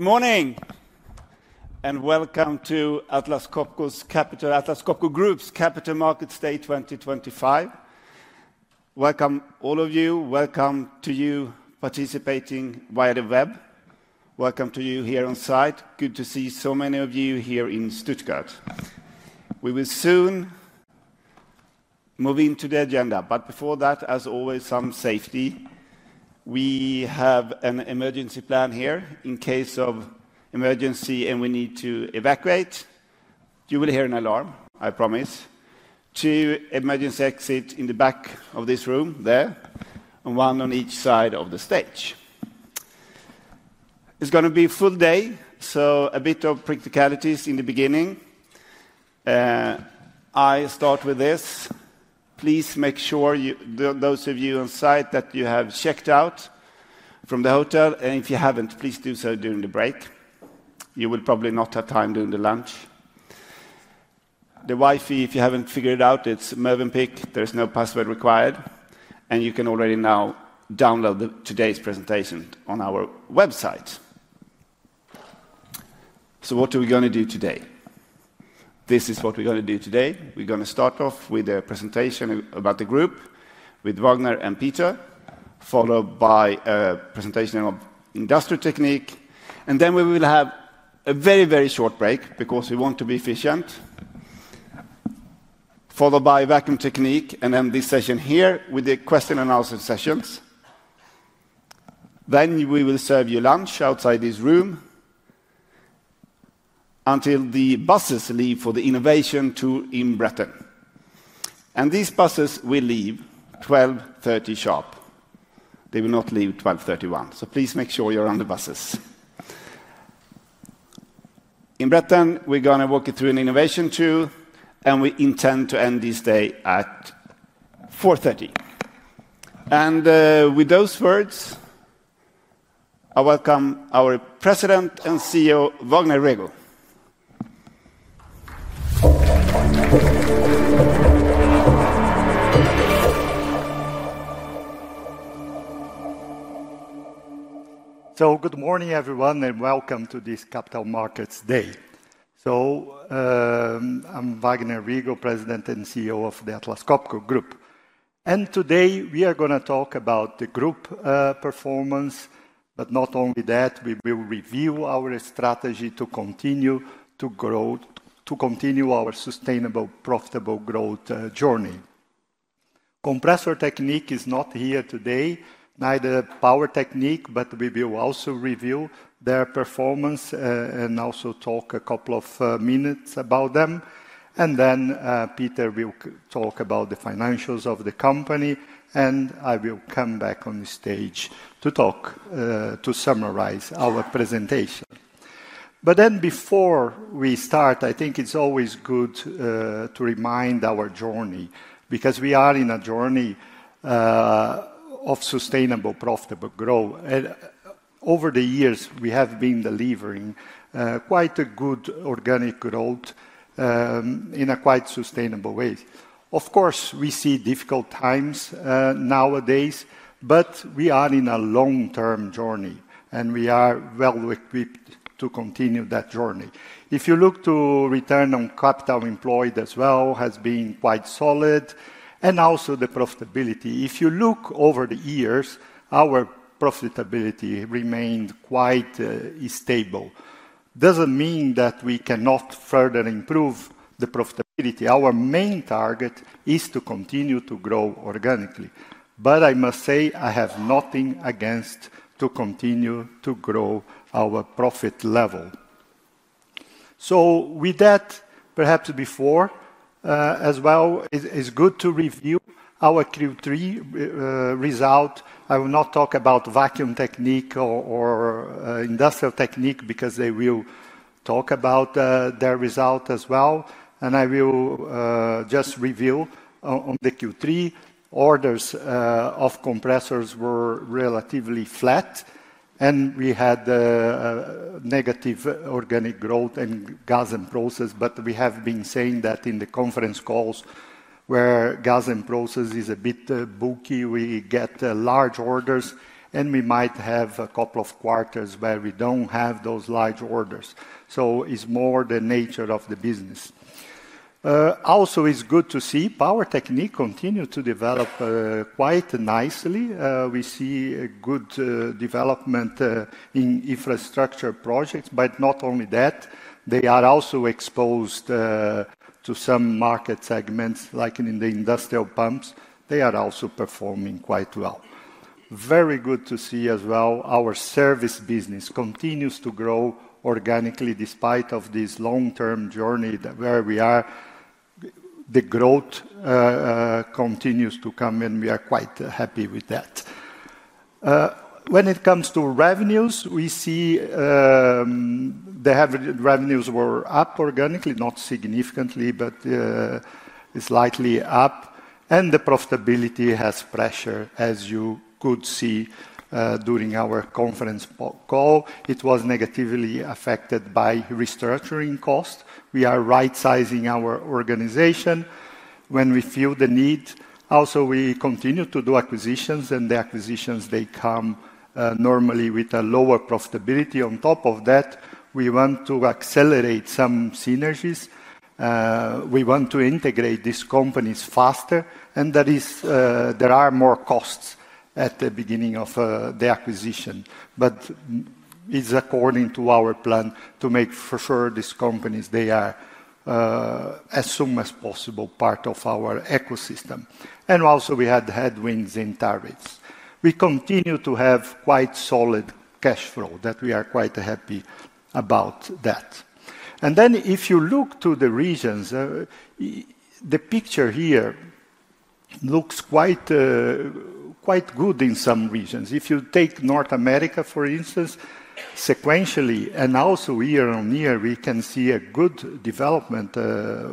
Morning and welcome to Atlas Copco Group's capital markets day 2025. Welcome all of you. Welcome to you participating via the web. Welcome to you here on site. Good to see so many of you here in Stuttgart. We will soon move into the agenda, but before that, as always, some safety. We have an emergency plan here in case of emergency and we need to evacuate. You will hear an alarm, I promise, two emergency exits in the back of this room there, one on each side of the stage. It's going to be a full day, so a bit of practicalities in the beginning. I start with this: please make sure those of you on site that you have checked out from the hotel, and if you haven't, please do so during the break. You will probably not have time during the lunch. The Wi-Fi, if you haven't figured it out, it's MervinPick. There is no password required, and you can already now download today's presentation on our website. What are we going to do today? This is what we're going to do today. We're going to start off with a presentation about the group with Vagner and Peter, followed by a presentation of industrial technique, and then we will have a very, very short break because we want to be efficient, followed by vacuum technique, and then this session here with the question and answer sessions. We will serve you lunch outside this room until the buses leave for the innovation tour in Bretten, and these buses will leave 12:30 sharp. They will not leave 12:31, so please make sure you're on the buses. In Bretten, we're going to walk you through an innovation tour, and we intend to end this day at 4:30. With those words, I welcome our President and CEO, Vagner Rego. Good morning, everyone, and welcome to this capital markets day. I'm Vagner Rego, President and CEO of the Atlas Copco Group, and today we are going to talk about the group performance, but not only that, we will review our strategy to continue to grow, to continue our sustainable, profitable growth journey. Compressor technique is not here today, neither power technique, but we will also review their performance and also talk a couple of minutes about them. Peter will talk about the financials of the company, and I will come back on the stage to summarize our presentation. Before we start, I think it's always good to remind our journey because we are in a journey of sustainable, profitable growth. Over the years, we have been delivering quite a good organic growth in a quite sustainable way. Of course, we see difficult times nowadays, but we are in a long-term journey, and we are well equipped to continue that journey. If you look to return on capital employed as well, it has been quite solid, and also the profitability. If you look over the years, our profitability remained quite stable. It doesn't mean that we cannot further improve the profitability. Our main target is to continue to grow organically, but I must say I have nothing against continuing to grow our profit level. Perhaps before as well, it's good to review our Q3 result. I will not talk about vacuum technique or industrial technique because they will talk about their result as well, and I will just review on the Q3 orders of compressors were relatively flat, and we had negative organic growth in gas and process, but we have been saying that in the conference calls where gas and process is a bit bulky, we get large orders, and we might have a couple of quarters where we don't have those large orders. It is more the nature of the business. Also, it is good to see power technique continue to develop quite nicely. We see good development in infrastructure projects, not only that, they are also exposed to some market segments like in the industrial pumps. They are also performing quite well. Very good to see as well our service business continues to grow organically despite this long-term journey where we are. The growth continues to come, and we are quite happy with that. When it comes to revenues, we see the revenues were up organically, not significantly, but slightly up, and the profitability has pressure, as you could see during our conference call. It was negatively affected by restructuring costs. We are right-sizing our organization when we feel the need. Also, we continue to do acquisitions, and the acquisitions, they come normally with a lower profitability. On top of that, we want to accelerate some synergies. We want to integrate these companies faster, and there are more costs at the beginning of the acquisition, but it's according to our plan to make for sure these companies, they are as soon as possible part of our ecosystem. Also, we had headwinds in tariffs. We continue to have quite solid cash flow that we are quite happy about that. If you look to the regions, the picture here looks quite good in some regions. If you take North America, for instance, sequentially, and also year on year, we can see a good development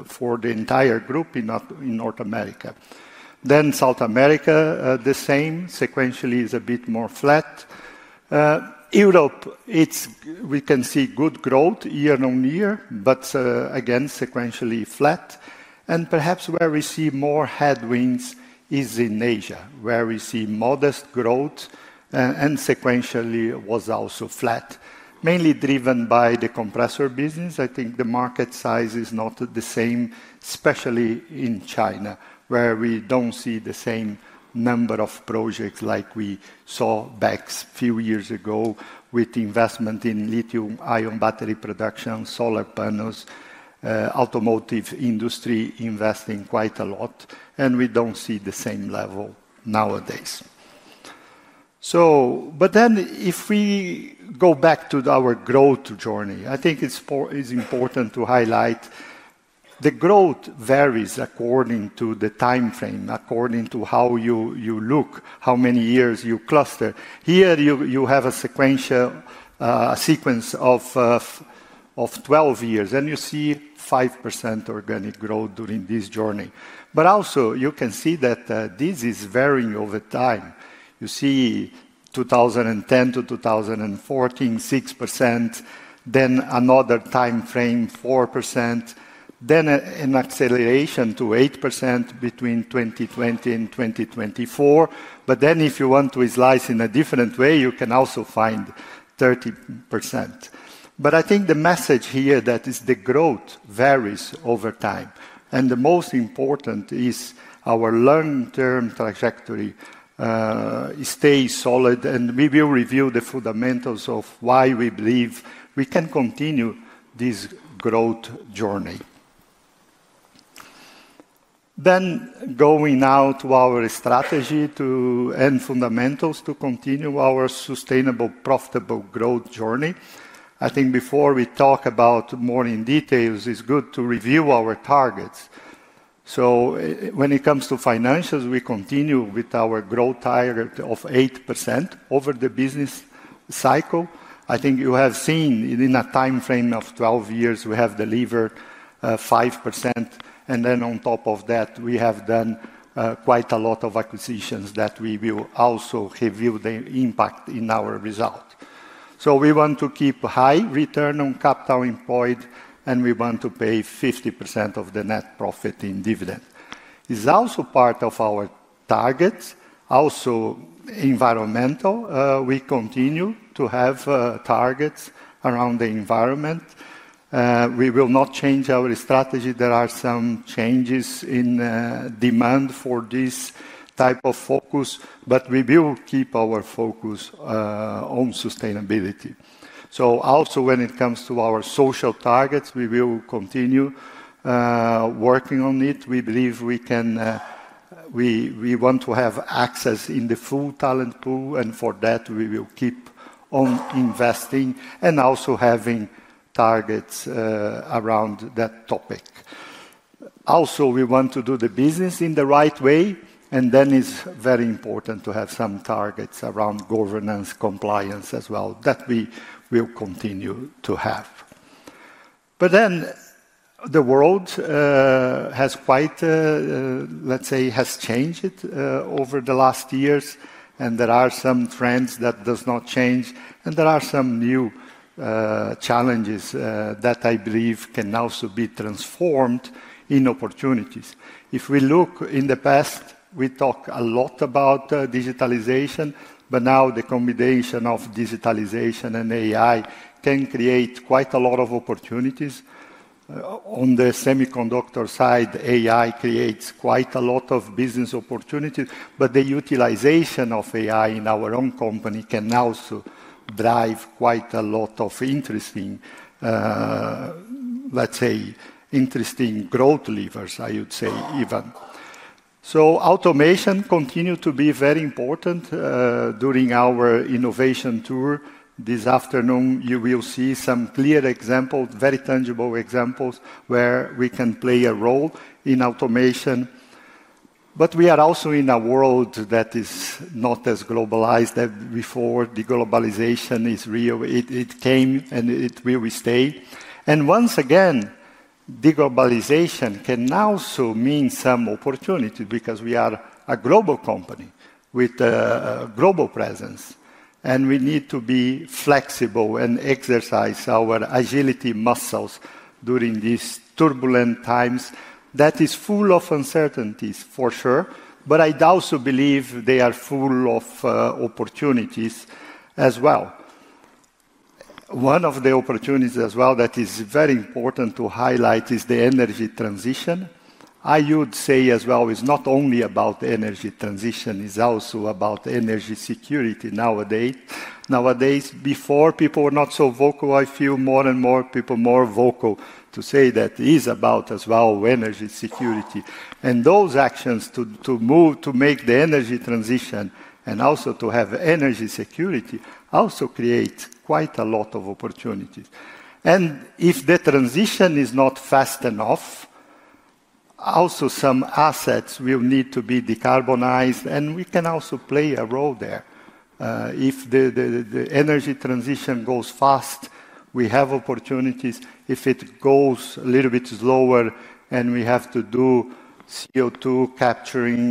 for the entire group in North America. South America, the same sequentially is a bit more flat. Europe, we can see good growth year on year, but again, sequentially flat. Perhaps where we see more headwinds is in Asia, where we see modest growth and sequentially was also flat, mainly driven by the compressor business. I think the market size is not the same, especially in China, where we do not see the same number of projects like we saw back a few years ago with investment in lithium-ion battery production, solar panels, automotive industry investing quite a lot, and we do not see the same level nowadays. If we go back to our growth journey, I think it's important to highlight the growth varies according to the time frame, according to how you look, how many years you cluster. Here you have a sequential sequence of 12 years, and you see 5% organic growth during this journey. You can also see that this is varying over time. You see 2010-2014, 6%, then another time frame, 4%, then an acceleration to 8% between 2020 and 2024. If you want to slice in a different way, you can also find 30%. I think the message here is that the growth varies over time, and the most important is our long-term trajectory stays solid, and we will review the fundamentals of why we believe we can continue this growth journey. Going now to our strategy and fundamentals to continue our sustainable, profitable growth journey. I think before we talk about more in detail, it's good to review our targets. When it comes to financials, we continue with our growth target of 8% over the business cycle. I think you have seen in a time frame of 12 years, we have delivered 5%, and then on top of that, we have done quite a lot of acquisitions that we will also review the impact in our result. We want to keep high return on capital employed, and we want to pay 50% of the net profit in dividend. It's also part of our targets. Also environmental, we continue to have targets around the environment. We will not change our strategy. There are some changes in demand for this type of focus, but we will keep our focus on sustainability. Also, when it comes to our social targets, we will continue working on it. We believe we want to have access in the full talent pool, and for that, we will keep on investing and also having targets around that topic. Also, we want to do the business in the right way, and then it's very important to have some targets around governance compliance as well that we will continue to have. The world has quite, let's say, has changed over the last years, and there are some trends that do not change, and there are some new challenges that I believe can also be transformed in opportunities. If we look in the past, we talked a lot about digitalization, but now the combination of digitalization and AI can create quite a lot of opportunities. On the semiconductor side, AI creates quite a lot of business opportunities, but the utilization of AI in our own company can also drive quite a lot of interesting, let's say, interesting growth levers, I would say even. Automation continues to be very important. During our innovation tour this afternoon, you will see some clear examples, very tangible examples where we can play a role in automation, but we are also in a world that is not as globalized as before. The globalization is real. It came and it will stay. Once again, deglobalization can also mean some opportunity because we are a global company with a global presence, and we need to be flexible and exercise our agility muscles during these turbulent times. That is full of uncertainties for sure, but I also believe they are full of opportunities as well. One of the opportunities as well that is very important to highlight is the energy transition. I would say as well it's not only about energy transition, it's also about energy security nowadays. Nowadays, before people were not so vocal, I feel more and more people are more vocal to say that it is about as well energy security. Those actions to move to make the energy transition and also to have energy security also create quite a lot of opportunities. If the transition is not fast enough, also some assets will need to be decarbonized, and we can also play a role there. If the energy transition goes fast, we have opportunities. If it goes a little bit slower and we have to do CO2 capturing,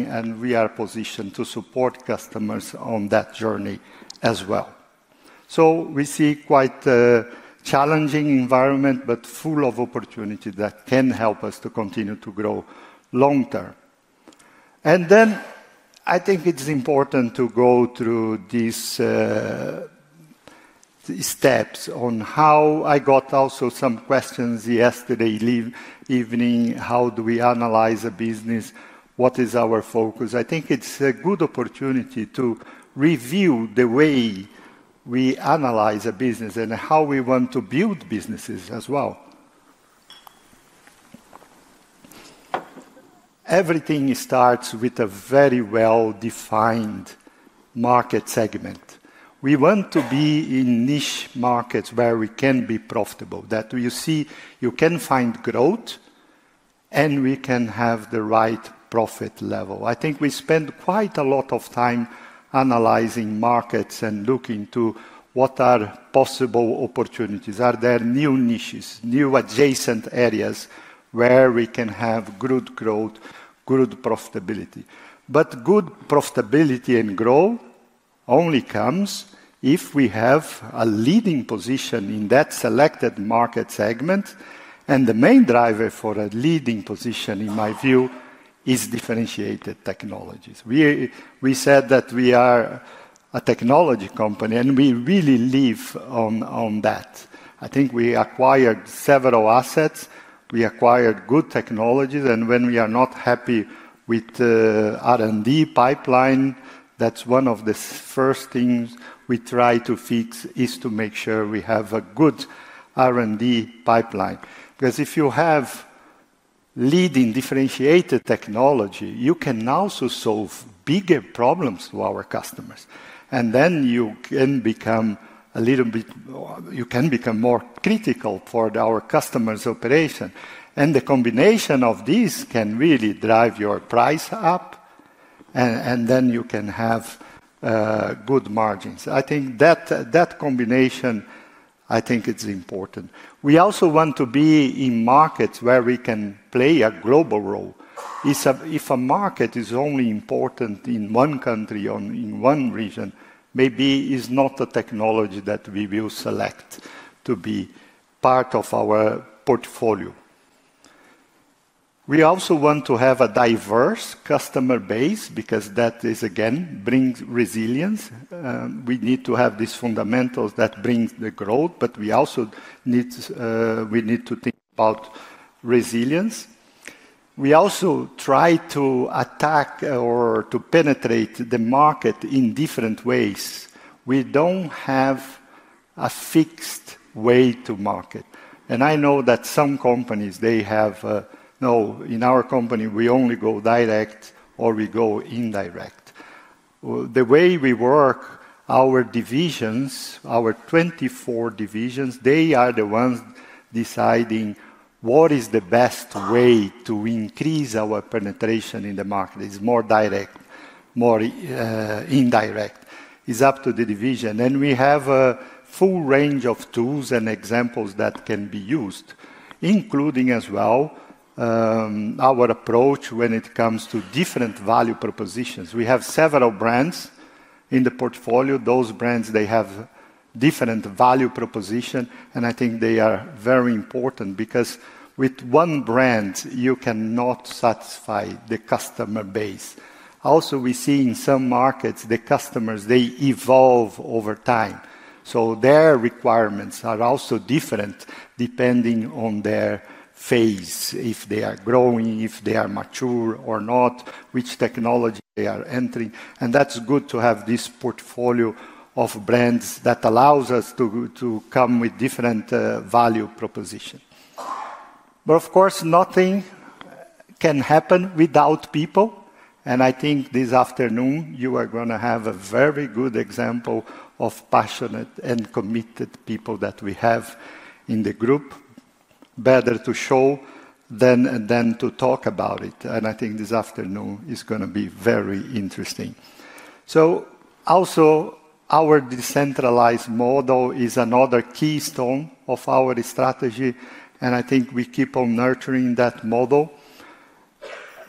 we are positioned to support customers on that journey as well. We see quite a challenging environment, but full of opportunities that can help us to continue to grow long-term. I think it is important to go through these steps on how I got also some questions yesterday evening. How do we analyze a business? What is our focus? I think it is a good opportunity to review the way we analyze a business and how we want to build businesses as well. Everything starts with a very well-defined market segment. We want to be in niche markets where we can be profitable, that you see you can find growth and we can have the right profit level. I think we spend quite a lot of time analyzing markets and looking to what are possible opportunities. Are there new niches, new adjacent areas where we can have good growth, good profitability? Good profitability and growth only comes if we have a leading position in that selected market segment. The main driver for a leading position, in my view, is differentiated technologies. We said that we are a technology company and we really live on that. I think we acquired several assets. We acquired good technologies, and when we are not happy with the R&D pipeline, that's one of the first things we try to fix is to make sure we have a good R&D pipeline. Because if you have leading differentiated technology, you can also solve bigger problems to our customers, and then you can become a little bit, you can become more critical for our customers' operation. The combination of these can really drive your price up, and then you can have good margins. I think that combination, I think it's important. We also want to be in markets where we can play a global role. If a market is only important in one country or in one region, maybe it's not the technology that we will select to be part of our portfolio. We also want to have a diverse customer base because that is, again, brings resilience. We need to have these fundamentals that bring the growth, but we also need to think about resilience. We also try to attack or to penetrate the market in different ways. We do not have a fixed way to market. I know that some companies, they have, no, in our company, we only go direct or we go indirect. The way we work, our divisions, our 24 divisions, they are the ones deciding what is the best way to increase our penetration in the market. It is more direct, more indirect. It is up to the division. We have a full range of tools and examples that can be used, including as well our approach when it comes to different value propositions. We have several brands in the portfolio. Those brands, they have different value proposition, and I think they are very important because with one brand, you cannot satisfy the customer base. Also, we see in some markets, the customers, they evolve over time. Their requirements are also different depending on their phase, if they are growing, if they are mature or not, which technology they are entering. That is good to have this portfolio of brands that allows us to come with different value proposition. Of course, nothing can happen without people. I think this afternoon, you are going to have a very good example of passionate and committed people that we have in the group. Better to show than to talk about it. I think this afternoon is going to be very interesting. Also, our decentralized model is another keystone of our strategy, and I think we keep on nurturing that model.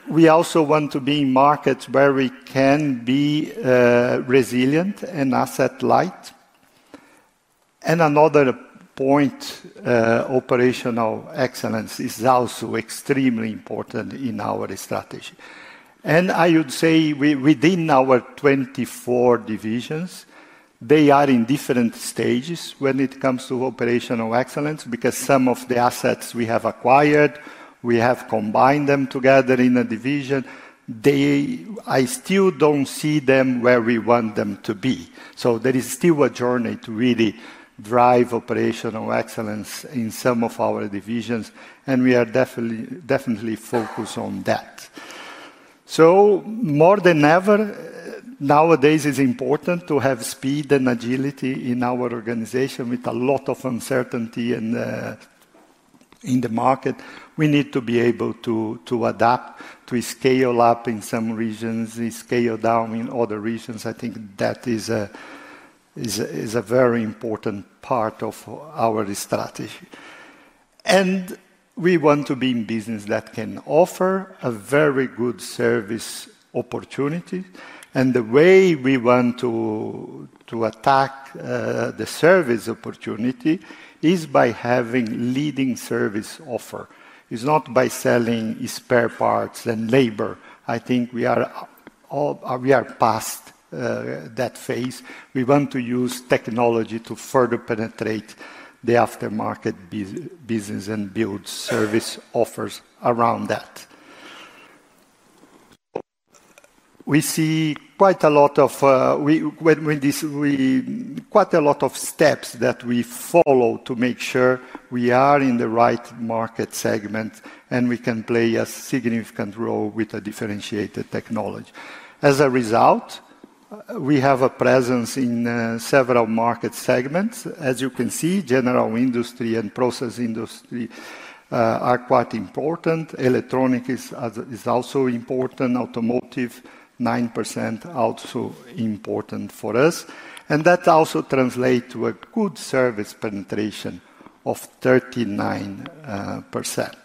We also want to be in markets where we can be resilient and asset light. Another point, operational excellence is also extremely important in our strategy. Within our 24 divisions, they are in different stages when it comes to operational excellence because some of the assets we have acquired, we have combined them together in a division. I still do not see them where we want them to be. There is still a journey to really drive operational excellence in some of our divisions, and we are definitely focused on that. More than ever, nowadays it is important to have speed and agility in our organization with a lot of uncertainty in the market. We need to be able to adapt, to scale up in some regions, scale down in other regions. I think that is a very important part of our strategy. We want to be in business that can offer a very good service opportunity. The way we want to attack the service opportunity is by having leading service offer. It's not by selling spare parts and labor. I think we are past that phase. We want to use technology to further penetrate the aftermarket business and build service offers around that. We see quite a lot of, quite a lot of steps that we follow to make sure we are in the right market segment and we can play a significant role with a differentiated technology. As a result, we have a presence in several market segments. As you can see, general industry and process industry are quite important. Electronics is also important. Automotive, 9% also important for us. That also translates to a good service penetration of 39%.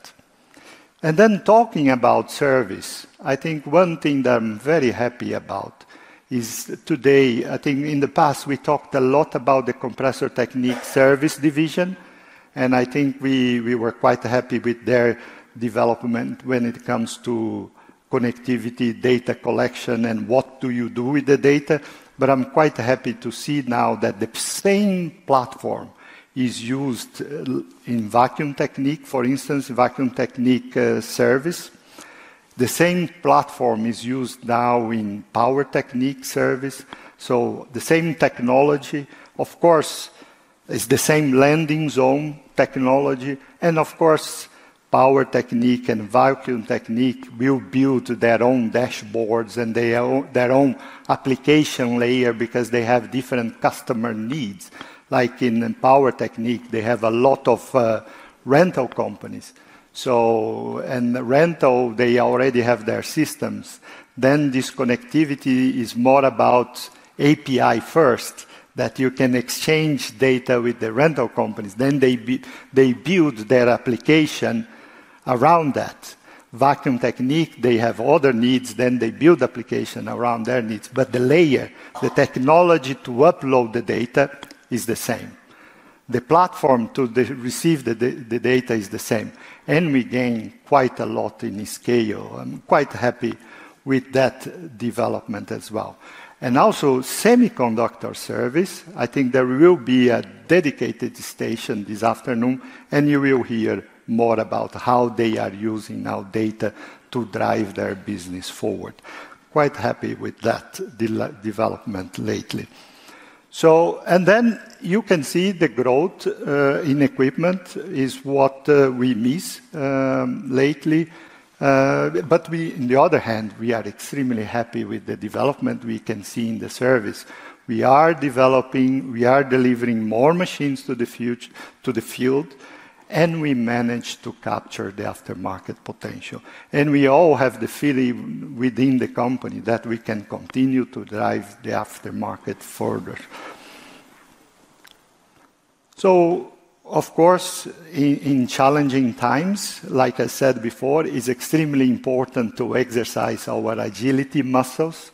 Talking about service, I think one thing that I'm very happy about is today, I think in the past, we talked a lot about the compressor technique service division, and I think we were quite happy with their development when it comes to connectivity, data collection, and what do you do with the data. I'm quite happy to see now that the same platform is used in vacuum technique, for instance, vacuum technique service. The same platform is used now in power technique service. The same technology, of course, is the same landing zone technology. Of course, power technique and vacuum technique will build their own dashboards and their own application layer because they have different customer needs. Like in power technique, they have a lot of rental companies. Rental, they already have their systems. This connectivity is more about API first, that you can exchange data with the rental companies. They build their application around that. Vacuum technique, they have other needs. They build application around their needs. The layer, the technology to upload the data is the same. The platform to receive the data is the same. We gain quite a lot in scale. I'm quite happy with that development as well. Also, semiconductor service, I think there will be a dedicated station this afternoon, and you will hear more about how they are using now data to drive their business forward. Quite happy with that development lately. You can see the growth in equipment is what we miss lately. On the other hand, we are extremely happy with the development we can see in the service. We are developing, we are delivering more machines to the field, and we manage to capture the aftermarket potential. We all have the feeling within the company that we can continue to drive the aftermarket further. Of course, in challenging times, like I said before, it's extremely important to exercise our agility muscles.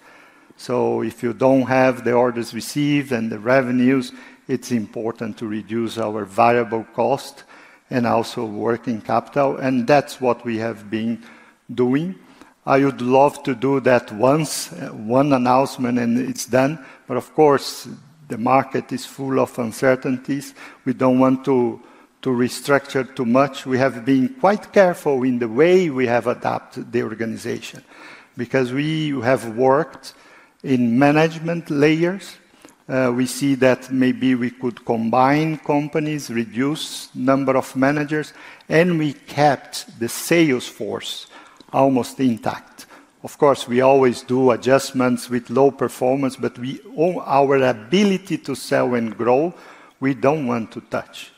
If you don't have the orders received and the revenues, it's important to reduce our variable cost and also working capital. That's what we have been doing. I would love to do that once, one announcement, and it's done. Of course, the market is full of uncertainties. We don't want to restructure too much. We have been quite careful in the way we have adapted the organization because we have worked in management layers. We see that maybe we could combine companies, reduce the number of managers, and we kept the sales force almost intact. Of course, we always do adjustments with low performance, but our ability to sell and grow, we don't want to touch.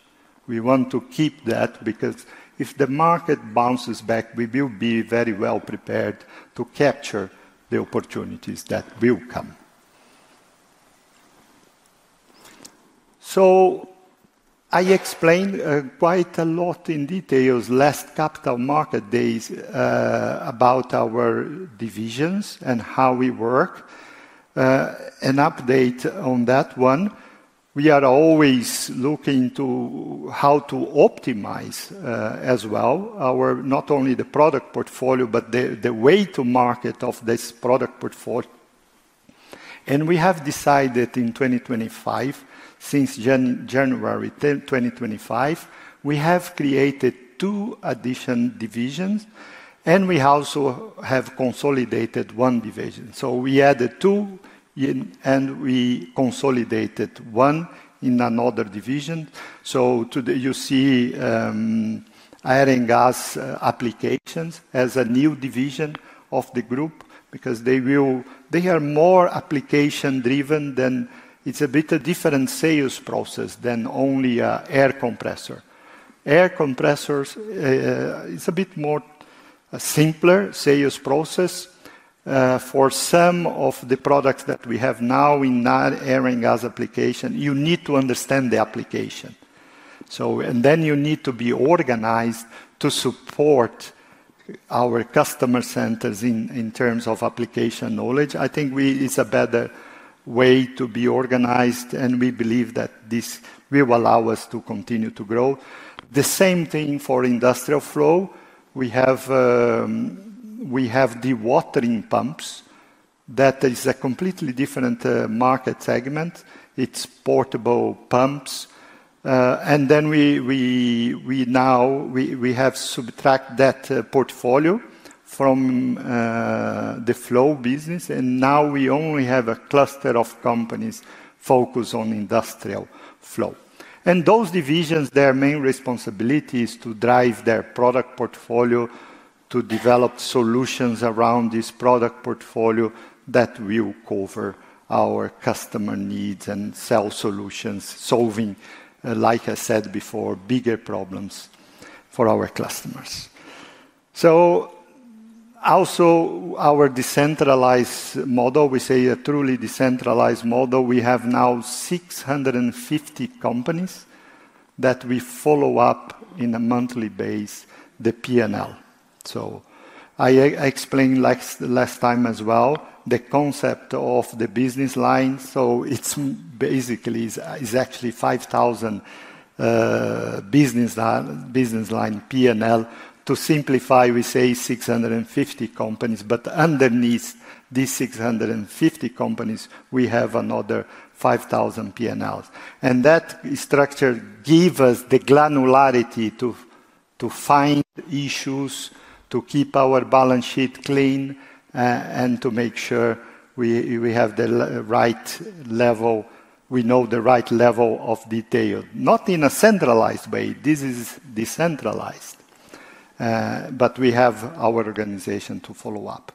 We want to keep that because if the market bounces back, we will be very well prepared to capture the opportunities that will come. I explained quite a lot in detail last Capital Market Days about our divisions and how we work. An update on that one, we are always looking to how to optimize as well, not only the product portfolio, but the way to market of this product portfolio. We have decided in 2025, since January 2025, we have created two additional divisions, and we also have consolidated one division. We added two, and we consolidated one in another division. You see air and gas applications as a new division of the group because they are more application-driven than it's a bit of different sales process than only air compressor. Air compressors, it's a bit more simpler sales process. For some of the products that we have now in air and gas application, you need to understand the application. You need to be organized to support our customer centers in terms of application knowledge. I think it's a better way to be organized, and we believe that this will allow us to continue to grow. The same thing for industrial flow. We have dewatering pumps. That is a completely different market segment. It's portable pumps. We now have subtracted that portfolio from the flow business, and now we only have a cluster of companies focused on industrial flow. Those divisions, their main responsibility is to drive their product portfolio, to develop solutions around this product portfolio that will cover our customer needs and sell solutions, solving, like I said before, bigger problems for our customers. Also our decentralized model, we say a truly decentralized model. We have now 650 companies that we follow up on a monthly basis, the P&L. I explained last time as well the concept of the business line. It's basically actually 5,000 business line, P&L. To simplify, we say 650 companies, but underneath these 650 companies, we have another 5,000 P&Ls. That structure gives us the granularity to find issues, to keep our balance sheet clean, and to make sure we have the right level, we know the right level of detail. Not in a centralized way. This is decentralized, but we have our organization to follow up.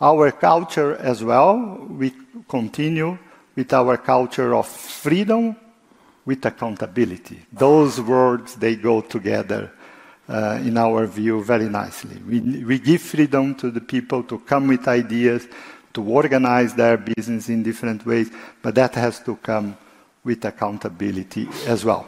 Our culture as well, we continue with our culture of freedom with accountability. Those words, they go together in our view very nicely. We give freedom to the people to come with ideas, to organize their business in different ways, but that has to come with accountability as well.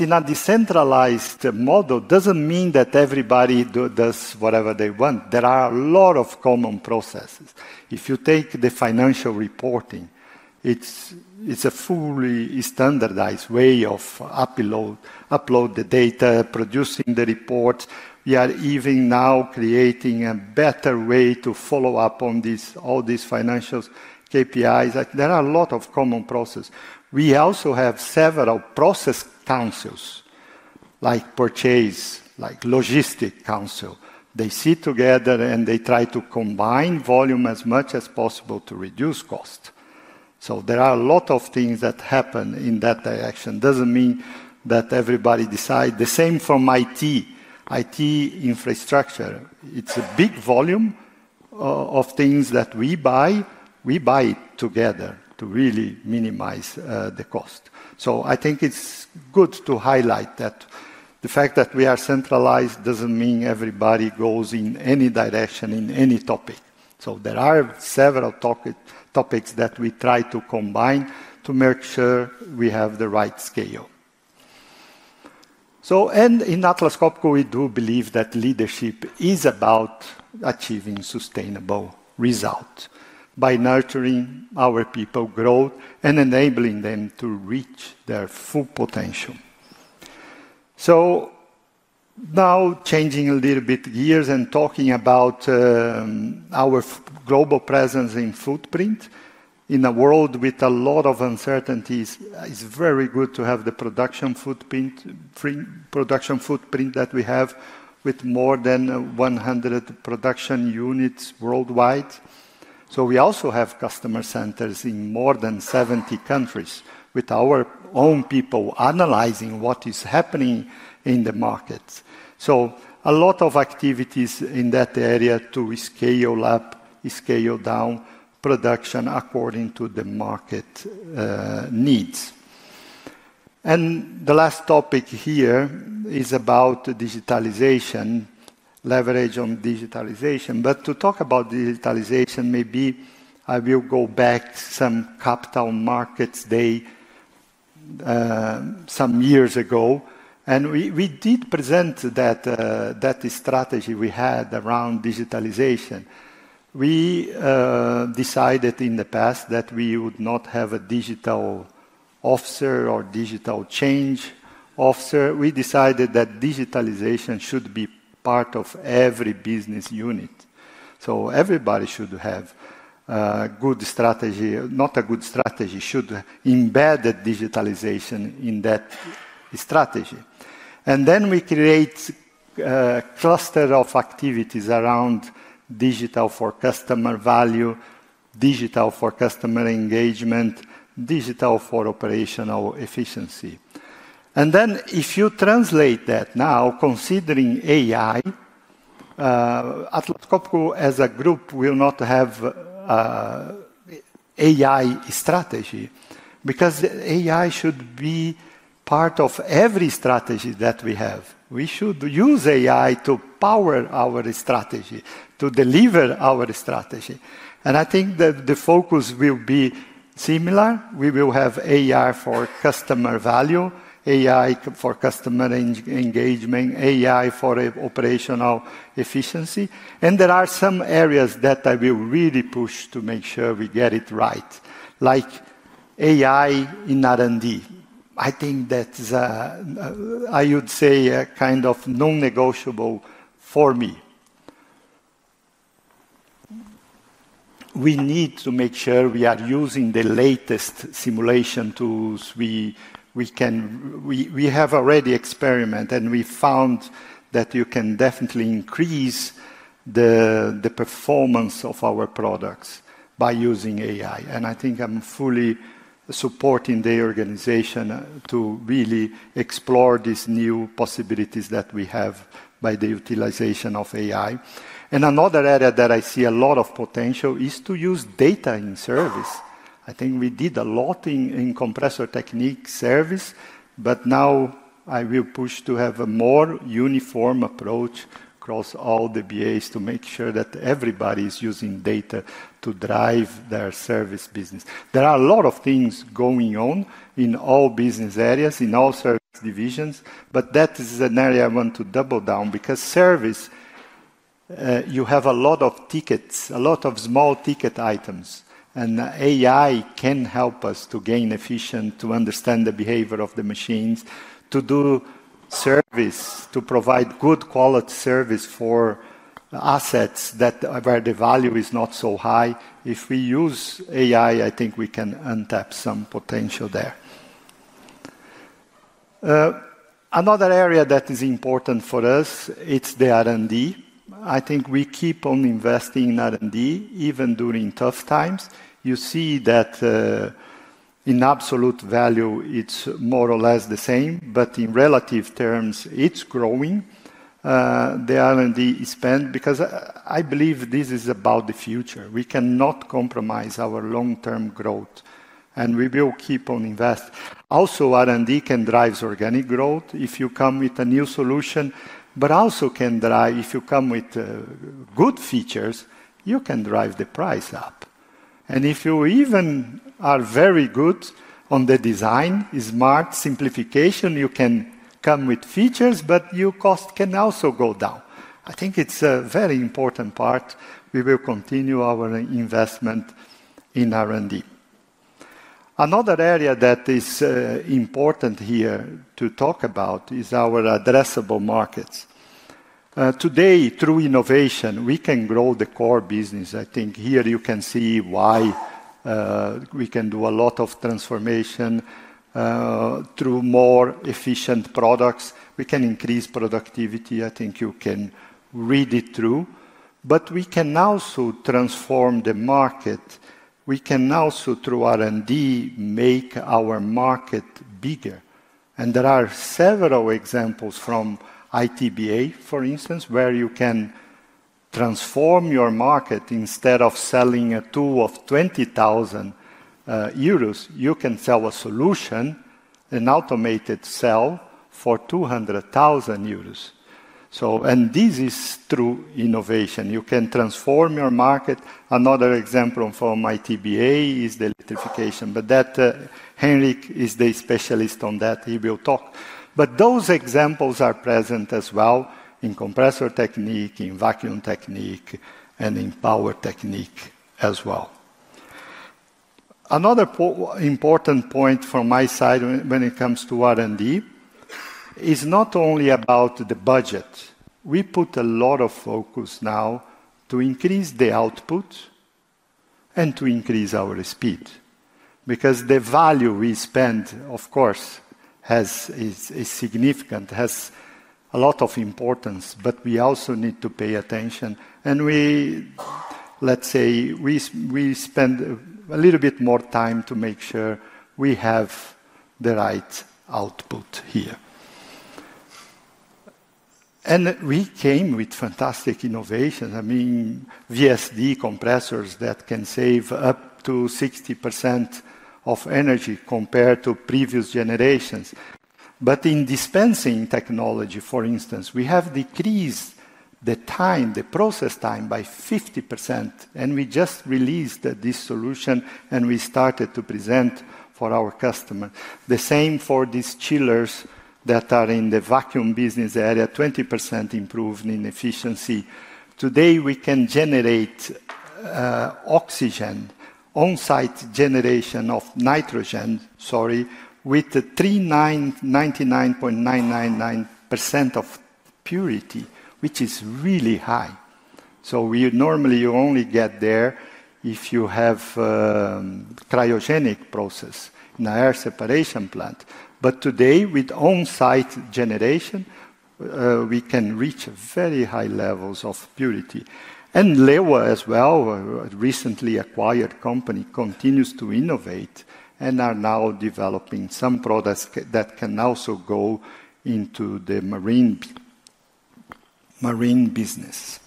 In a decentralized model, it does not mean that everybody does whatever they want. There are a lot of common processes. If you take the financial reporting, it is a fully standardized way of uploading the data, producing the reports. We are even now creating a better way to follow up on all these financial KPIs. There are a lot of common processes. We also have several process councils, like purchase, like logistic council. They sit together and they try to combine volume as much as possible to reduce costs. There are a lot of things that happen in that direction. It doesn't mean that everybody decides. The same from IT. IT infrastructure, it's a big volume of things that we buy. We buy it together to really minimize the cost. I think it's good to highlight that the fact that we are centralized doesn't mean everybody goes in any direction in any topic. There are several topics that we try to combine to make sure we have the right scale. In Atlas Copco, we do believe that leadership is about achieving sustainable results by nurturing our people, growth, and enabling them to reach their full potential. Now changing a little bit gears and talking about our global presence and footprint in a world with a lot of uncertainties, it's very good to have the production footprint that we have with more than 100 production units worldwide. We also have customer centers in more than 70 countries with our own people analyzing what is happening in the markets. A lot of activities in that area to scale up, scale down production according to the market needs. The last topic here is about digitalization, leverage on digitalization. To talk about digitalization, maybe I will go back some Capital Markets Day some years ago. We did present that strategy we had around digitalization. We decided in the past that we would not have a digital officer or digital change officer. We decided that digitalization should be part of every business unit. Everybody should have a good strategy, not a good strategy, should embed digitalization in that strategy. Then we create a cluster of activities around digital for customer value, digital for customer engagement, digital for operational efficiency. If you translate that now, considering AI, Atlas Copco as a group will not have AI strategy because AI should be part of every strategy that we have. We should use AI to power our strategy, to deliver our strategy. I think that the focus will be similar. We will have AI for customer value, AI for customer engagement, AI for operational efficiency. There are some areas that I will really push to make sure we get it right, like AI in R&D. I think that's, I would say, a kind of non-negotiable for me. We need to make sure we are using the latest simulation tools. We have already experimented and we found that you can definitely increase the performance of our products by using AI. I think I'm fully supporting the organization to really explore these new possibilities that we have by the utilization of AI. Another area that I see a lot of potential is to use data in service. I think we did a lot in compressor technique service, but now I will push to have a more uniform approach across all the BAs to make sure that everybody is using data to drive their service business. There are a lot of things going on in all business areas, in all service divisions, but that is an area I want to double down because service, you have a lot of tickets, a lot of small ticket items, and AI can help us to gain efficiency, to understand the behavior of the machines, to do service, to provide good quality service for assets where the value is not so high. If we use AI, I think we can untap some potential there. Another area that is important for us, it's the R&D. I think we keep on investing in R&D even during tough times. You see that in absolute value, it's more or less the same, but in relative terms, it's growing. The R&D is spent because I believe this is about the future. We cannot compromise our long-term growth, and we will keep on investing. Also, R&D can drive organic growth if you come with a new solution, but also can drive if you come with good features, you can drive the price up. If you even are very good on the design, smart simplification, you can come with features, but your cost can also go down. I think it's a very important part. We will continue our investment in R&D. Another area that is important here to talk about is our addressable markets. Today, through innovation, we can grow the core business. I think here you can see why we can do a lot of transformation through more efficient products. We can increase productivity. I think you can read it through. We can also transform the market. We can also, through R&D, make our market bigger. There are several examples from ITBA, for instance, where you can transform your market. Instead of selling a tool of 20,000 euros, you can sell a solution, an automated cell for 200,000 euros. This is through innovation. You can transform your market. Another example from ITBA is the electrification, but Henrik is the specialist on that. He will talk. Those examples are present as well in compressor technique, in vacuum technique, and in power technique as well. Another important point from my side when it comes to R&D is not only about the budget. We put a lot of focus now to increase the output and to increase our speed because the value we spend, of course, is significant, has a lot of importance, but we also need to pay attention. We spend a little bit more time to make sure we have the right output here. We came with fantastic innovations. I mean, VSD compressors that can save up to 60% of energy compared to previous generations. In dispensing technology, for instance, we have decreased the process time by 50%, and we just released this solution and we started to present for our customers. The same for these chillers that are in the vacuum business area, 20% improved in efficiency. Today, we can generate oxygen on-site generation of nitrogen, sorry, with 99.999% of purity, which is really high. Normally, you only get there if you have a cryogenic process in an air separation plant. Today, with on-site generation, we can reach very high levels of purity. Leybold as well, a recently acquired company, continues to innovate and are now developing some products that can also go into the marine business.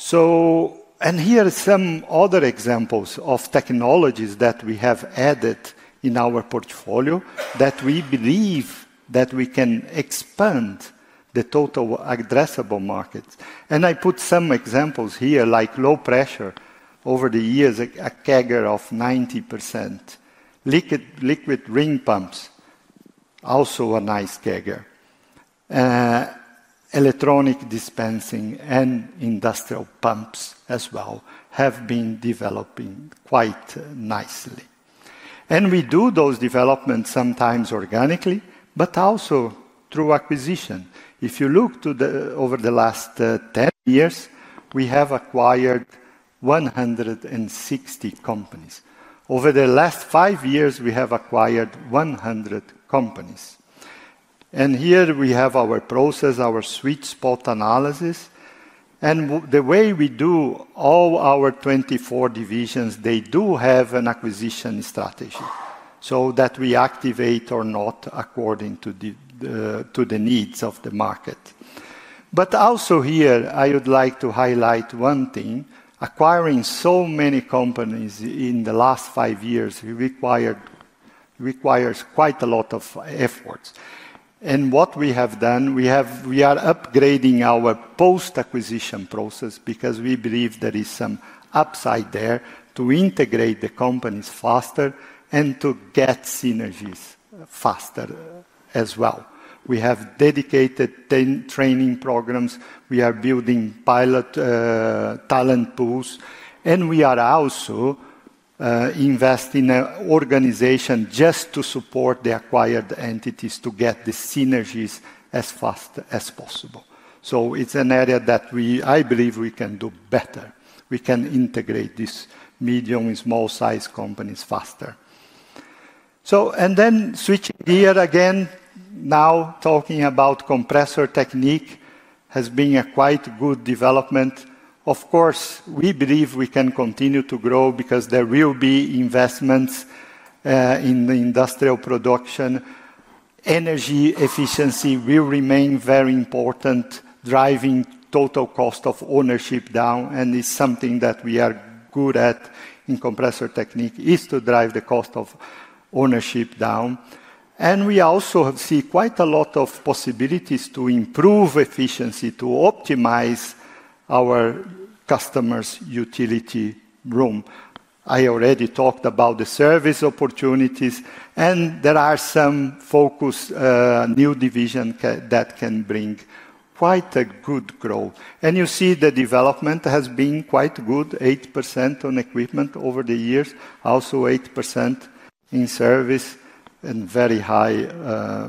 Here are some other examples of technologies that we have added in our portfolio that we believe that we can expand the total addressable markets. I put some examples here, like low pressure over the years, a CAGR of 9%, liquid ring pumps, also a nice CAGR, electronic dispensing, and industrial pumps as well have been developing quite nicely. We do those developments sometimes organically, but also through acquisition. If you look over the last 10 years, we have acquired 160 companies. Over the last five years, we have acquired 100 companies. Here we have our process, our sweet spot analysis. The way we do all our 24 divisions, they do have an acquisition strategy so that we activate or not according to the needs of the market. Also here, I would like to highlight one thing. Acquiring so many companies in the last five years requires quite a lot of efforts. What we have done, we are upgrading our post-acquisition process because we believe there is some upside there to integrate the companies faster and to get synergies faster as well. We have dedicated training programs. We are building pilot talent pools, and we are also investing in an organization just to support the acquired entities to get the synergies as fast as possible. It's an area that I believe we can do better. We can integrate these medium and small-sized companies faster. Switching gear again, now talking about compressor technique, it has been a quite good development. Of course, we believe we can continue to grow because there will be investments in industrial production. Energy efficiency will remain very important, driving total cost of ownership down, and it's something that we are good at in compressor technique, is to drive the cost of ownership down. We also see quite a lot of possibilities to improve efficiency, to optimize our customers' utility room. I already talked about the service opportunities, and there are some focused new divisions that can bring quite a good growth. You see the development has been quite good, 8% on equipment over the years, also 8% in service and very high,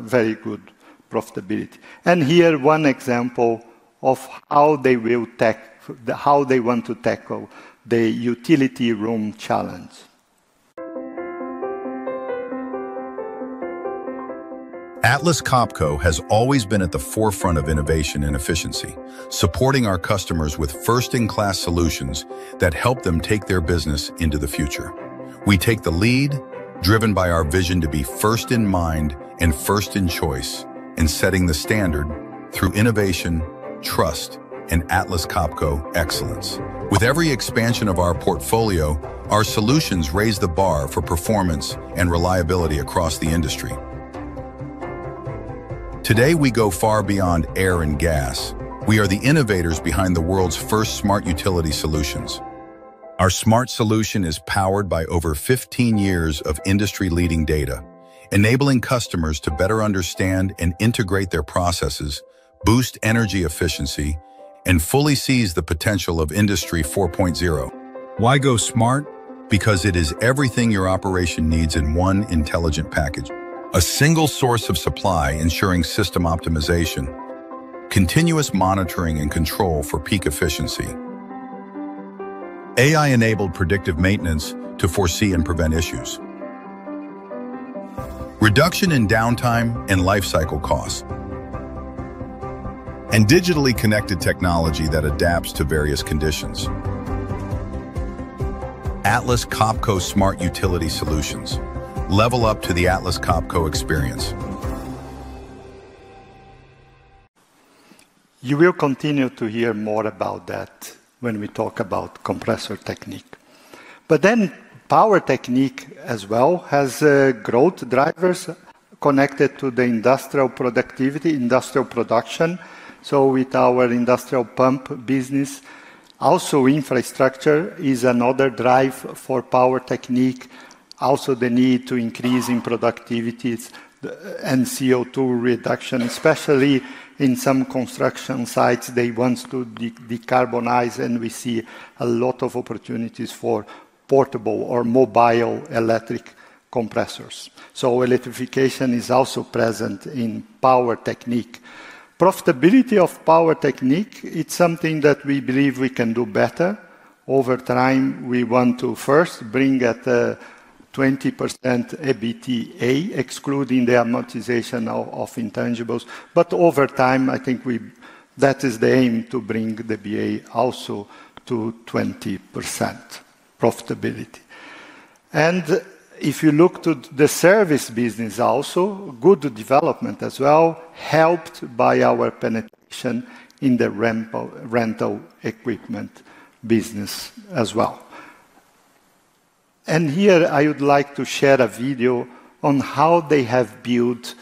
very good profitability. Here's one example of how they will tackle, how they want to tackle the utility room challenge. Atlas Copco has always been at the forefront of innovation and efficiency, supporting our customers with first-in-class solutions that help them take their business into the future. We take the lead, driven by our vision to be first in mind and first in choice and setting the standard through innovation, trust, and Atlas Copco excellence. With every expansion of our portfolio, our solutions raise the bar for performance and reliability across the industry. Today, we go far beyond air and gas. We are the innovators behind the world's first smart utility solutions. Our smart solution is powered by over 15 years of industry-leading data, enabling customers to better understand and integrate their processes, boost energy efficiency, and fully seize the potential of Industry 4.0. Why go smart? Because it is everything your operation needs in one intelligent package. A single source of supply ensuring system optimization, continuous monitoring and control for peak efficiency. AI-enabled predictive maintenance to foresee and prevent issues. Reduction in downtime and lifecycle costs. Digitally connected technology that adapts to various conditions. Atlas Copco Smart Utility Solutions. Level up to the Atlas Copco experience. You will continue to hear more about that when we talk about compressor technique. Power technique as well has growth drivers connected to the industrial productivity, industrial production. With our industrial pump business, also infrastructure is another drive for power technique. The need to increase in productivity and CO2 reduction, especially in some construction sites. They want to decarbonize, and we see a lot of opportunities for portable or mobile electric compressors. Electrification is also present in power technique. Profitability of power technique, it's something that we believe we can do better over time. We want to first bring at 20% EBITDA, excluding the amortization of intangibles. Over time, I think that is the aim to bring the BA also to 20% profitability. If you look to the service business, also good development as well helped by our penetration in the rental equipment business as well. Here I would like to share a video on how they have built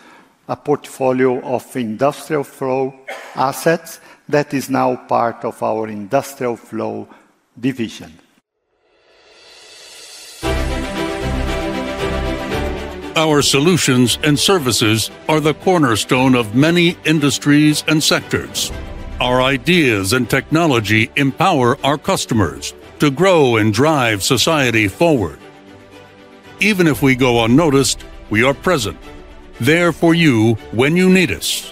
a portfolio of industrial flow assets that is now part of our industrial flow division. Our solutions and services are the cornerstone of many industries and sectors. Our ideas and technology empower our customers to grow and drive society forward. Even if we go unnoticed, we are present there for you when you need us.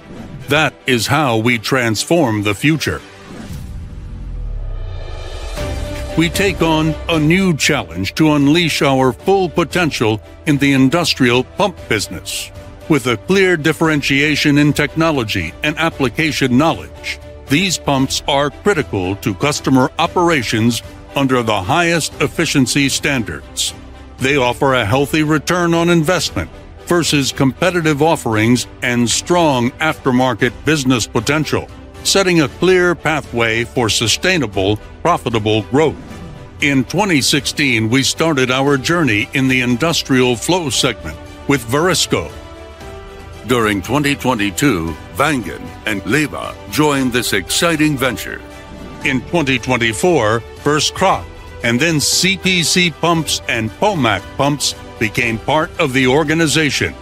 That is how we transform the future. We take on a new challenge to unleash our full potential in the industrial pump business. With a clear differentiation in technology and application knowledge, these pumps are critical to customer operations under the highest efficiency standards. They offer a healthy return on investment versus competitive offerings and strong aftermarket business potential, setting a clear pathway for sustainable, profitable growth. In 2016, we started our journey in the industrial flow segment with Verisco. During 2022, Wangen and Leybold joined this exciting venture. In 2024, First Crop and then CPC Pumps and Pomac Pumps became part of the organization.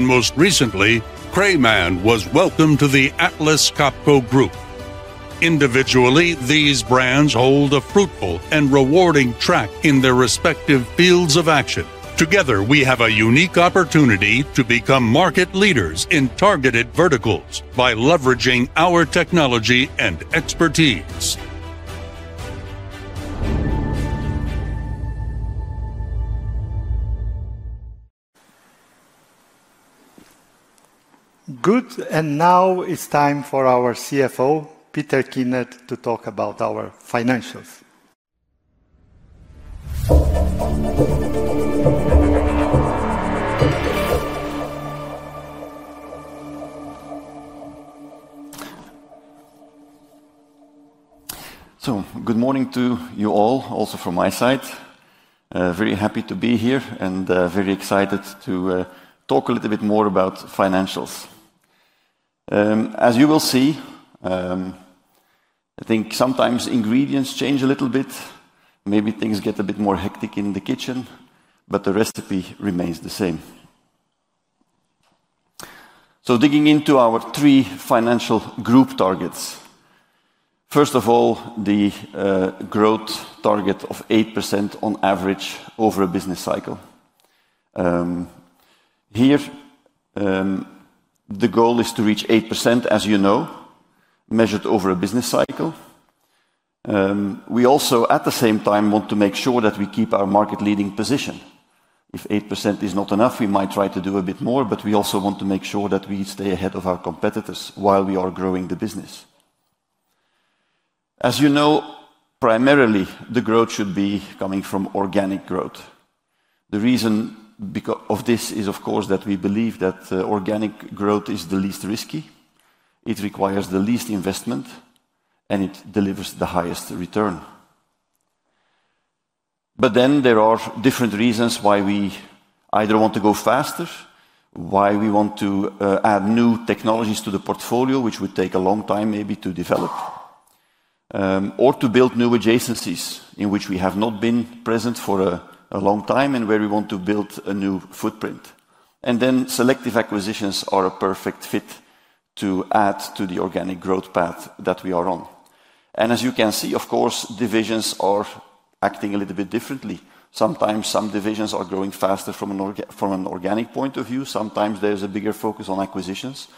Most recently, Kremann was welcomed to the Atlas Copco Group. Individually, these brands hold a fruitful and rewarding track in their respective fields of action. Together, we have a unique opportunity to become market leaders in targeted verticals by leveraging our technology and expertise. Good, now it's time for our CFO, Peter Kinnart, to talk about our financials. Good morning to you all, also from my side. Very happy to be here and very excited to talk a little bit more about financials. As you will see, I think sometimes ingredients change a little bit. Maybe things get a bit more hectic in the kitchen, but the recipe remains the same. Digging into our three financial group targets. First of all, the growth target of 8% on average over a business cycle. Here, the goal is to reach 8%, as you know, measured over a business cycle. We also, at the same time, want to make sure that we keep our market-leading position. If 8% is not enough, we might try to do a bit more, but we also want to make sure that we stay ahead of our competitors while we are growing the business. As you know, primarily, the growth should be coming from organic growth. The reason of this is, of course, that we believe that organic growth is the least risky. It requires the least investment, and it delivers the highest return. There are different reasons why we either want to go faster, why we want to add new technologies to the portfolio, which would take a long time maybe to develop, or to build new adjacencies in which we have not been present for a long time and where we want to build a new footprint. Selective acquisitions are a perfect fit to add to the organic growth path that we are on. As you can see, of course, divisions are acting a little bit differently. Sometimes some divisions are growing faster from an organic point of view. Sometimes there's a bigger focus on acquisitions.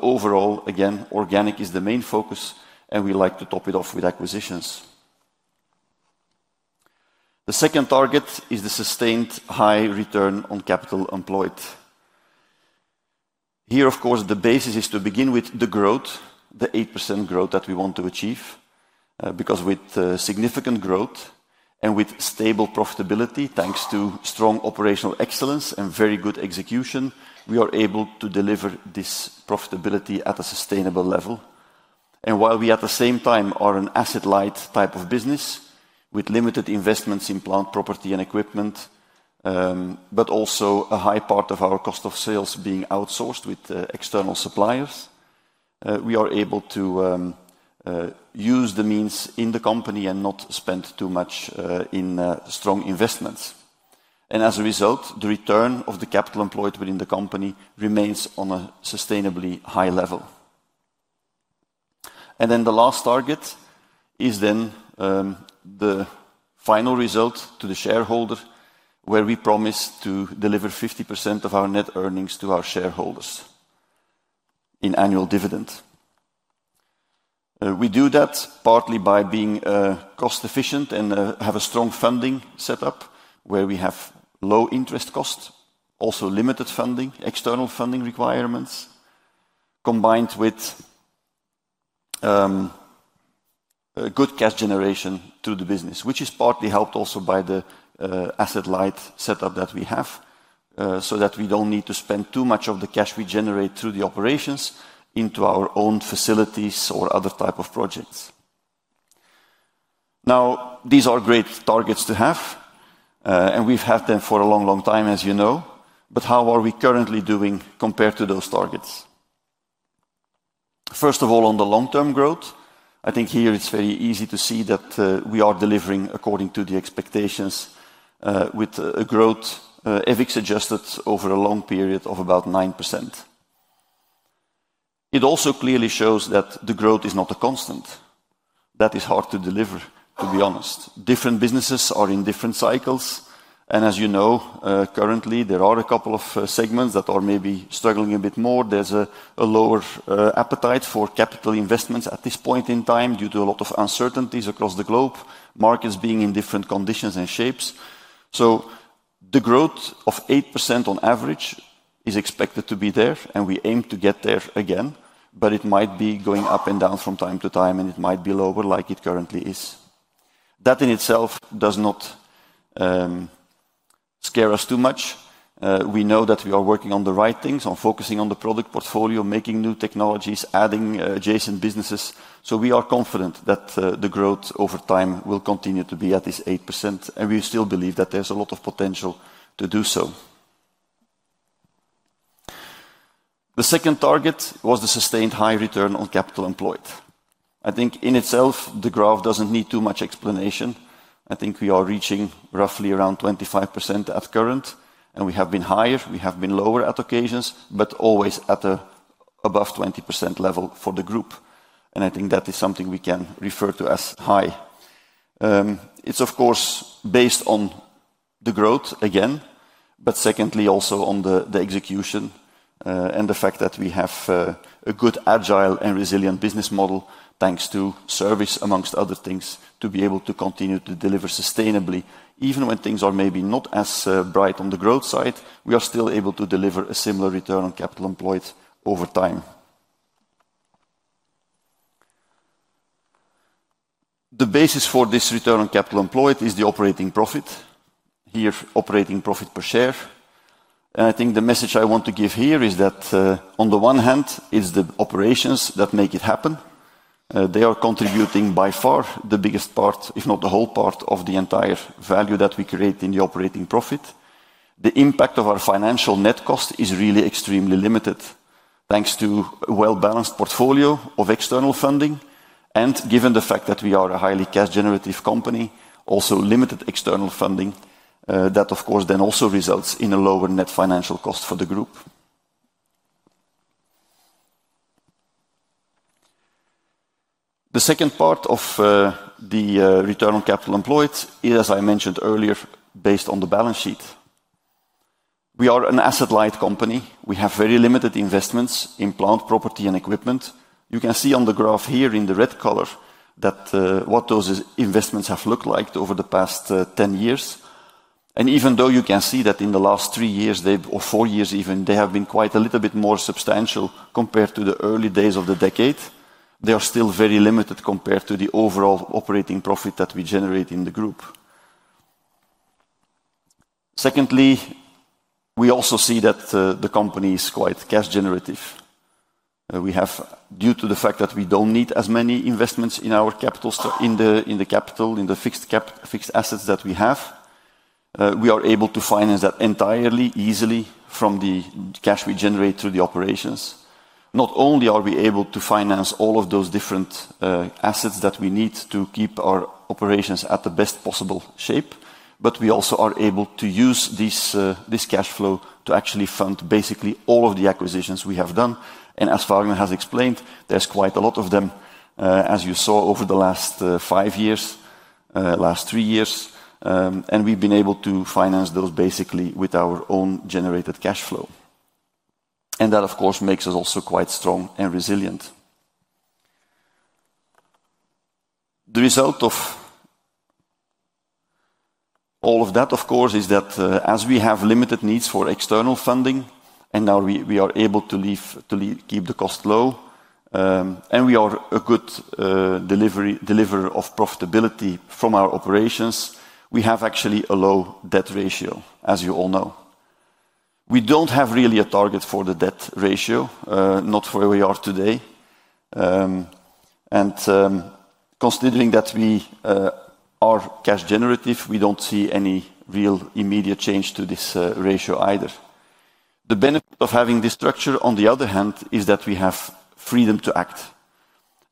Overall, again, organic is the main focus, and we like to top it off with acquisitions. The second target is the sustained high return on capital employed. Here, of course, the basis is to begin with the growth, the 8% growth that we want to achieve. Because with significant growth and with stable profitability, thanks to strong operational excellence and very good execution, we are able to deliver this profitability at a sustainable level. While we at the same time are an asset-light type of business with limited investments in plant property and equipment, but also a high part of our cost of sales being outsourced with external suppliers, we are able to use the means in the company and not spend too much in strong investments. As a result, the return of the capital employed within the company remains on a sustainably high level. The last target is then the final result to the shareholder, where we promise to deliver 50% of our net earnings to our shareholders in annual dividend. We do that partly by being cost-efficient and have a strong funding setup where we have low interest costs, also limited external funding requirements, combined with good cash generation to the business, which is partly helped also by the asset-light setup that we have so that we don't need to spend too much of the cash we generate through the operations into our own facilities or other types of projects. These are great targets to have, and we've had them for a long, long time, as you know. How are we currently doing compared to those targets? First of all, on the long-term growth, I think here it's very easy to see that we are delivering according to the expectations with a growth, as suggested, over a long period of about 9%. It also clearly shows that the growth is not a constant. That is hard to deliver, to be honest. Different businesses are in different cycles. And as you know, currently, there are a couple of segments that are maybe struggling a bit more. There is a lower appetite for capital investments at this point in time due to a lot of uncertainties across the globe, markets being in different conditions and shapes. The growth of 8% on average is expected to be there, and we aim to get there again, but it might be going up and down from time to time, and it might be lower like it currently is. That in itself does not scare us too much. We know that we are working on the right things, on focusing on the product portfolio, making new technologies, adding adjacent businesses. We are confident that the growth over time will continue to be at this 8%, and we still believe that there's a lot of potential to do so. The second target was the sustained high return on capital employed. I think in itself, the graph doesn't need too much explanation. I think we are reaching roughly around 25% at current, and we have been higher. We have been lower at occasions, but always at an above 20% level for the group. I think that is something we can refer to as high. It's, of course, based on the growth, again, but secondly, also on the execution and the fact that we have a good, agile, and resilient business model, thanks to service, amongst other things, to be able to continue to deliver sustainably. Even when things are maybe not as bright on the growth side, we are still able to deliver a similar return on capital employed over time. The basis for this return on capital employed is the operating profit. Here, operating profit per share. I think the message I want to give here is that on the one hand, it's the operations that make it happen. They are contributing by far the biggest part, if not the whole part, of the entire value that we create in the operating profit. The impact of our financial net cost is really extremely limited, thanks to a well-balanced portfolio of external funding. Given the fact that we are a highly cash-generative company, also limited external funding, that, of course, then also results in a lower net financial cost for the group. The second part of the return on capital employed is, as I mentioned earlier, based on the balance sheet. We are an asset-light company. We have very limited investments in plant property and equipment. You can see on the graph here in the red color what those investments have looked like over the past 10 years. Even though you can see that in the last three years or four years, even, they have been quite a little bit more substantial compared to the early days of the decade, they are still very limited compared to the overall operating profit that we generate in the group. Secondly, we also see that the company is quite cash-generative. Due to the fact that we do not need as many investments in our capital, in the capital, in the fixed assets that we have, we are able to finance that entirely easily from the cash we generate through the operations. Not only are we able to finance all of those different assets that we need to keep our operations at the best possible shape, we also are able to use this cash flow to actually fund basically all of the acquisitions we have done. As Farmer has explained, there is quite a lot of them, as you saw, over the last five years, last three years. We have been able to finance those basically with our own generated cash flow. That, of course, makes us also quite strong and resilient. The result of all of that, of course, is that as we have limited needs for external funding and now we are able to keep the cost low and we are a good deliverer of profitability from our operations, we have actually a low debt ratio, as you all know. We do not have really a target for the debt ratio, not where we are today. Considering that we are cash-generative, we do not see any real immediate change to this ratio either. The benefit of having this structure, on the other hand, is that we have freedom to act.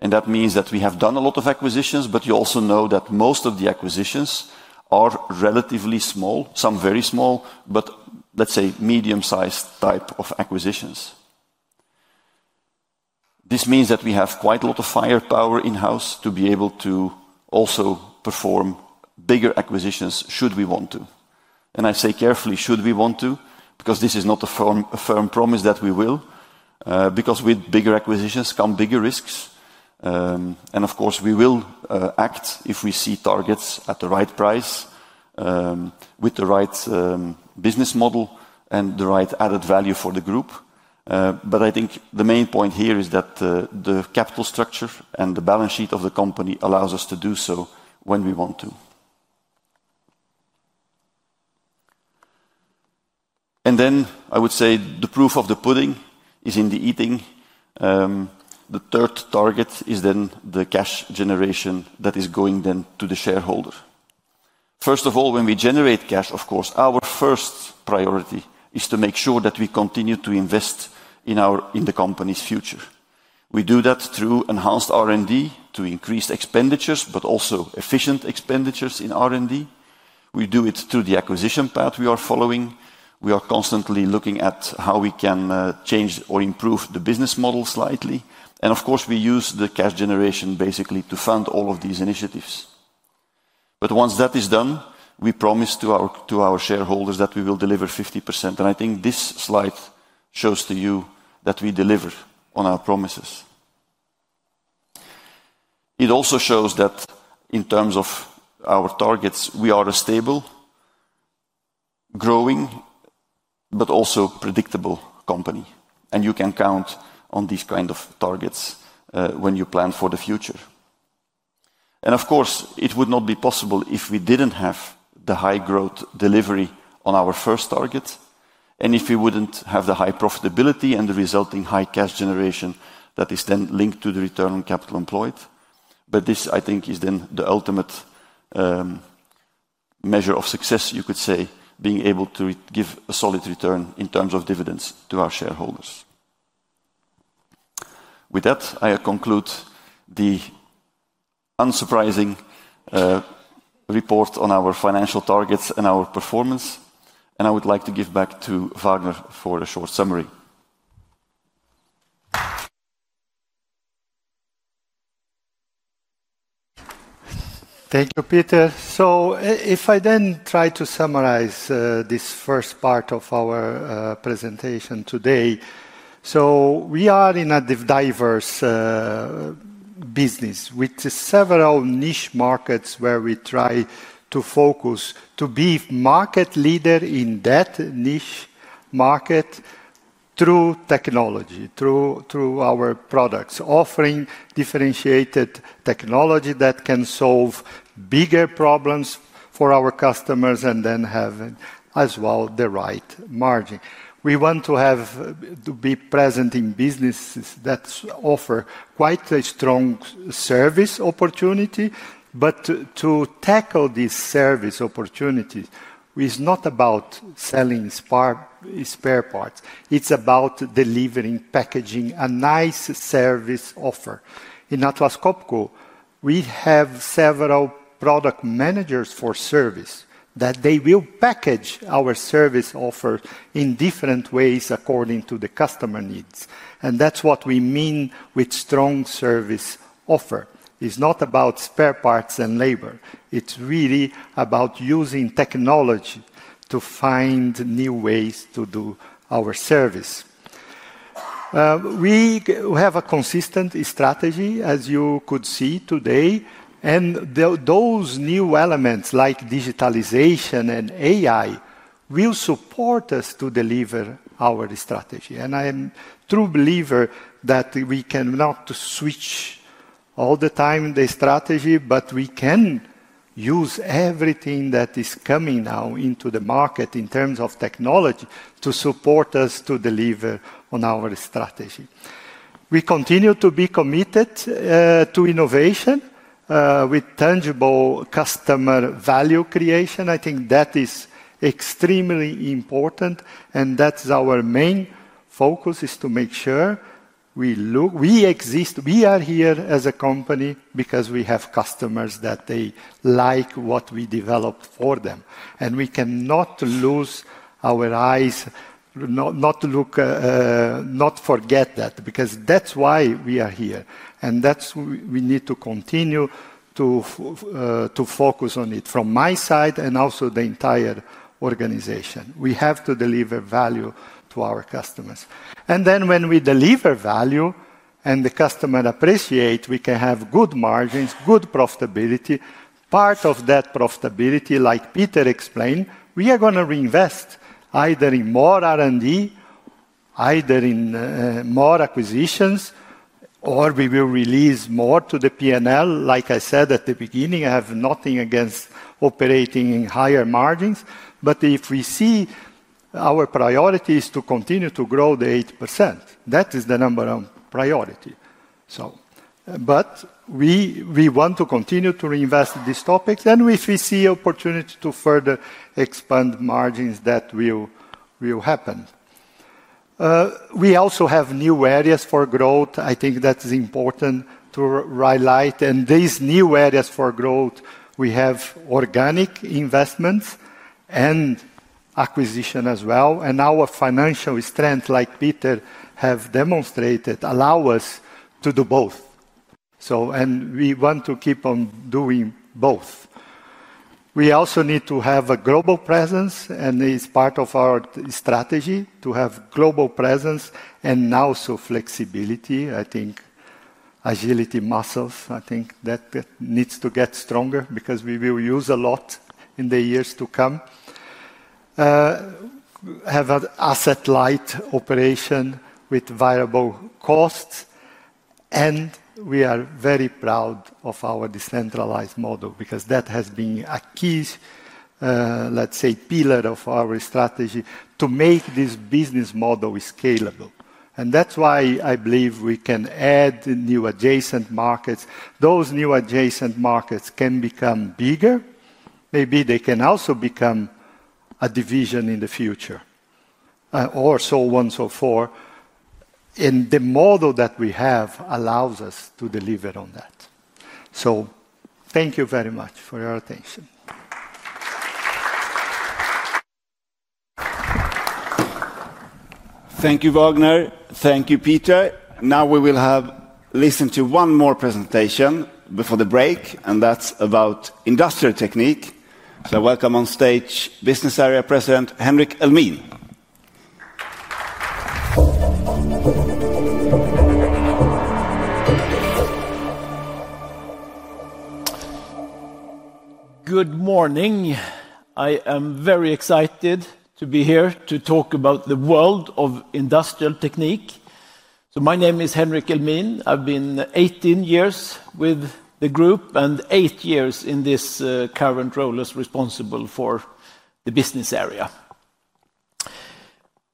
That means that we have done a lot of acquisitions, but you also know that most of the acquisitions are relatively small, some very small, but let's say medium-sized type of acquisitions. This means that we have quite a lot of firepower in-house to be able to also perform bigger acquisitions should we want to. I say carefully, should we want to, because this is not a firm promise that we will, because with bigger acquisitions come bigger risks. Of course, we will act if we see targets at the right price, with the right business model and the right added value for the group. I think the main point here is that the capital structure and the balance sheet of the company allows us to do so when we want to. I would say the proof of the pudding is in the eating. The third target is then the cash generation that is going then to the shareholders. First of all, when we generate cash, of course, our first priority is to make sure that we continue to invest in the company's future. We do that through enhanced R&D to increase expenditures, but also efficient expenditures in R&D. We do it through the acquisition path we are following. We are constantly looking at how we can change or improve the business model slightly. Of course, we use the cash generation basically to fund all of these initiatives. Once that is done, we promise to our shareholders that we will deliver 50%. I think this slide shows to you that we deliver on our promises. It also shows that in terms of our targets, we are a stable, growing, but also predictable company. You can count on these kinds of targets when you plan for the future. Of course, it would not be possible if we did not have the high growth delivery on our first target, and if we would not have the high profitability and the resulting high cash generation that is then linked to the return on capital employed. This, I think, is then the ultimate measure of success, you could say, being able to give a solid return in terms of dividends to our shareholders. With that, I conclude the unsurprising report on our financial targets and our performance. I would like to give back to Vagner for a short summary. Thank you, Peter. If I then try to summarize this first part of our presentation today, we are in a diverse business with several niche markets where we try to focus to be market leader in that niche market through technology, through our products, offering differentiated technology that can solve bigger problems for our customers and then have as well the right margin. We want to be present in businesses that offer quite a strong service opportunity, but to tackle these service opportunities, it's not about selling spare parts. It's about delivering, packaging a nice service offer. In Atlas Copco, we have several product managers for service that they will package our service offer in different ways according to the customer needs. That's what we mean with strong service offer. It's not about spare parts and labor. It's really about using technology to find new ways to do our service. We have a consistent strategy, as you could see today, and those new elements like digitalization and AI will support us to deliver our strategy. I am a true believer that we cannot switch all the time the strategy, but we can use everything that is coming now into the market in terms of technology to support us to deliver on our strategy. We continue to be committed to innovation with tangible customer value creation. I think that is extremely important, and that's our main focus is to make sure we exist. We are here as a company because we have customers that they like what we develop for them. We cannot lose our eyes, not forget that, because that's why we are here. That is why we need to continue to focus on it from my side and also the entire organization. We have to deliver value to our customers. When we deliver value and the customer appreciates, we can have good margins, good profitability. Part of that profitability, like Peter explained, we are going to reinvest either in more R&D, either in more acquisitions, or we will release more to the P&L. Like I said at the beginning, I have nothing against operating in higher margins, but if we see our priority is to continue to grow the 8%, that is the number one priority. We want to continue to reinvest in these topics, and if we see an opportunity to further expand margins, that will happen. We also have new areas for growth. I think that's important to highlight. These new areas for growth, we have organic investments and acquisition as well. Our financial strength, like Peter has demonstrated, allows us to do both. We want to keep on doing both. We also need to have a global presence, and it is part of our strategy to have global presence and also flexibility. I think agility muscles, I think that needs to get stronger because we will use a lot in the years to come. Have an asset-light operation with variable costs. We are very proud of our decentralized model because that has been a key, let's say, pillar of our strategy to make this business model scalable. That is why I believe we can add new adjacent markets. Those new adjacent markets can become bigger. Maybe they can also become a division in the future or so on and so forth. The model that we have allows us to deliver on that. Thank you very much for your attention. Thank you, Vagner. Thank you, Peter. Now we will have listened to one more presentation before the break, and that's about industrial technique. So welcome on stage, Business Area President Henrik Elmin. Good morning. I am very excited to be here to talk about the world of industrial technique. My name is Henrik Elmin. I've been 18 years with the group and eight years in this current role as responsible for the business area.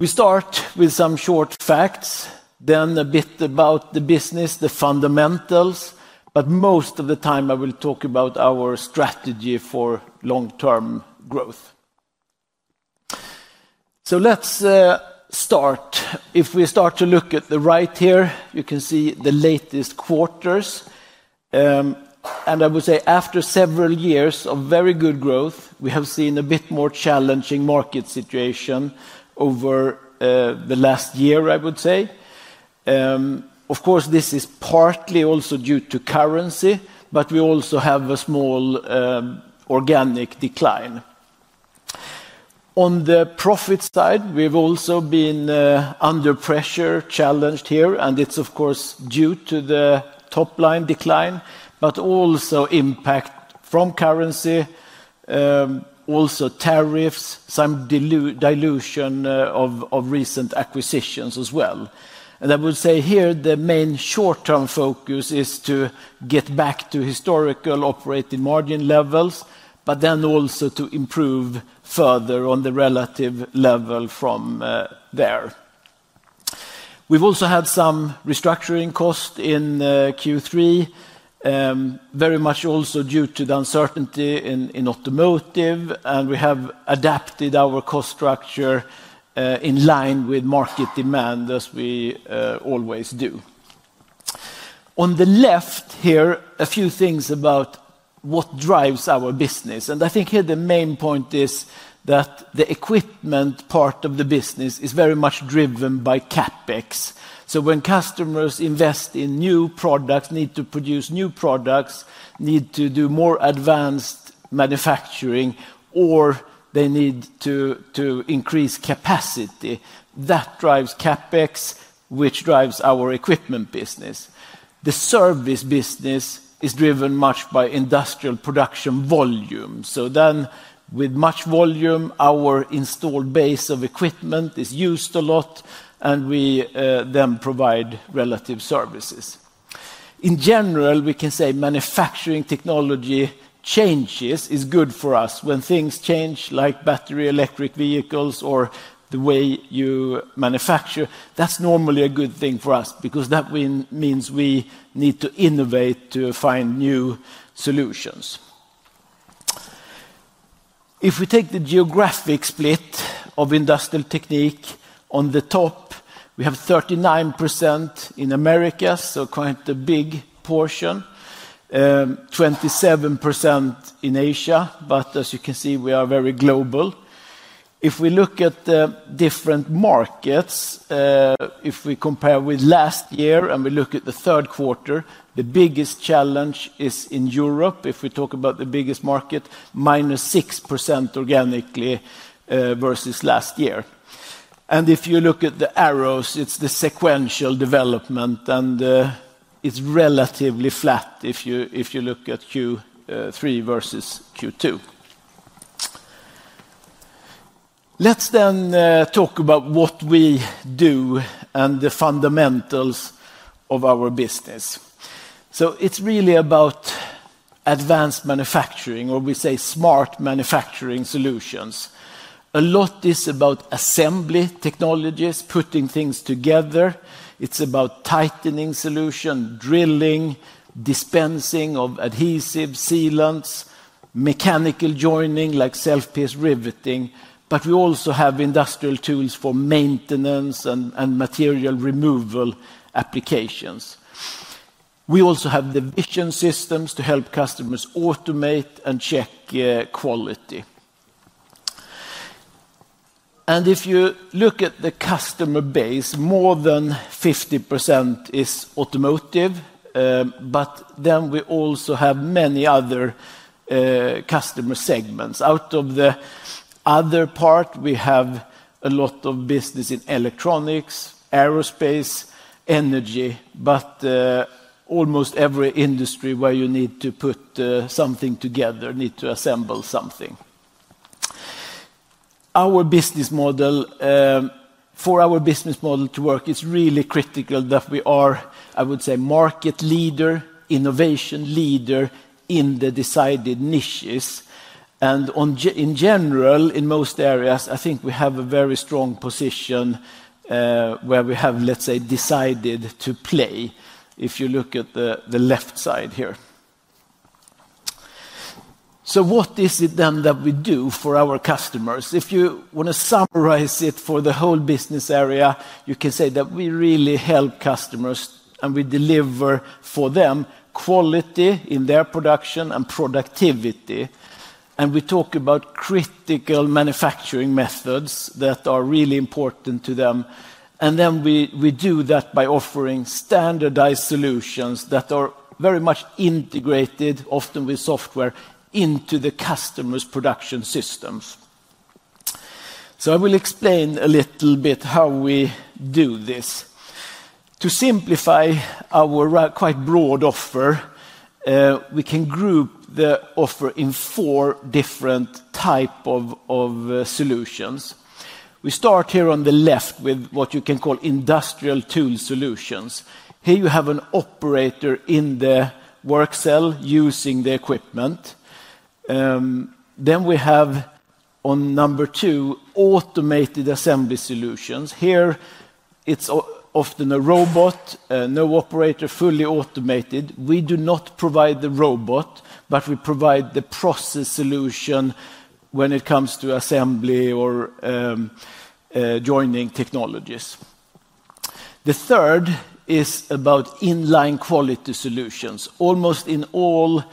We start with some short facts, then a bit about the business, the fundamentals, but most of the time I will talk about our strategy for long-term growth. Let's start. If we start to look at the right here, you can see the latest quarters. I would say after several years of very good growth, we have seen a bit more challenging market situation over the last year, I would say. Of course, this is partly also due to currency, but we also have a small organic decline. On the profit side, we've also been under pressure, challenged here, and it's of course due to the top line decline, but also impact from currency, also tariffs, some dilution of recent acquisitions as well. I would say here the main short-term focus is to get back to historical operating margin levels, but then also to improve further on the relative level from there. We've also had some restructuring costs in Q3, very much also due to the uncertainty in automotive, and we have adapted our cost structure in line with market demand, as we always do. On the left here, a few things about what drives our business. I think here the main point is that the equipment part of the business is very much driven by CapEx. When customers invest in new products, need to produce new products, need to do more advanced manufacturing, or they need to increase capacity, that drives CapEx, which drives our equipment business. The service business is driven much by industrial production volume. With much volume, our installed base of equipment is used a lot, and we then provide relative services. In general, we can say manufacturing technology changes is good for us when things change like battery electric vehicles or the way you manufacture. That's normally a good thing for us because that means we need to innovate to find new solutions. If we take the geographic split of industrial technique, on the top, we have 39% in America, so quite a big portion, 27% in Asia, but as you can see, we are very global. If we look at the different markets, if we compare with last year and we look at the third quarter, the biggest challenge is in Europe. If we talk about the biggest market, minus 6% organically versus last year. If you look at the arrows, it's the sequential development, and it's relatively flat if you look at Q3 versus Q2. Let's then talk about what we do and the fundamentals of our business. It is really about advanced manufacturing or we say smart manufacturing solutions. A lot is about assembly technologies, putting things together. It's about tightening solution, drilling, dispensing of adhesives, sealants, mechanical joining like self-piece riveting, but we also have industrial tools for maintenance and material removal applications. We also have the vision systems to help customers automate and check quality. If you look at the customer base, more than 50% is automotive, but then we also have many other customer segments. Out of the other part, we have a lot of business in electronics, aerospace, energy, but almost every industry where you need to put something together, need to assemble something. Our business model, for our business model to work, it's really critical that we are, I would say, market leader, innovation leader in the decided niches. In general, in most areas, I think we have a very strong position where we have, let's say, decided to play, if you look at the left side here. What is it then that we do for our customers? If you want to summarize it for the whole business area, you can say that we really help customers and we deliver for them quality in their production and productivity. We talk about critical manufacturing methods that are really important to them. We do that by offering standardized solutions that are very much integrated, often with software, into the customer's production systems. I will explain a little bit how we do this. To simplify our quite broad offer, we can group the offer in four different types of solutions. We start here on the left with what you can call industrial tool solutions. Here you have an operator in the work cell using the equipment. Then we have on number two, automated assembly solutions. Here it's often a robot, no operator, fully automated. We do not provide the robot, but we provide the process solution when it comes to assembly or joining technologies. The third is about inline quality solutions. Almost in all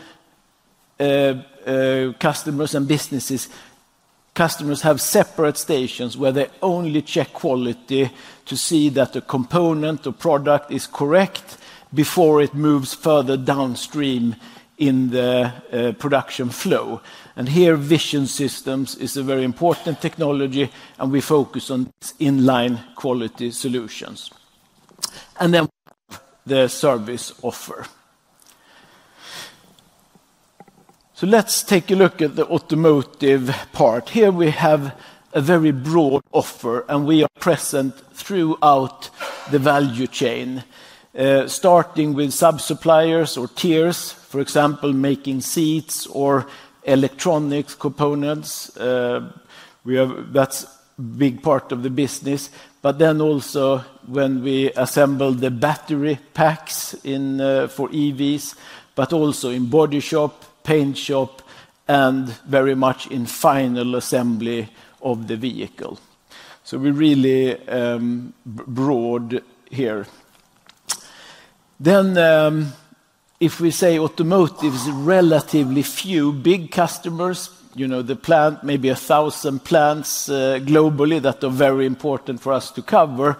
customers and businesses, customers have separate stations where they only check quality to see that the component or product is correct before it moves further downstream in the production flow. Here vision systems is a very important technology, and we focus on inline quality solutions. The service offer. Let's take a look at the automotive part. Here we have a very broad offer, and we are present throughout the value chain, starting with sub-suppliers or tiers, for example, making seats or electronics components. That's a big part of the business. Also when we assemble the battery packs for EVs, also in body shop, paint shop, and very much in final assembly of the vehicle. We are really broad here. If we say automotive is relatively few, big customers, you know, the plant, maybe a thousand plants globally that are very important for us to cover.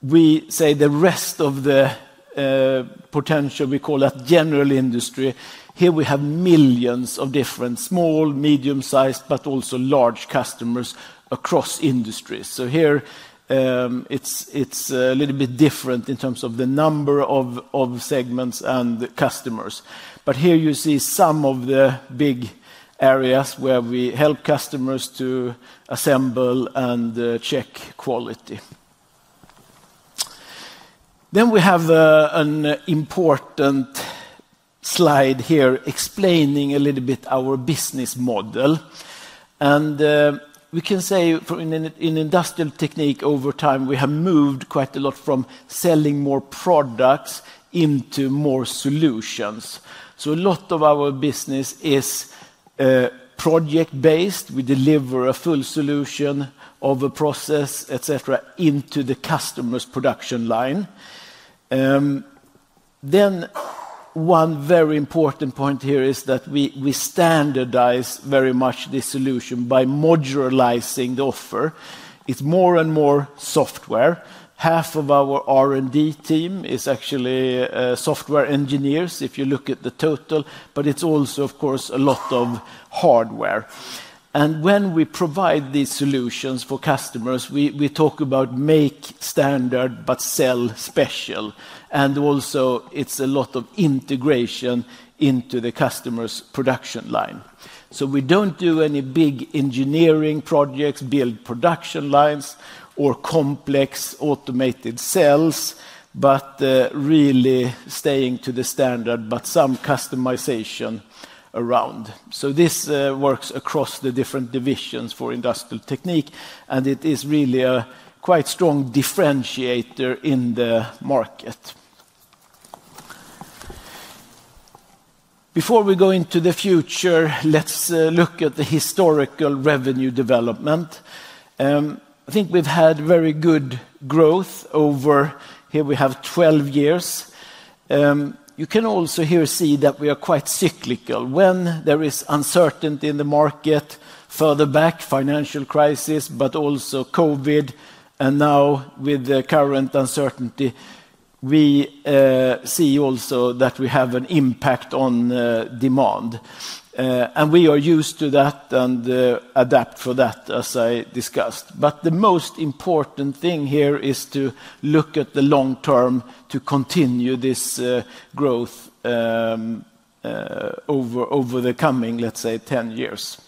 We say the rest of the potential, we call that general industry. Here we have millions of different small, medium-sized, but also large customers across industries. Here it is a little bit different in terms of the number of segments and customers. Here you see some of the big areas where we help customers to assemble and check quality. We have an important slide here explaining a little bit our business model. We can say in industrial technique over time, we have moved quite a lot from selling more products into more solutions. A lot of our business is project-based. We deliver a full solution of a process, etc., into the customer's production line. One very important point here is that we standardize very much this solution by modularizing the offer. It's more and more software. Half of our R&D team is actually software engineers if you look at the total, but it's also, of course, a lot of hardware. When we provide these solutions for customers, we talk about make standard, but sell special. Also, it's a lot of integration into the customer's production line. We don't do any big engineering projects, build production lines or complex automated cells, but really stay to the standard, with some customization around. This works across the different divisions for industrial technique, and it is really a quite strong differentiator in the market. Before we go into the future, let's look at the historical revenue development. I think we've had very good growth over here we have 12 years. You can also here see that we are quite cyclical. When there is uncertainty in the market, further back, financial crisis, but also COVID, and now with the current uncertainty, we see also that we have an impact on demand. We are used to that and adapt for that, as I discussed. The most important thing here is to look at the long term to continue this growth over the coming, let's say, 10 years.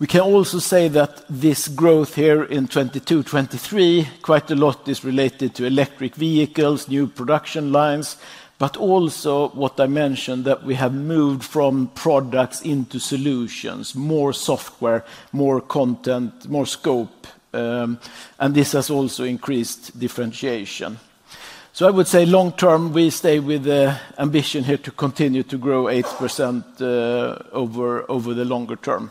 We can also say that this growth here in 2022, 2023, quite a lot is related to electric vehicles, new production lines, but also what I mentioned that we have moved from products into solutions, more software, more content, more scope. This has also increased differentiation. I would say long term, we stay with the ambition here to continue to grow 8% over the longer term.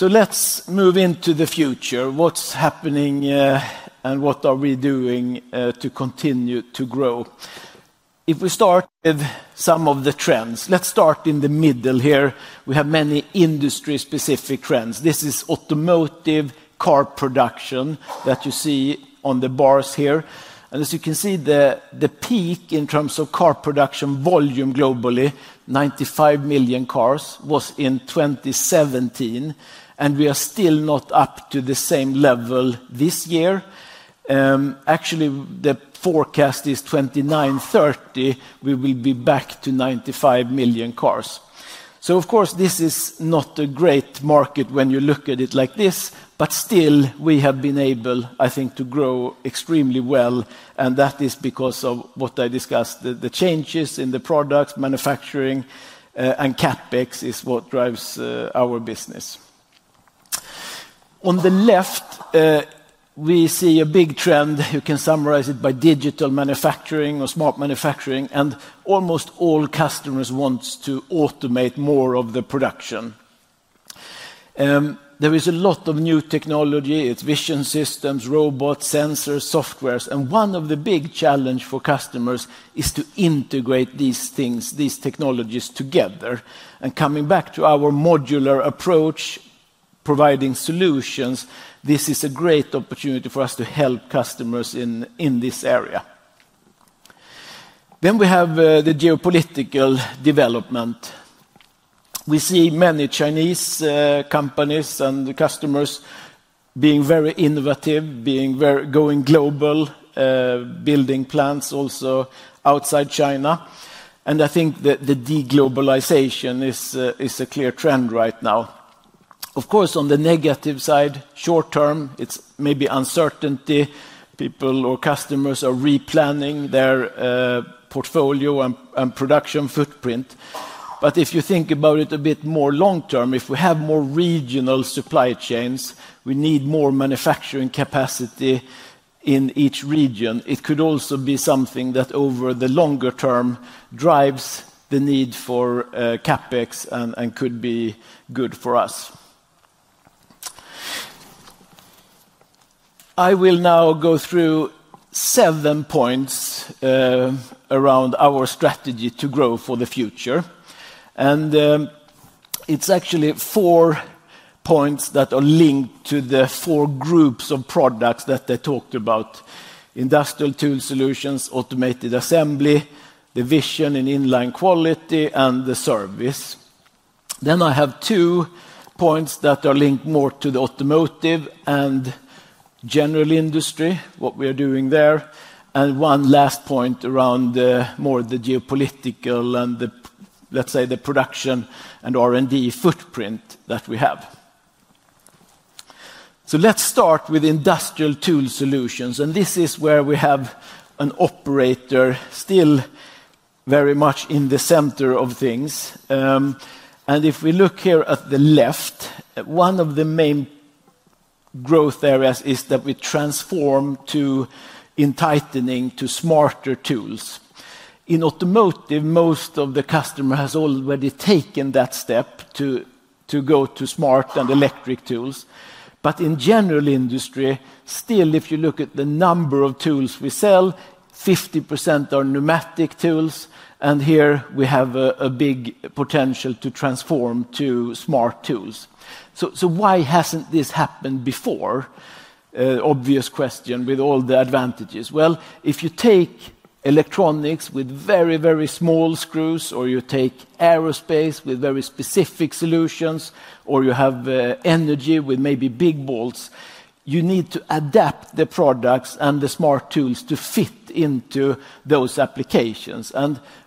Let's move into the future. What's happening and what are we doing to continue to grow? If we start with some of the trends, let's start in the middle here. We have many industry-specific trends. This is automotive car production that you see on the bars here. As you can see, the peak in terms of car production volume globally, 95 million cars, was in 2017, and we are still not up to the same level this year. Actually, the forecast is 2029-2030, we will be back to 95 million cars. Of course, this is not a great market when you look at it like this, but still we have been able, I think, to grow extremely well, and that is because of what I discussed, the changes in the products, manufacturing, and CapEx is what drives our business. On the left, we see a big trend. You can summarize it by digital manufacturing or smart manufacturing, and almost all customers want to automate more of the production. There is a lot of new technology. It's vision systems, robots, sensors, software, and one of the big challenges for customers is to integrate these things, these technologies together. Coming back to our modular approach, providing solutions, this is a great opportunity for us to help customers in this area. We have the geopolitical development. We see many Chinese companies and customers being very innovative, going global, building plants also outside China. I think the deglobalization is a clear trend right now. Of course, on the negative side, short term, it's maybe uncertainty. People or customers are replanning their portfolio and production footprint. If you think about it a bit more long term, if we have more regional supply chains, we need more manufacturing capacity in each region. It could also be something that over the longer term drives the need for CapEx and could be good for us. I will now go through seven points around our strategy to grow for the future. It's actually four points that are linked to the four groups of products that I talked about: industrial tool solutions, automated assembly, the vision and inline quality, and the service. I have two points that are linked more to the automotive and general industry, what we are doing there, and one last point around more of the geopolitical and, let's say, the production and R&D footprint that we have. Let's start with industrial tool solutions, and this is where we have an operator still very much in the center of things. If we look here at the left, one of the main growth areas is that we transform in tightening to smarter tools. In automotive, most of the customer has already taken that step to go to smart and electric tools. In general industry, still, if you look at the number of tools we sell, 50% are pneumatic tools, and here we have a big potential to transform to smart tools. Why hasn't this happened before? Obvious question with all the advantages. If you take electronics with very, very small screws, or you take aerospace with very specific solutions, or you have energy with maybe big bolts, you need to adapt the products and the smart tools to fit into those applications.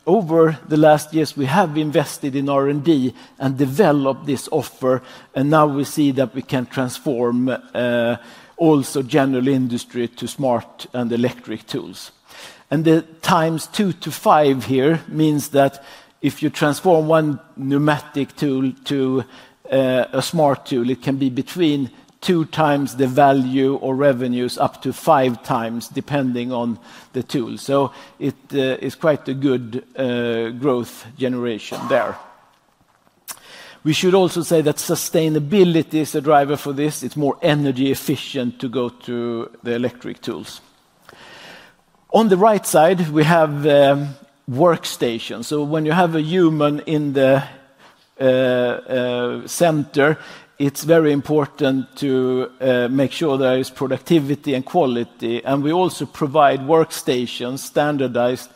Over the last years, we have invested in R&D and developed this offer, and now we see that we can transform also general industry to smart and electric tools. The times two to five here means that if you transform one pneumatic tool to a smart tool, it can be between two times the value or revenues up to five times depending on the tool. It is quite a good growth generation there. We should also say that sustainability is a driver for this. It is more energy efficient to go to the electric tools. On the right side, we have workstations. When you have a human in the center, it is very important to make sure there is productivity and quality. We also provide workstations standardized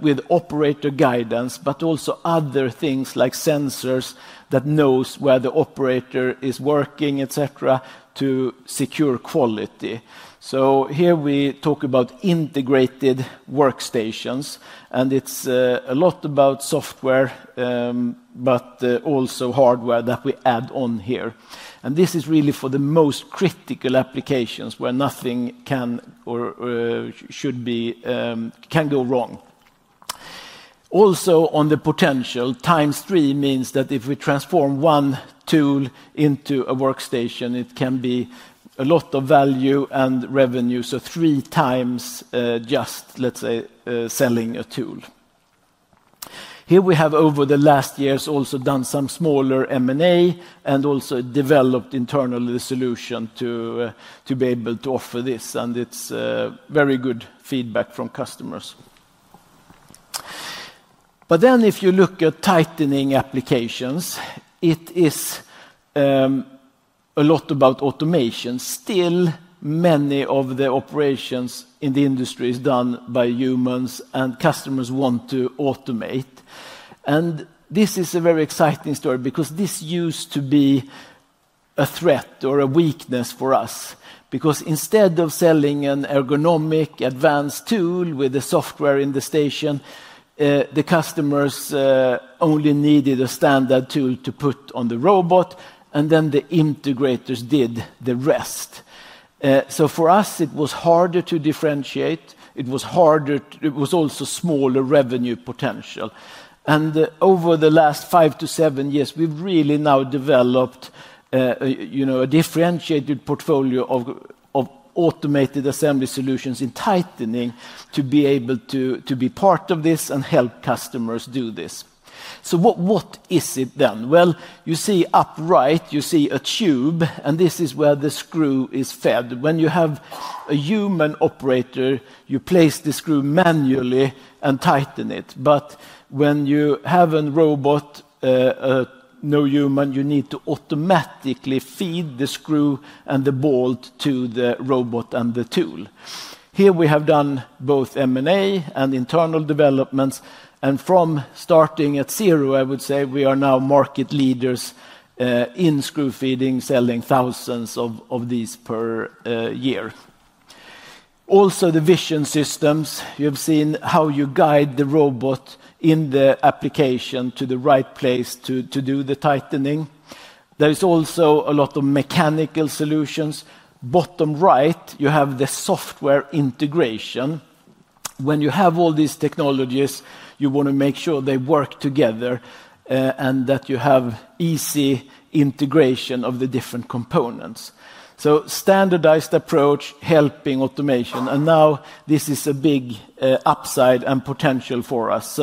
with operator guidance, but also other things like sensors that know where the operator is working, etc., to secure quality. Here we talk about integrated workstations, and it's a lot about software, but also hardware that we add on here. This is really for the most critical applications where nothing can or should go wrong. Also on the potential, times three means that if we transform one tool into a workstation, it can be a lot of value and revenue. Three times just, let's say, selling a tool. Here we have, over the last years, also done some smaller M&A and also developed internally the solution to be able to offer this, and it's very good feedback from customers. If you look at tightening applications, it is a lot about automation. Still, many of the operations in the industry are done by humans, and customers want to automate. This is a very exciting story because this used to be a threat or a weakness for us. Because instead of selling an ergonomic advanced tool with the software in the station, the customers only needed a standard tool to put on the robot, and then the integrators did the rest. For us, it was harder to differentiate. It was harder; it was also smaller revenue potential. Over the last five to seven years, we've really now developed a differentiated portfolio of automated assembly solutions in tightening to be able to be part of this and help customers do this. What is it then? You see upright, you see a tube, and this is where the screw is fed. When you have a human operator, you place the screw manually and tighten it. When you have a robot, no human, you need to automatically feed the screw and the bolt to the robot and the tool. Here we have done both M&A and internal developments. From starting at zero, I would say we are now market leaders in screw feeding, selling thousands of these per year. Also, the vision systems, you have seen how you guide the robot in the application to the right place to do the tightening. There is also a lot of mechanical solutions. Bottom right, you have the software integration. When you have all these technologies, you want to make sure they work together and that you have easy integration of the different components. A standardized approach helps automation. This is a big upside and potential for us.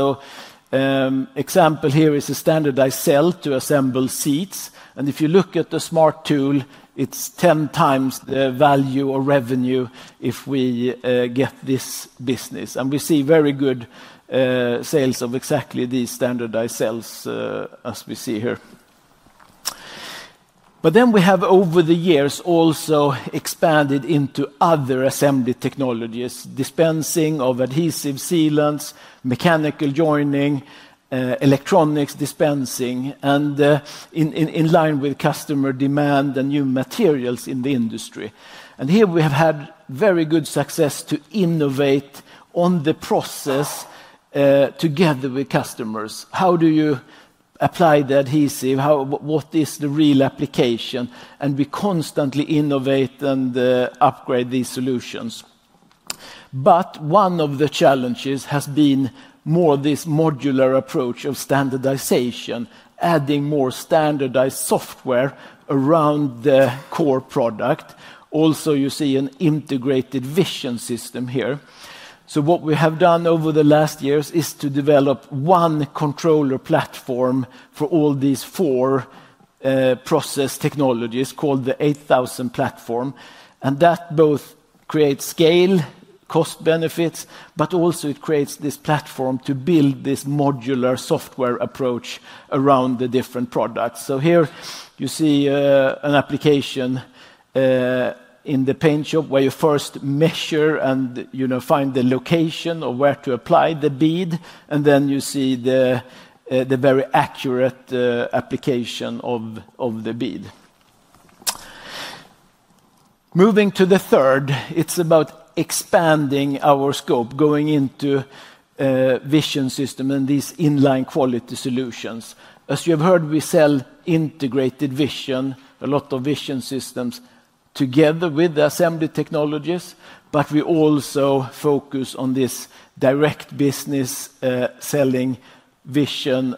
An example here is a standardized cell to assemble seats. If you look at the smart tool, it's 10 times the value or revenue if we get this business. We see very good sales of exactly these standardized cells as we see here. We have, over the years, also expanded into other assembly technologies: dispensing of adhesive sealants, mechanical joining, electronics dispensing, and in line with customer demand and new materials in the industry. We have had very good success to innovate on the process together with customers. How do you apply the adhesive? What is the real application? We constantly innovate and upgrade these solutions. One of the challenges has been more this modular approach of standardization, adding more standardized software around the core product. You see an integrated vision system here. What we have done over the last years is to develop one controller platform for all these four process technologies called the 8000 platform. That both creates scale, cost benefits, but also it creates this platform to build this modular software approach around the different products. Here you see an application in the paint shop where you first measure and find the location of where to apply the bead, and then you see the very accurate application of the bead. Moving to the third, it's about expanding our scope, going into vision systems and these inline quality solutions. As you have heard, we sell integrated vision, a lot of vision systems together with assembly technologies, but we also focus on this direct business selling vision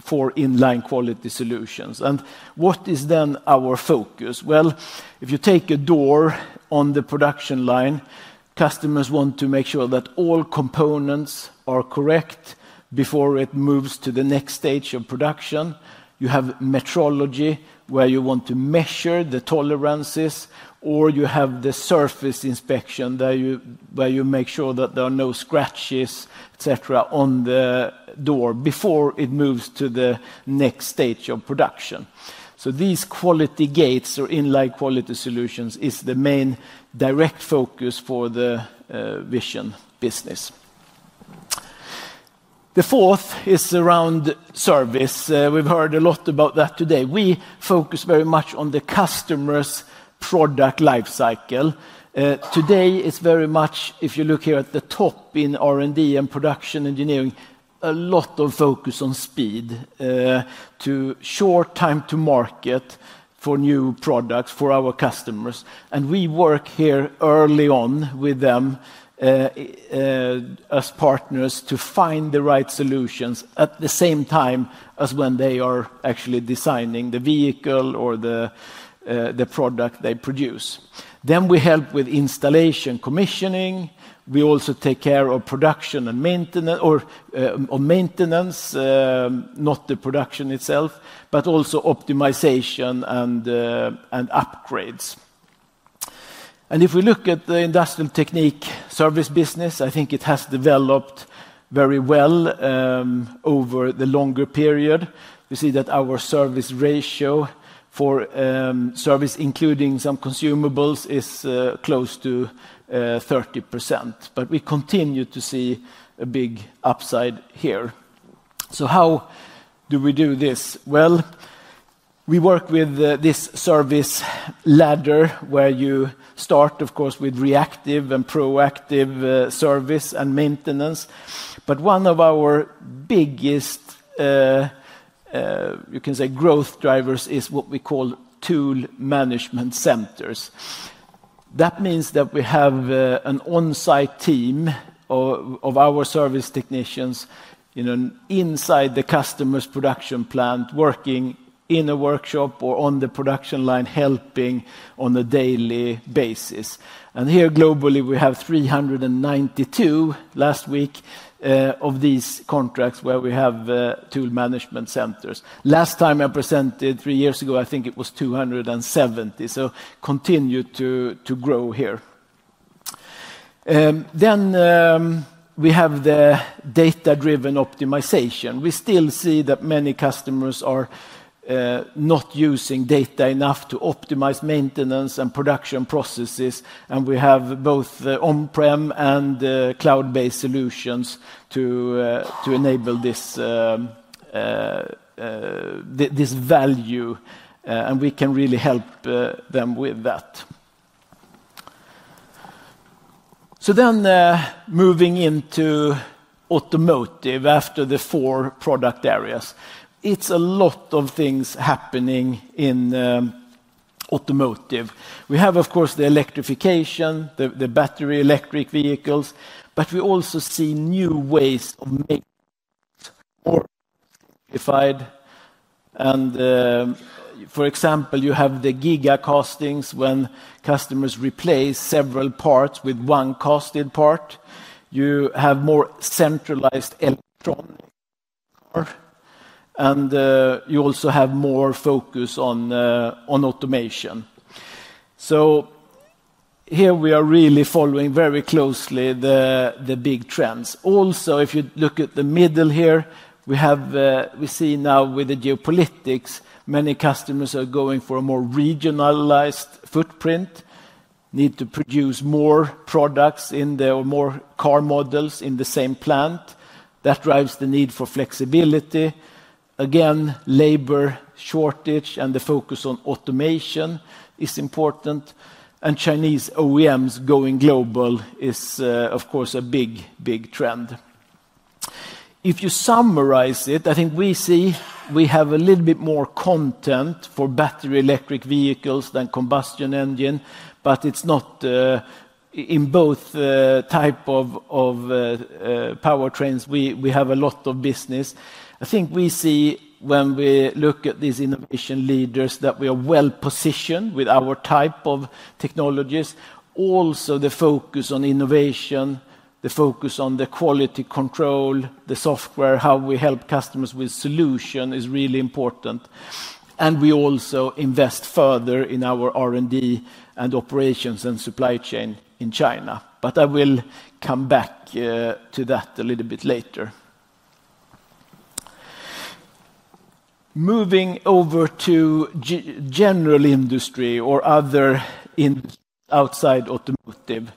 for inline quality solutions. What is then our focus? If you take a door on the production line, customers want to make sure that all components are correct before it moves to the next stage of production. You have metrology where you want to measure the tolerances, or you have the surface inspection where you make sure that there are no scratches, etc., on the door before it moves to the next stage of production. These quality gates or inline quality solutions are the main direct focus for the vision business. The fourth is around service. We've heard a lot about that today. We focus very much on the customer's product lifecycle. Today, it's very much, if you look here at the top in R&D and production engineering, a lot of focus on speed to short time to market for new products for our customers. We work here early on with them as partners to find the right solutions at the same time as when they are actually designing the vehicle or the product they produce. We help with installation, commissioning. We also take care of production and maintenance, or maintenance, not the production itself, but also optimization and upgrades. If we look at the industrial technique service business, I think it has developed very well over the longer period. We see that our service ratio for service, including some consumables, is close to 30%. We continue to see a big upside here. How do we do this? We work with this service ladder where you start, of course, with reactive and proactive service and maintenance. One of our biggest, you can say, growth drivers is what we call tool management centers. That means that we have an on-site team of our service technicians inside the customer's production plant working in a workshop or on the production line, helping on a daily basis. Here globally, we have 392 last week of these contracts where we have tool management centers. Last time I presented three years ago, I think it was 270. Continue to grow here. We have the data-driven optimization. We still see that many customers are not using data enough to optimize maintenance and production processes, and we have both on-prem and cloud-based solutions to enable this value, and we can really help them with that. Moving into automotive after the four product areas, it's a lot of things happening in automotive. We have, of course, the electrification, the battery electric vehicles, but we also see new ways of making more simplified. For example, you have the giga castings when customers replace several parts with one casted part. You have more centralized electronics, and you also have more focus on automation. Here we are really following very closely the big trends. Also, if you look at the middle here, we see now with the geopolitics, many customers are going for a more regionalized footprint, need to produce more products in their more car models in the same plant. That drives the need for flexibility. Again, labor shortage and the focus on automation is important. Chinese OEMs going global is, of course, a big, big trend. If you summarize it, I think we see we have a little bit more content for battery electric vehicles than combustion engine, but it's not in both types of powertrains. We have a lot of business. I think we see when we look at these innovation leaders that we are well positioned with our type of technologies. Also, the focus on innovation, the focus on the quality control, the software, how we help customers with solutions is really important. We also invest further in our R&D and operations and supply chain in China. I will come back to that a little bit later. Moving over to general industry or other industries outside automotive.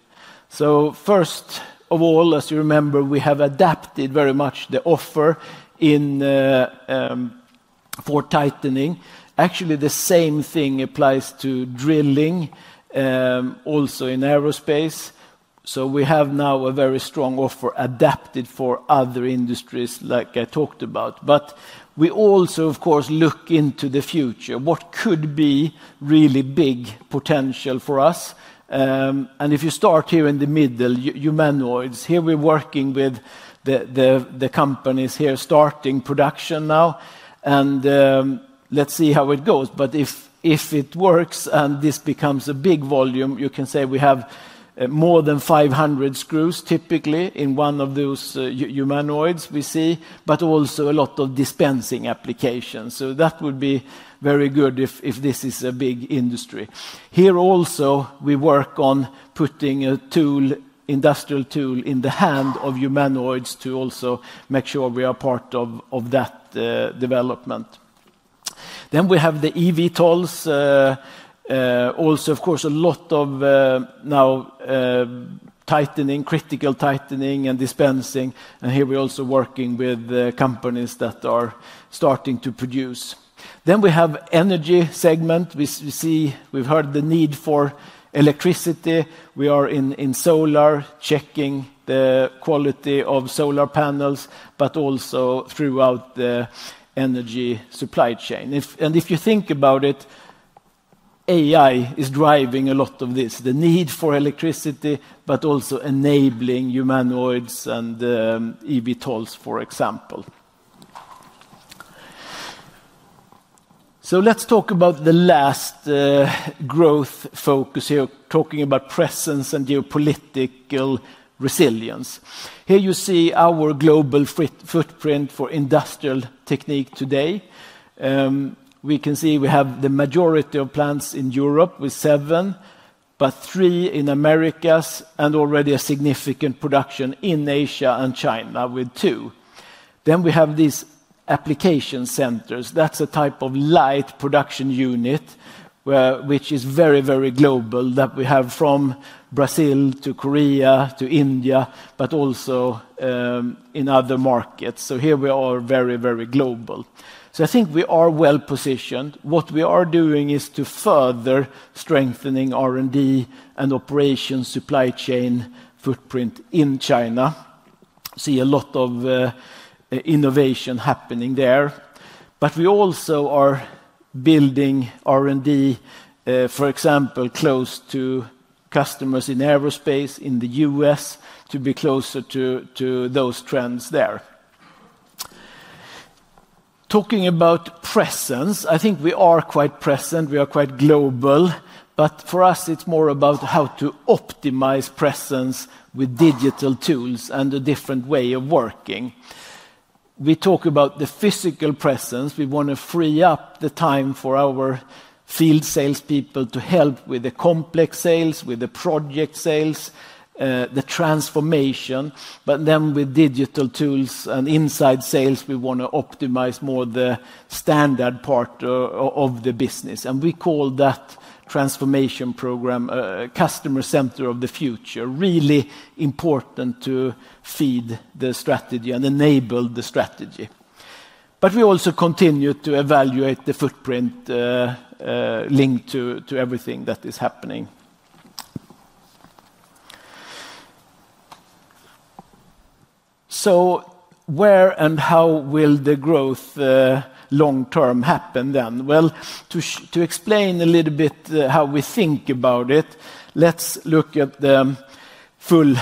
First of all, as you remember, we have adapted very much the offer for tightening. Actually, the same thing applies to drilling also in aerospace. We have now a very strong offer adapted for other industries like I talked about. We also, of course, look into the future. What could be really big potential for us? If you start here in the middle, humanoids, here we're working with the companies here starting production now, and let's see how it goes. If it works and this becomes a big volume, you can say we have more than 500 screws typically in one of those humanoids we see, but also a lot of dispensing applications. That would be very good if this is a big industry. Here also, we work on putting a tool, industrial tool in the hand of humanoids to also make sure we are part of that development. We have the EV tolls. Also, of course, a lot of now tightening, critical tightening and dispensing. Here we're also working with companies that are starting to produce. We have the energy segment. We see we've heard the need for electricity. We are in solar checking the quality of solar panels, but also throughout the energy supply chain. If you think about it, AI is driving a lot of this, the need for electricity, but also enabling humanoids and EV tolls, for example. Let's talk about the last growth focus here, talking about presence and geopolitical resilience. Here you see our global footprint for industrial technique today. We can see we have the majority of plants in Europe with seven, three in America, and already a significant production in Asia and China with two. We have these application centers. That's a type of light production unit, which is very, very global that we have from Brazil to Korea to India, but also in other markets. We are very, very global. I think we are well positioned. What we are doing is to further strengthen R&D and operations supply chain footprint in China. See a lot of innovation happening there. We also are building R&D, for example, close to customers in aerospace in the U.S. to be closer to those trends there. Talking about presence, I think we are quite present. We are quite global. For us, it is more about how to optimize presence with digital tools and a different way of working. We talk about the physical presence. We want to free up the time for our field salespeople to help with the complex sales, with the project sales, the transformation. With digital tools and inside sales, we want to optimize more the standard part of the business. We call that transformation program customer center of the future, really important to feed the strategy and enable the strategy. We also continue to evaluate the footprint linked to everything that is happening. Where and how will the growth long-term happen then? To explain a little bit how we think about it, let's look at the full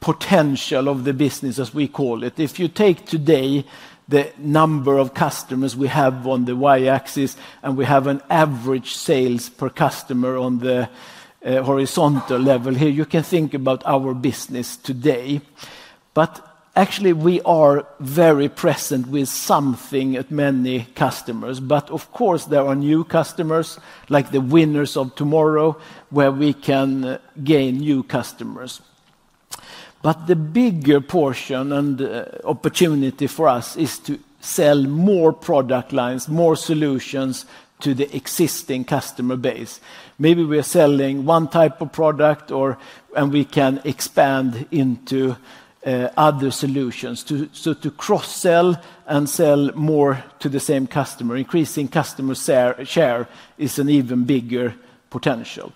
potential of the business, as we call it. If you take today the number of customers we have on the Y-axis and we have an average sales per customer on the horizontal level here, you can think about our business today. Actually, we are very present with something at many customers. Of course, there are new customers like the winners of tomorrow where we can gain new customers. The bigger portion and opportunity for us is to sell more product lines, more solutions to the existing customer base. Maybe we are selling one type of product and we can expand into other solutions to cross-sell and sell more to the same customer. Increasing customer share is an even bigger potential.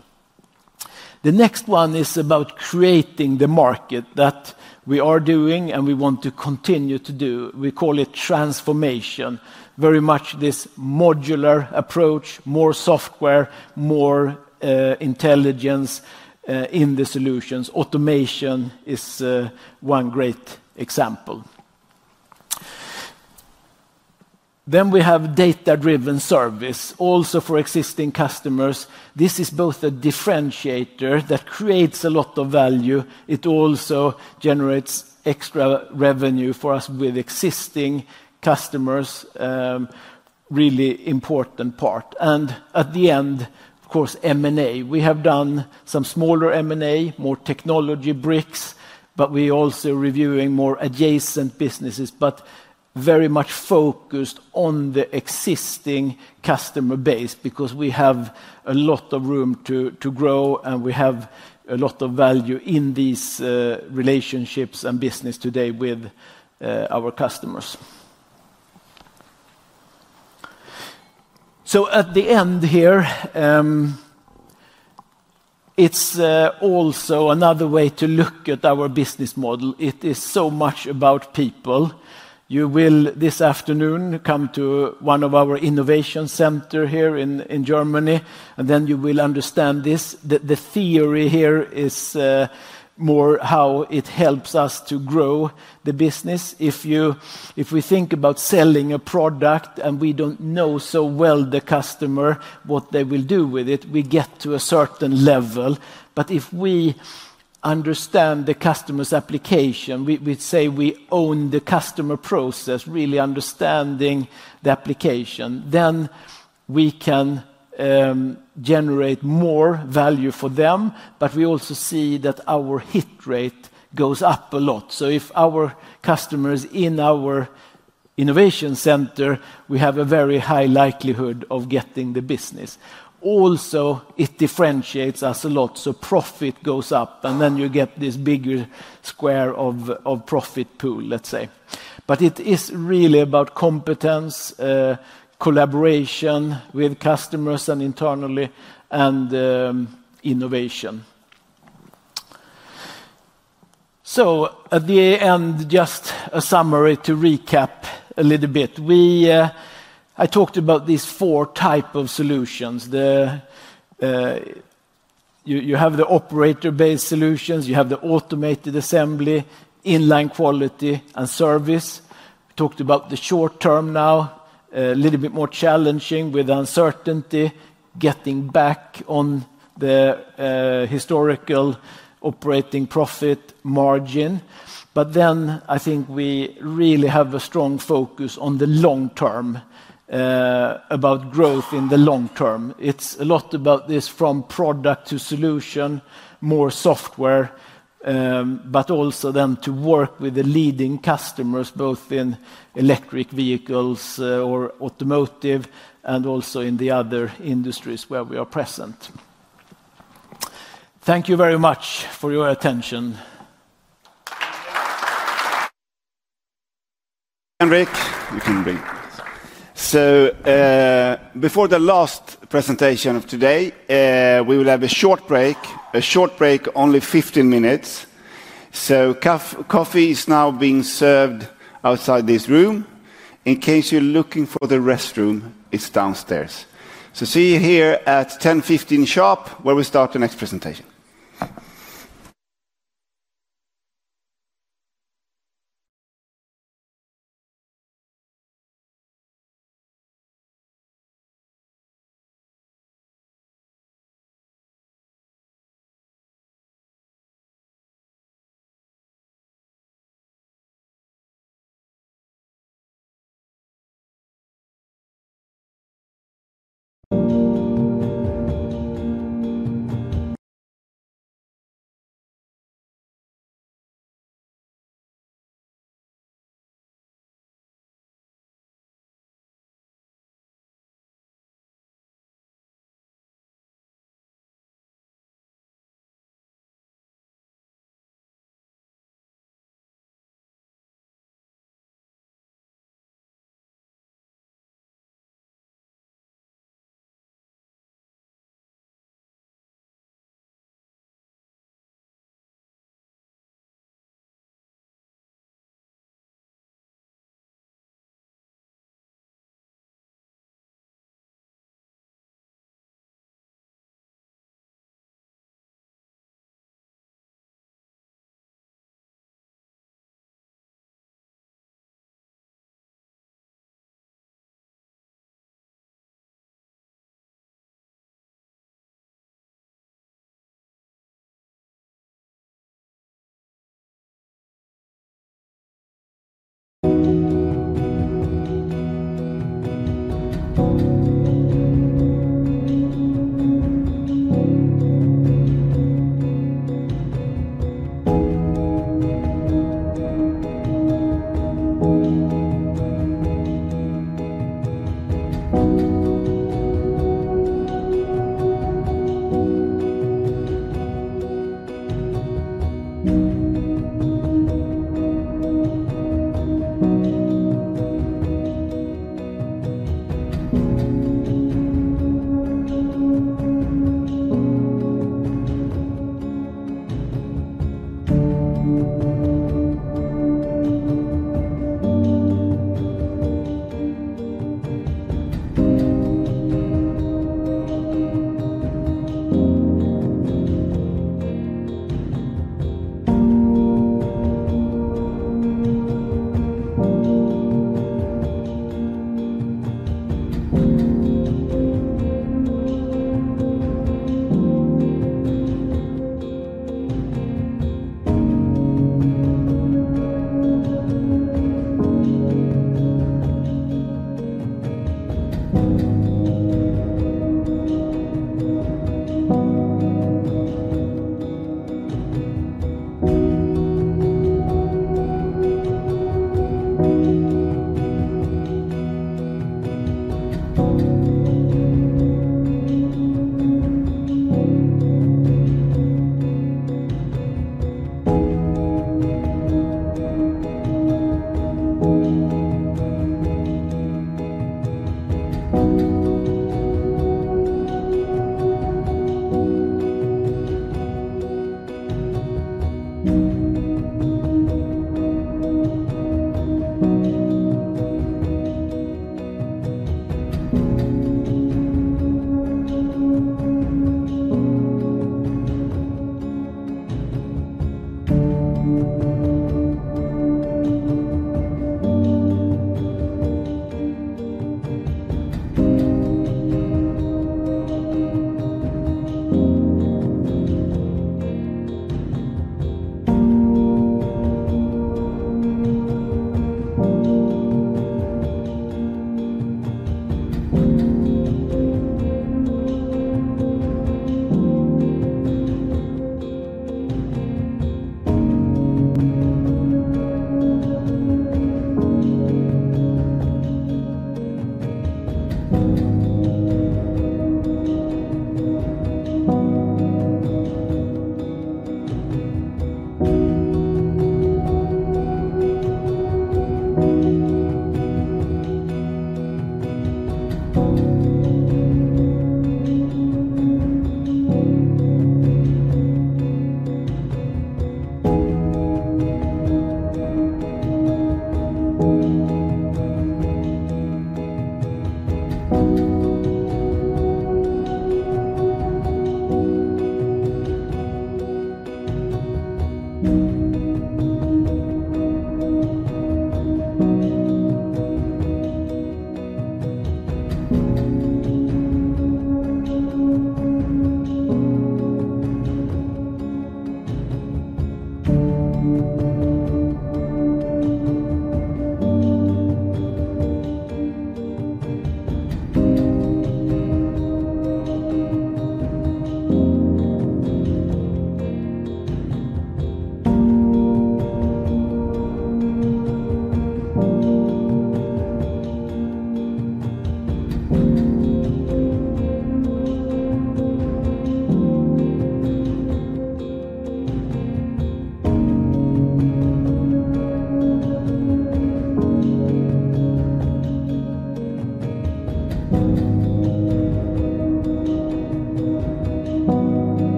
The next one is about creating the market that we are doing and we want to continue to do. We call it transformation. Very much this modular approach, more software, more intelligence in the solutions. Automation is one great example. Data-driven service also for existing customers. This is both a differentiator that creates a lot of value. It also generates extra revenue for us with existing customers, really important part. At the end, of course, M&A. We have done some smaller M&A, more technology bricks, but we are also reviewing more adjacent businesses, but very much focused on the existing customer base because we have a lot of room to grow and we have a lot of value in these relationships and business today with our customers. At the end here, it is also another way to look at our business model. It is so much about people. You will this afternoon come to one of our innovation centers here in Germany, and then you will understand this. The theory here is more how it helps us to grow the business. If we think about selling a product and we do not know so well the customer, what they will do with it, we get to a certain level. If we understand the customer's application, we say we own the customer process, really understanding the application, then we can generate more value for them. We also see that our hit rate goes up a lot. If our customer is in our innovation center, we have a very high likelihood of getting the business. It differentiates us a lot. Profit goes up, and then you get this bigger square of profit pool, let's say. It is really about competence, collaboration with customers and internally, and innovation. At the end, just a summary to recap a little bit. I talked about these four types of solutions. You have the operator-based solutions. You have the automated assembly, inline quality, and service. We talked about the short term now, a little bit more challenging with uncertainty, getting back on the historical operating profit margin. I think we really have a strong focus on the long term, about growth in the long term. It's a lot about this from product to solution, more software, but also then to work with the leading customers, both in electric vehicles or automotive and also in the other industries where we are present. Thank you very much for your attention. Henrik, you can bring. Before the last presentation of today, we will have a short break, a short break, only 15 minutes. Coffee is now being served outside this room. In case you're looking for the restroom, it's downstairs. See you here at 10:15 A.M. sharp where we start the next presentation.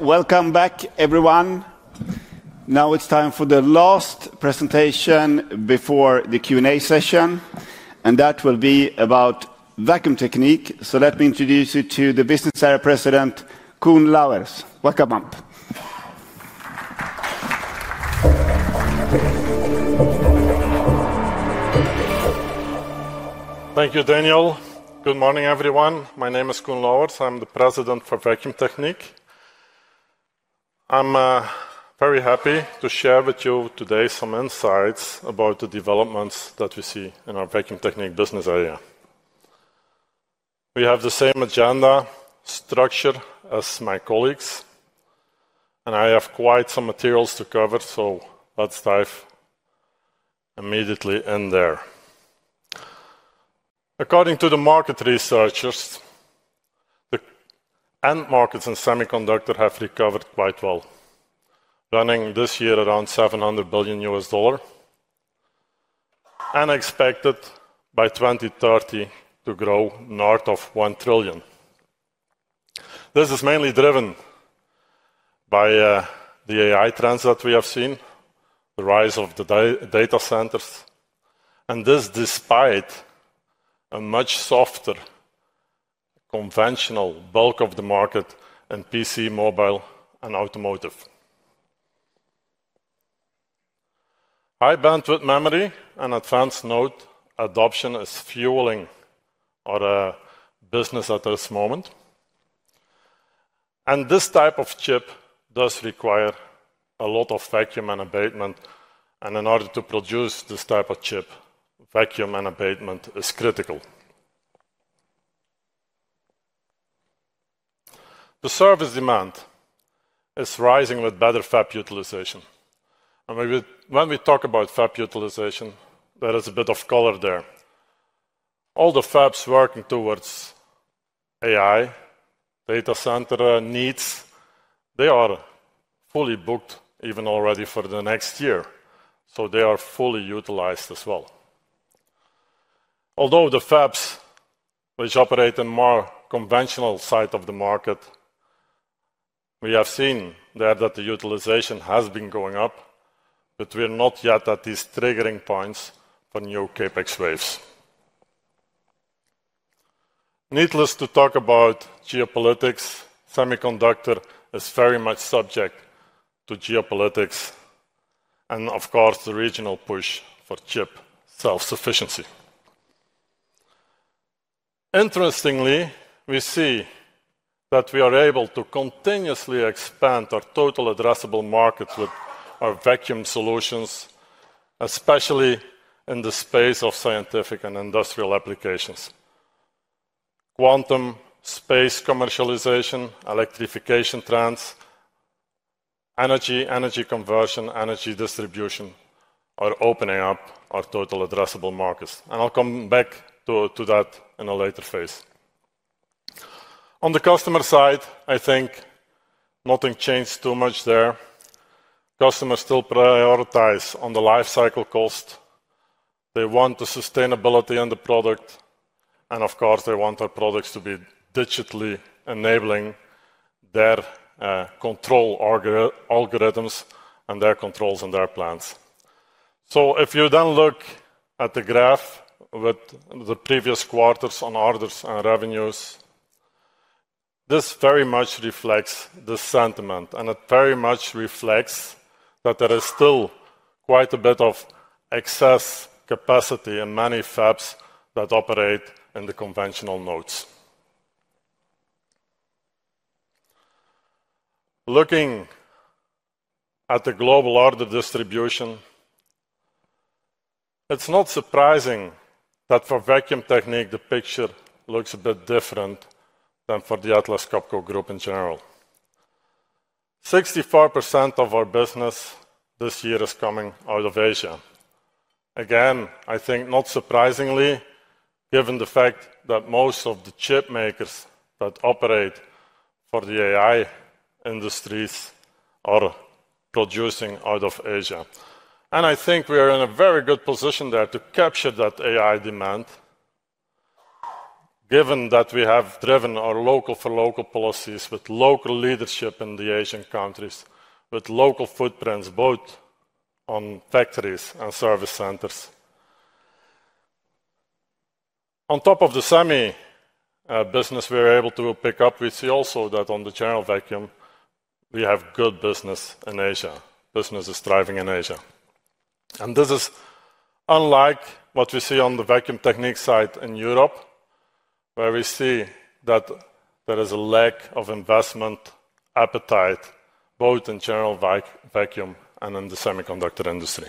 Welcome back, everyone. Now it's time for the last presentation before the Q&A session, and that will be about vacuum technique. Let me introduce you to the Business Area President, Koen Louwers. Welcome up. Thank you, Daniel. Good morning, everyone. My name is Koen Louwers. I'm the President for Vacuum Technique. I'm very happy to share with you today some insights about the developments that we see in our vacuum technique business area. We have the same agenda structure as my colleagues, and I have quite some materials to cover, so let's dive immediately in there. According to the market researchers, the end markets in semiconductor have recovered quite well, running this year around $700 billion, and expected by 2030 to grow north of $1 trillion. This is mainly driven by the AI trends that we have seen, the rise of the data centers, and this despite a much softer conventional bulk of the market in PC, mobile, and automotive. High bandwidth memory and advanced node adoption is fueling our business at this moment. This type of chip does require a lot of vacuum and abatement, and in order to produce this type of chip, vacuum and abatement is critical. The service demand is rising with better FEP utilization. When we talk about FEP utilization, there is a bit of color there. All the FEPs working towards AI data center needs, they are fully booked even already for the next year, so they are fully utilized as well. Although the FEPs, which operate in the more conventional side of the market, we have seen there that the utilization has been going up, but we're not yet at these triggering points for new CapEx waves. Needless to talk about geopolitics, semiconductor is very much subject to geopolitics, and of course, the regional push for chip self-sufficiency. Interestingly, we see that we are able to continuously expand our total addressable markets with our vacuum solutions, especially in the space of scientific and industrial applications: quantum space commercialization, electrification trends, energy, energy conversion, energy distribution are opening up our total addressable markets. I'll come back to that in a later phase. On the customer side, I think nothing changed too much there. Customers still prioritize on the lifecycle cost. They want the sustainability on the product, and of course, they want our products to be digitally enabling their control algorithms and their controls and their plans. If you then look at the graph with the previous quarters on orders and revenues, this very much reflects the sentiment, and it very much reflects that there is still quite a bit of excess capacity in many FEPs that operate in the conventional nodes. Looking at the global order distribution, it's not surprising that for vacuum technique, the picture looks a bit different than for the Atlas Copco Group in general. 64% of our business this year is coming out of Asia. Again, I think not surprisingly, given the fact that most of the chip makers that operate for the AI industries are producing out of Asia. I think we are in a very good position there to capture that AI demand, given that we have driven our local for local policies with local leadership in the Asian countries, with local footprints both on factories and service centers. On top of the semi business we were able to pick up, we see also that on the general vacuum, we have good business in Asia. Business is thriving in Asia. This is unlike what we see on the vacuum technique side in Europe, where we see that there is a lack of investment appetite both in general vacuum and in the semiconductor industry.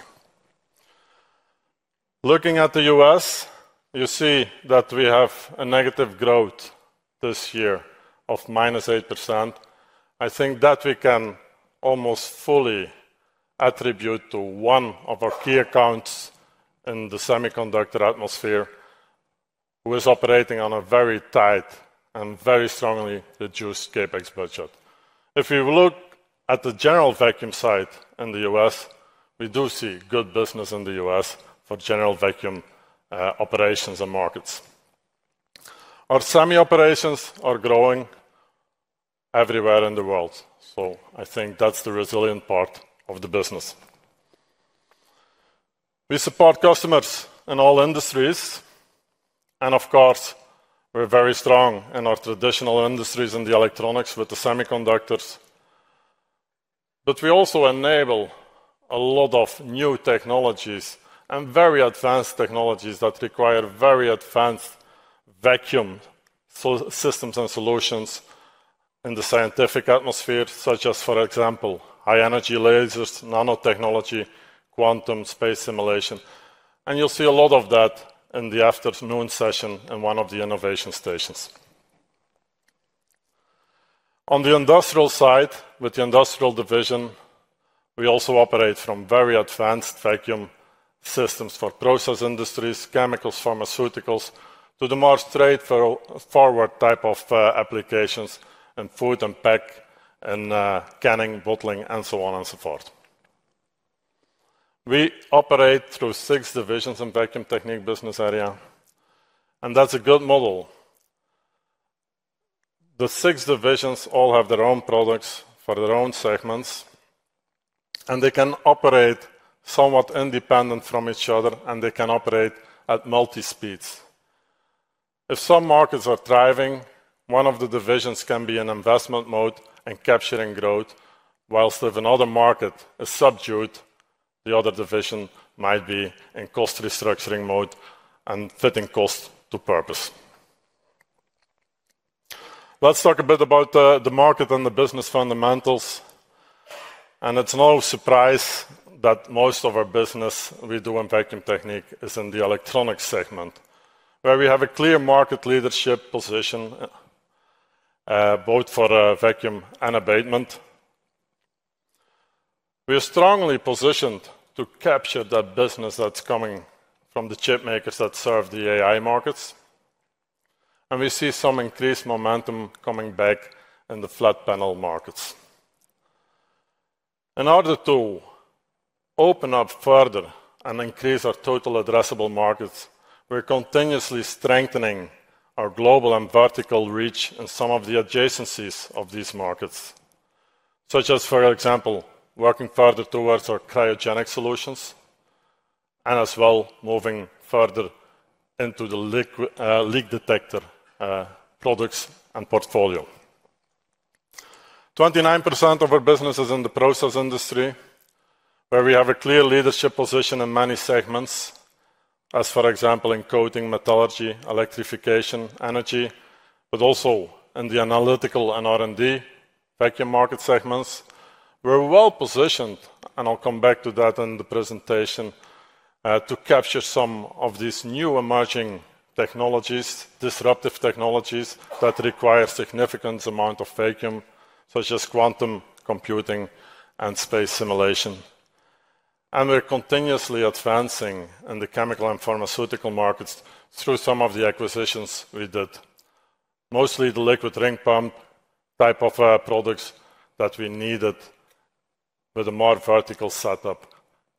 Looking at the U.S., you see that we have a negative growth this year of -8%. I think that we can almost fully attribute to one of our key accounts in the semiconductor atmosphere who is operating on a very tight and very strongly reduced CapEx budget. If we look at the general vacuum side in the U.S., we do see good business in the U.S. for general vacuum operations and markets. Our semi operations are growing everywhere in the world. I think that's the resilient part of the business. We support customers in all industries, and of course, we're very strong in our traditional industries in the electronics with the semiconductors. We also enable a lot of new technologies and very advanced technologies that require very advanced vacuum systems and solutions in the scientific atmosphere, such as, for example, high energy lasers, nanotechnology, quantum space simulation. You'll see a lot of that in the afternoon session in one of the innovation stations. On the industrial side, with the industrial division, we also operate from very advanced vacuum systems for process industries, chemicals, pharmaceuticals, to the more straightforward type of applications in food and pack and canning, bottling, and so on and so forth. We operate through six divisions in vacuum technique business area, and that's a good model. The six divisions all have their own products for their own segments, and they can operate somewhat independent from each other, and they can operate at multi-speeds. If some markets are thriving, one of the divisions can be in investment mode and capturing growth, whilst if another market is subdued, the other division might be in cost restructuring mode and fitting cost to purpose. Let's talk a bit about the market and the business fundamentals. It is no surprise that most of our business we do in vacuum technique is in the electronics segment, where we have a clear market leadership position both for vacuum and abatement. We are strongly positioned to capture that business that is coming from the chip makers that serve the AI markets, and we see some increased momentum coming back in the flat panel markets. In order to open up further and increase our total addressable markets, we are continuously strengthening our global and vertical reach in some of the adjacencies of these markets, such as, for example, working further towards our cryogenic solutions and as well moving further into the leak detector products and portfolio. 29% of our business is in the process industry, where we have a clear leadership position in many segments, as for example, in coating, metallurgy, electrification, energy, but also in the analytical and R&D vacuum market segments. We're well positioned, and I'll come back to that in the presentation, to capture some of these new emerging technologies, disruptive technologies that require a significant amount of vacuum, such as quantum computing and space simulation. We're continuously advancing in the chemical and pharmaceutical markets through some of the acquisitions we did, mostly the liquid ring pump type of products that we needed with a more vertical setup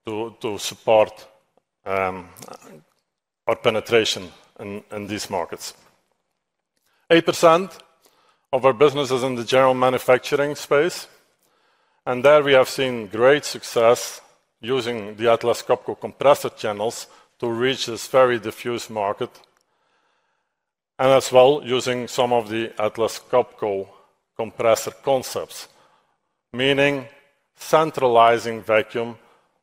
to support our penetration in these markets. 8% of our business is in the general manufacturing space, and there we have seen great success using the Atlas Copco compressor channels to reach this very diffused market, and as well using some of the Atlas Copco compressor concepts, meaning centralizing vacuum,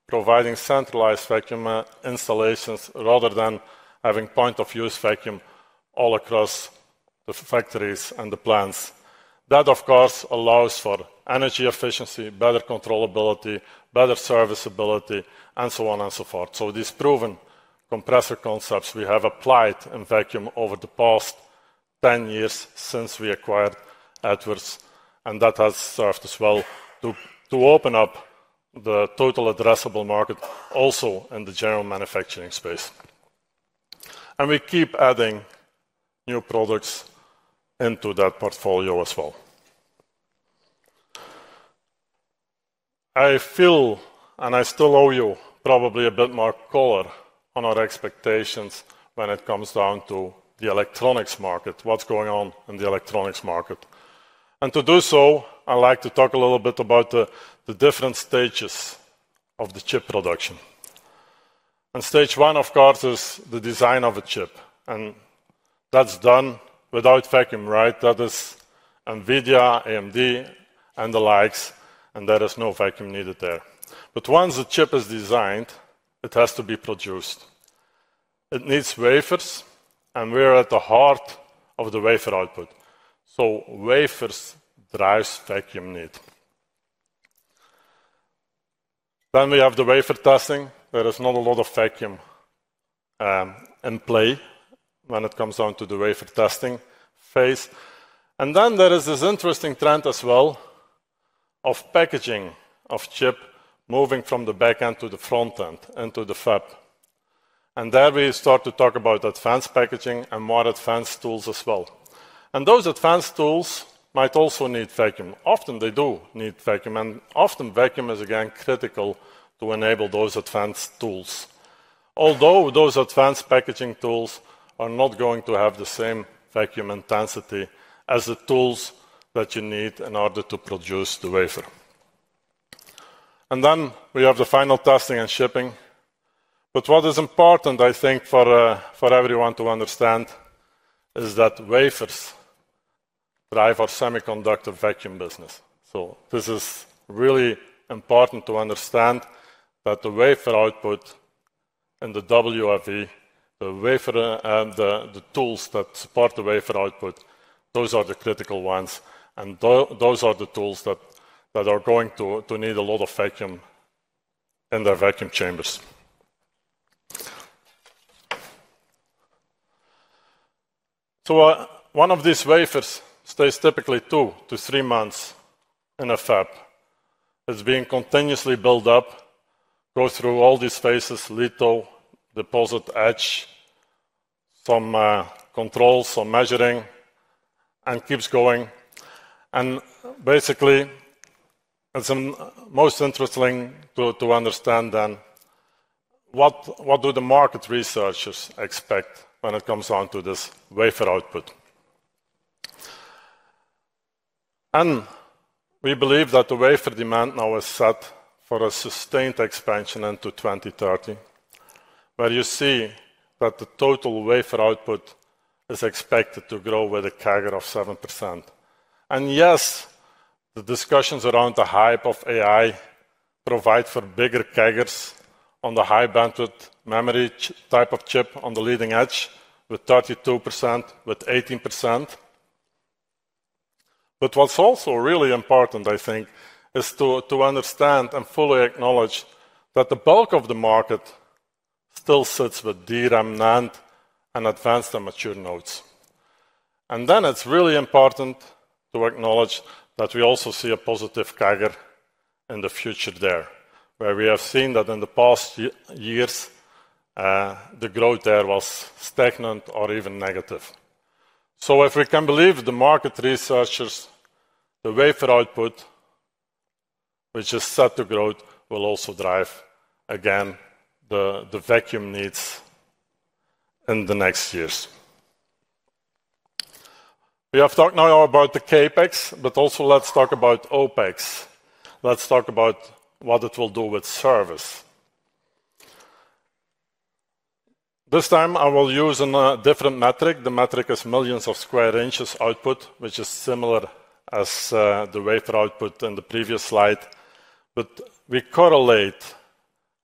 providing centralized vacuum installations rather than having point-of-use vacuum all across the factories and the plants. That, of course, allows for energy efficiency, better controllability, better serviceability, and so on and so forth. These proven compressor concepts we have applied in vacuum over the past 10 years since we acquired Atlas, and that has served as well to open up the total addressable market also in the general manufacturing space. We keep adding new products into that portfolio as well. I feel, and I still owe you probably a bit more color on our expectations when it comes down to the electronics market, what's going on in the electronics market. To do so, I'd like to talk a little bit about the different stages of the chip production. Stage one, of course, is the design of a chip, and that's done without vacuum, right? That is Nvidia, AMD, and the likes, and there is no vacuum needed there. Once the chip is designed, it has to be produced. It needs wafers, and we're at the heart of the wafer output. Wafers drive vacuum need. We have the wafer testing. There is not a lot of vacuum in play when it comes down to the wafer testing phase. There is this interesting trend as well of packaging of chip moving from the back end to the front end into the fab. There we start to talk about advanced packaging and more advanced tools as well. Those advanced tools might also need vacuum. Often they do need vacuum, and often vacuum is, again, critical to enable those advanced tools, although those advanced packaging tools are not going to have the same vacuum intensity as the tools that you need in order to produce the wafer. We have the final testing and shipping. What is important, I think, for everyone to understand is that wafers drive our semiconductor vacuum business. This is really important to understand that the wafer output and the WRV, the wafer and the tools that support the wafer output, those are the critical ones, and those are the tools that are going to need a lot of vacuum in their vacuum chambers. One of these wafers stays typically two to three months in a fab. It's being continuously built up, goes through all these phases: lethal, deposit, etch, some controls, some measuring, and keeps going. Basically, it's most interesting to understand then what do the market researchers expect when it comes down to this wafer output. We believe that the wafer demand now is set for a sustained expansion into 2030, where you see that the total wafer output is expected to grow with a CAGR of 7%. Yes, the discussions around the hype of AI provide for bigger CAGRs on the high bandwidth memory type of chip on the leading edge with 32%, with 18%. What is also really important, I think, is to understand and fully acknowledge that the bulk of the market still sits with DRAM, NAND, and advanced and mature nodes. It is really important to acknowledge that we also see a positive CAGR in the future there, where we have seen that in the past years, the growth there was stagnant or even negative. If we can believe the market researchers, the wafer output, which is set to grow, will also drive, again, the vacuum needs in the next years. We have talked now about the CapEx, but also let's talk about OpEx. Let's talk about what it will do with service. This time, I will use a different metric. The metric is millions of square inches output, which is similar as the wafer output in the previous slide. We correlate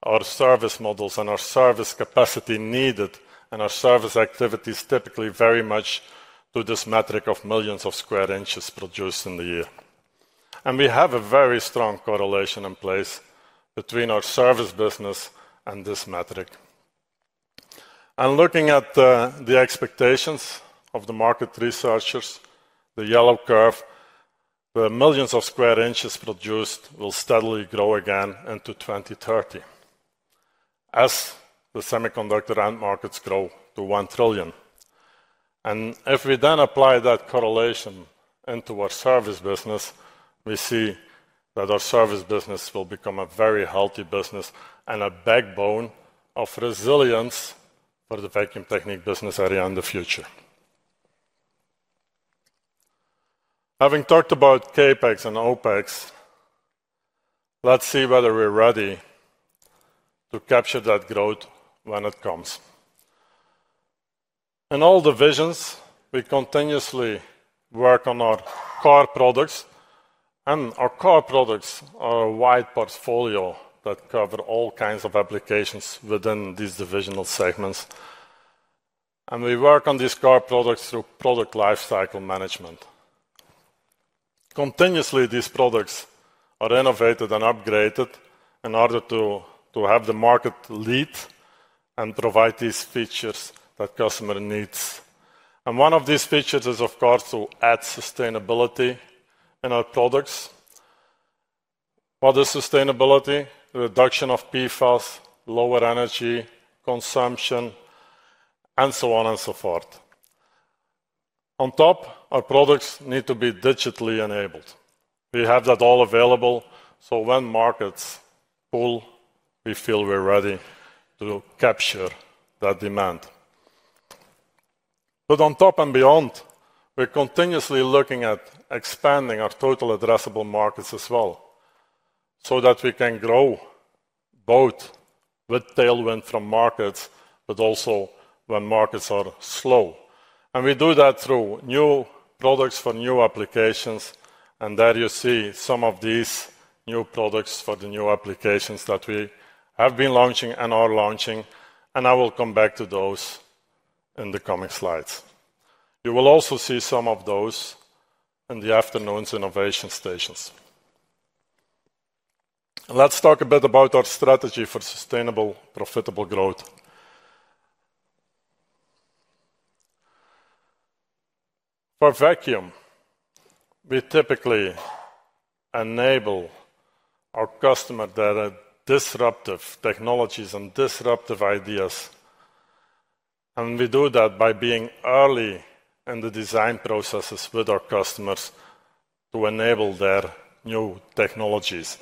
our service models and our service capacity needed and our service activities typically very much to this metric of millions of square inches produced in the year. We have a very strong correlation in place between our service business and this metric. Looking at the expectations of the market researchers, the yellow curve, the millions of square inches produced will steadily grow again into 2030 as the semiconductor end markets grow to $1 trillion. If we then apply that correlation into our service business, we see that our service business will become a very healthy business and a backbone of resilience for the vacuum technique business area in the future. Having talked about CapEx and OpEx, let's see whether we're ready to capture that growth when it comes. In all divisions, we continuously work on our core products, and our core products are a wide portfolio that cover all kinds of applications within these divisional segments. We work on these core products through product lifecycle management. Continuously, these products are innovated and upgraded in order to have the market lead and provide these features that customer needs. One of these features is, of course, to add sustainability in our products. What is sustainability? Reduction of PFAS, lower energy consumption, and so on and so forth. On top, our products need to be digitally enabled. We have that all available, so when markets pull, we feel we're ready to capture that demand. On top and beyond, we're continuously looking at expanding our total addressable markets as well so that we can grow both with tailwind from markets, but also when markets are slow. We do that through new products for new applications. There you see some of these new products for the new applications that we have been launching and are launching. I will come back to those in the coming slides. You will also see some of those in the afternoon's innovation stations. Let's talk a bit about our strategy for sustainable, profitable growth. For vacuum, we typically enable our customer that are disruptive technologies and disruptive ideas. We do that by being early in the design processes with our customers to enable their new technologies.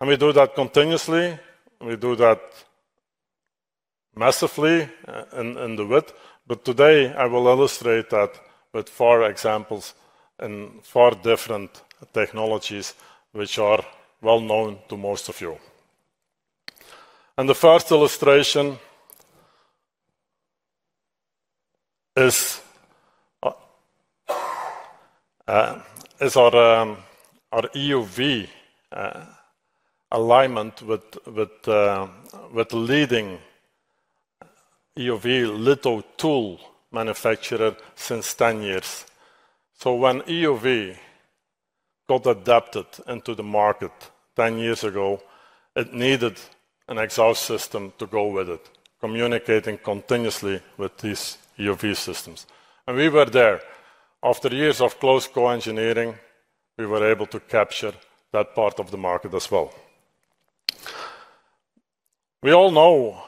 We do that continuously. We do that massively in the width. Today, I will illustrate that with four examples in four different technologies which are well known to most of you. The first illustration is our EUV alignment with leading EUV litho tool manufacturer since 10 years. When EUV got adapted into the market 10 years ago, it needed an exhaust system to go with it, communicating continuously with these EUV systems. We were there. After years of close co-engineering, we were able to capture that part of the market as well. We all know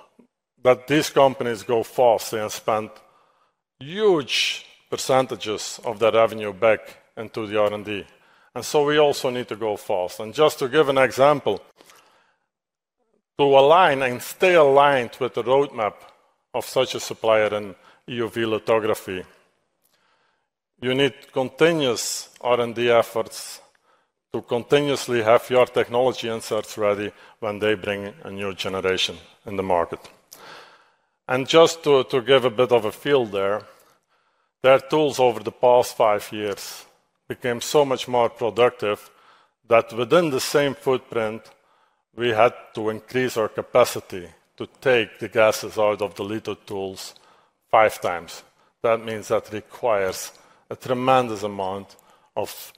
that these companies go fast and spend huge percentages of their revenue back into the R&D. We also need to go fast. Just to give an example, to align and stay aligned with the roadmap of such a supplier in EUV lithography, you need continuous R&D efforts to continuously have your technology inserts ready when they bring a new generation in the market. Just to give a bit of a feel there, their tools over the past five years became so much more productive that within the same footprint, we had to increase our capacity to take the gases out of the EUV tools five times. That means that requires a tremendous amount of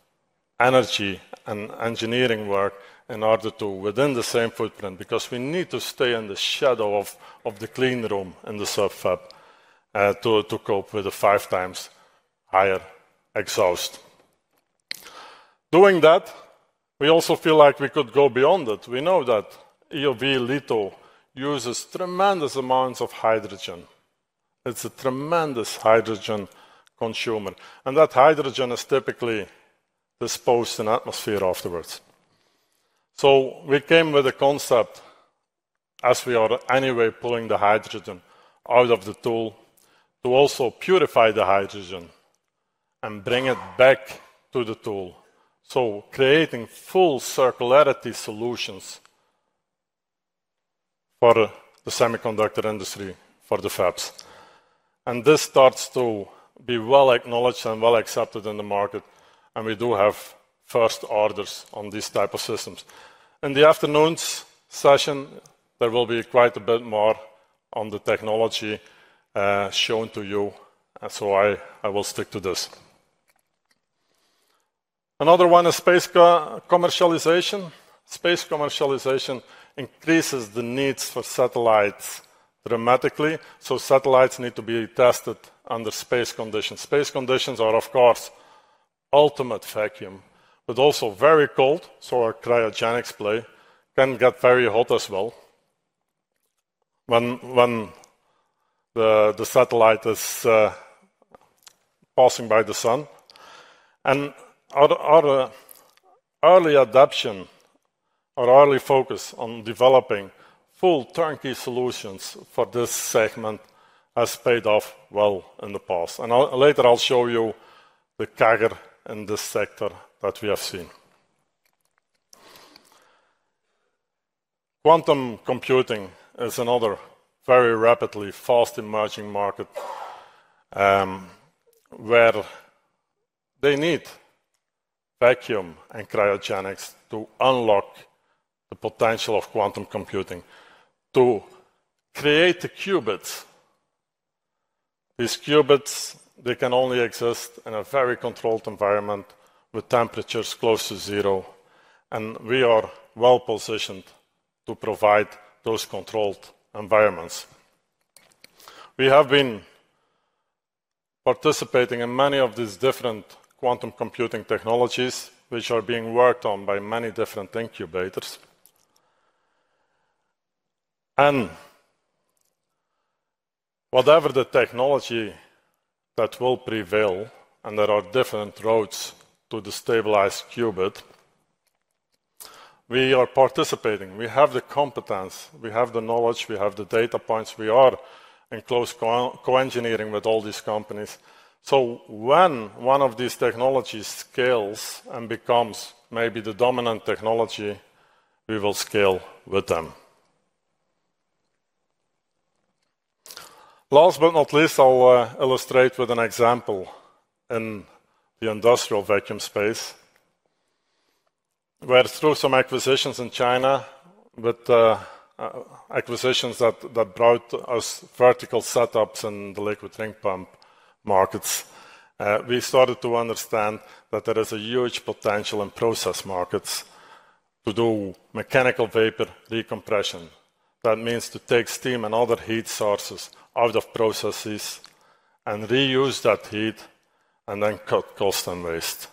energy and engineering work in order to, within the same footprint, because we need to stay in the shadow of the clean room in the subfab to cope with the five times higher exhaust. Doing that, we also feel like we could go beyond it. We know that EUV uses tremendous amounts of hydrogen. It's a tremendous hydrogen consumer. That hydrogen is typically disposed in atmosphere afterwards. We came with a concept as we are anyway pulling the hydrogen out of the tool to also purify the hydrogen and bring it back to the tool. Creating full circularity solutions for the semiconductor industry for the fabs. This starts to be well acknowledged and well accepted in the market. We do have first orders on these types of systems. In the afternoon's session, there will be quite a bit more on the technology shown to you. I will stick to this. Another one is space commercialization. Space commercialization increases the needs for satellites dramatically. Satellites need to be tested under space conditions. Space conditions are, of course, ultimate vacuum, but also very cold. Our cryogenics play can get very hot as well when the satellite is passing by the sun. Our early adoption or early focus on developing full turnkey solutions for this segment has paid off well in the past. Later, I'll show you the CAGR in this sector that we have seen. Quantum computing is another very rapidly fast emerging market where they need vacuum and cryogenics to unlock the potential of quantum computing to create the qubits. These qubits, they can only exist in a very controlled environment with temperatures close to zero. We are well positioned to provide those controlled environments. We have been participating in many of these different quantum computing technologies, which are being worked on by many different incubators. Whatever the technology that will prevail, and there are different roads to the stabilized qubit, we are participating. We have the competence. We have the knowledge. We have the data points. We are in close co-engineering with all these companies. When one of these technologies scales and becomes maybe the dominant technology, we will scale with them. Last but not least, I'll illustrate with an example in the industrial vacuum space, where through some acquisitions in China, with acquisitions that brought us vertical setups in the liquid ring pump markets, we started to understand that there is a huge potential in process markets to do mechanical vapor decompression. That means to take steam and other heat sources out of processes and reuse that heat and then cut cost and waste.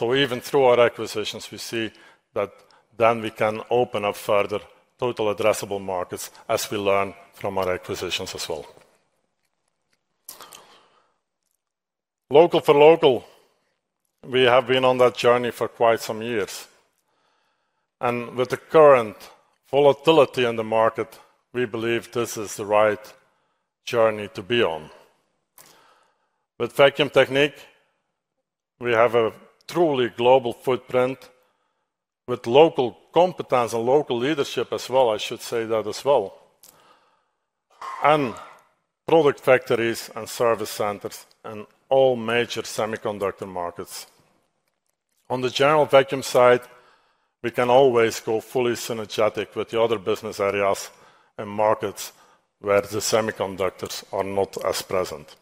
Even through our acquisitions, we see that then we can open up further total addressable markets as we learn from our acquisitions as well. Local for local, we have been on that journey for quite some years. With the current volatility in the market, we believe this is the right journey to be on. With vacuum technique, we have a truly global footprint with local competence and local leadership as well. I should say that as well. Product factories and service centers are in all major semiconductor markets. On the general vacuum side, we can always go fully synergetic with the other business areas and markets where the semiconductors are not as present.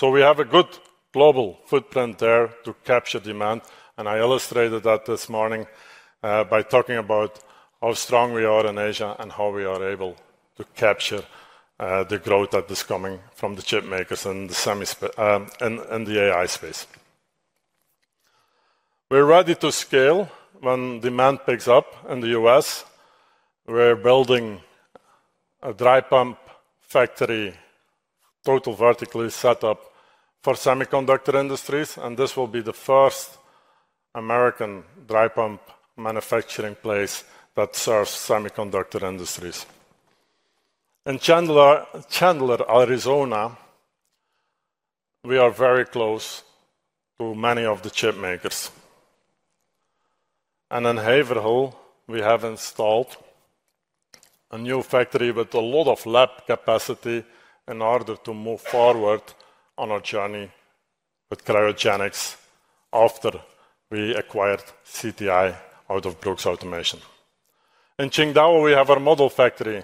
We have a good global footprint there to capture demand. I illustrated that this morning by talking about how strong we are in Asia and how we are able to capture the growth that is coming from the chip makers and the AI space. We're ready to scale when demand picks up in the U.S. We're building a dry pump factory total vertically setup for semiconductor industries. This will be the first American dry pump manufacturing place that serves semiconductor industries. In Chandler, Arizona, we are very close to many of the chip makers. In Haverhill, we have installed a new factory with a lot of lab capacity in order to move forward on our journey with cryogenics after we acquired CTI out of Brooks Automation. In Qingdao, we have our model factory.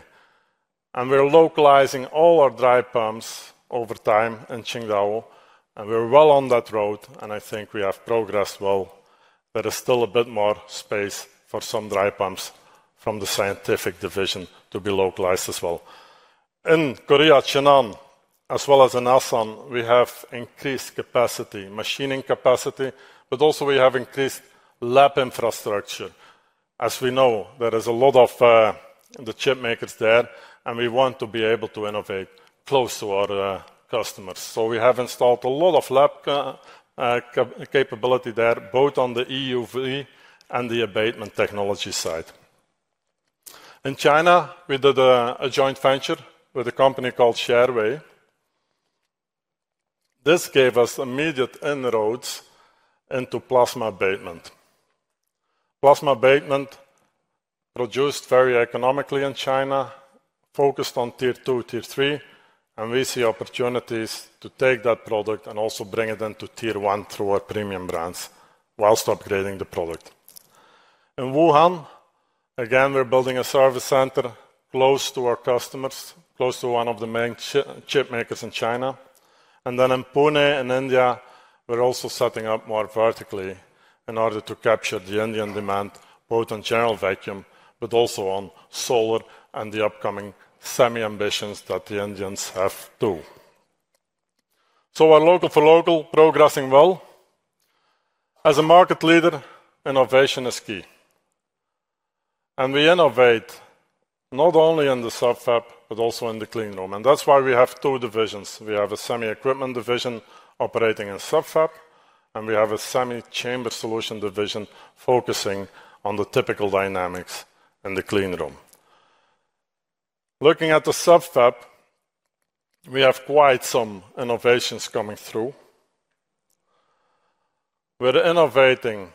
We are localizing all our dry pumps over time in Qingdao. We are well on that road. I think we have progressed well. There is still a bit more space for some dry pumps from the scientific division to be localized as well. In Korea, Chennai, as well as in Asan, we have increased capacity, machining capacity, but also we have increased lab infrastructure. As we know, there is a lot of the chip makers there, and we want to be able to innovate close to our customers. We have installed a lot of lab capability there, both on the EUV and the abatement technology side. In China, we did a joint venture with a company called ShareWay. This gave us immediate inroads into plasma abatement. Plasma abatement produced very economically in China, focused on tier two, tier three, and we see opportunities to take that product and also bring it into tier one through our premium brands whilst upgrading the product. In Wuhan, again, we're building a service center close to our customers, close to one of the main chip makers in China. In Pune in India, we're also setting up more vertically in order to capture the Indian demand, both on general vacuum, but also on solar and the upcoming semi ambitions that the Indians have too. Our local for local progressing well. As a market leader, innovation is key. We innovate not only in the subfab, but also in the clean room. That's why we have two divisions. We have a semi equipment division operating in subfab, and we have a semi chamber solution division focusing on the typical dynamics in the clean room. Looking at the subfab, we have quite some innovations coming through. We're innovating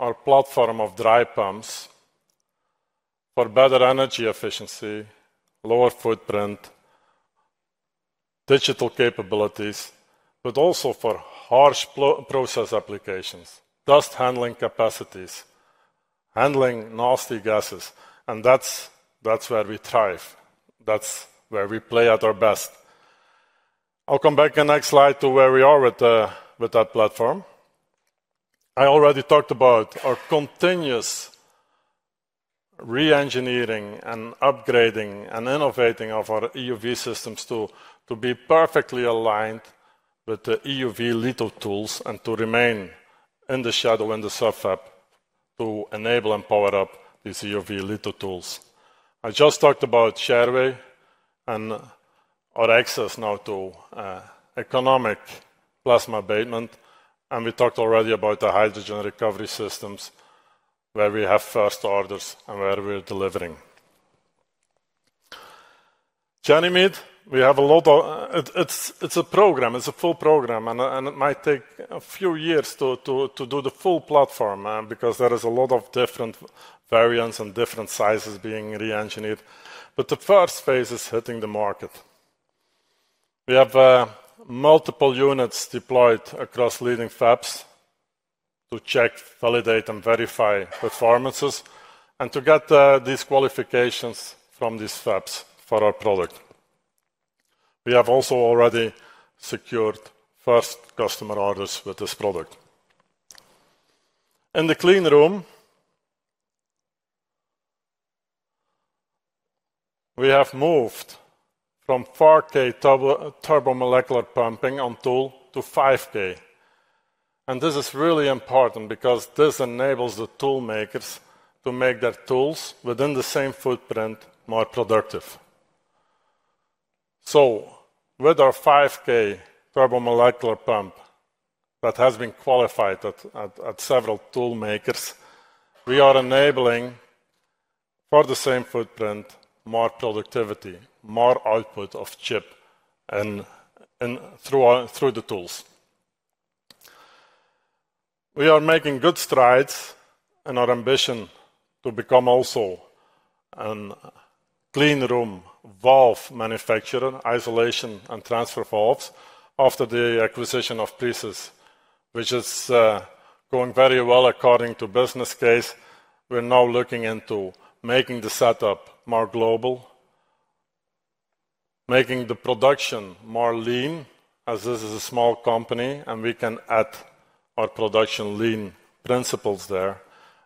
our platform of dry pumps for better energy efficiency, lower footprint, digital capabilities, but also for harsh process applications, dust handling capacities, handling nasty gases. That's where we thrive. That's where we play at our best. I'll come back in the next slide to where we are with that platform. I already talked about our continuous re-engineering and upgrading and innovating of our EUV systems to be perfectly aligned with the EUV litho tools and to remain in the shadow in the subfab to enable and power up these EUV litho tools. I just talked about ShareWay and our access now to economic plasma abatement. We talked already about the hydrogen recovery systems where we have first orders and where we're delivering. GenMade, we have a lot of it's a program. It's a full program. It might take a few years to do the full platform because there is a lot of different variants and different sizes being re-engineered. The first phase is hitting the market. We have multiple units deployed across leading fabs to check, validate, and verify performances and to get these qualifications from these fabs for our product. We have also already secured first customer orders with this product. In the clean room, we have moved from 4K turbomolecular pumping on tool to 5K. This is really important because this enables the tool makers to make their tools within the same footprint more productive. With our 5K turbomolecular pump that has been qualified at several tool makers, we are enabling for the same footprint more productivity, more output of chip through the tools. We are making good strides in our ambition to become also a clean room valve manufacturer, isolation and transfer valves after the acquisition of pieces, which is going very well according to business case. We're now looking into making the setup more global, making the production more lean as this is a small company and we can add our production lean principles there,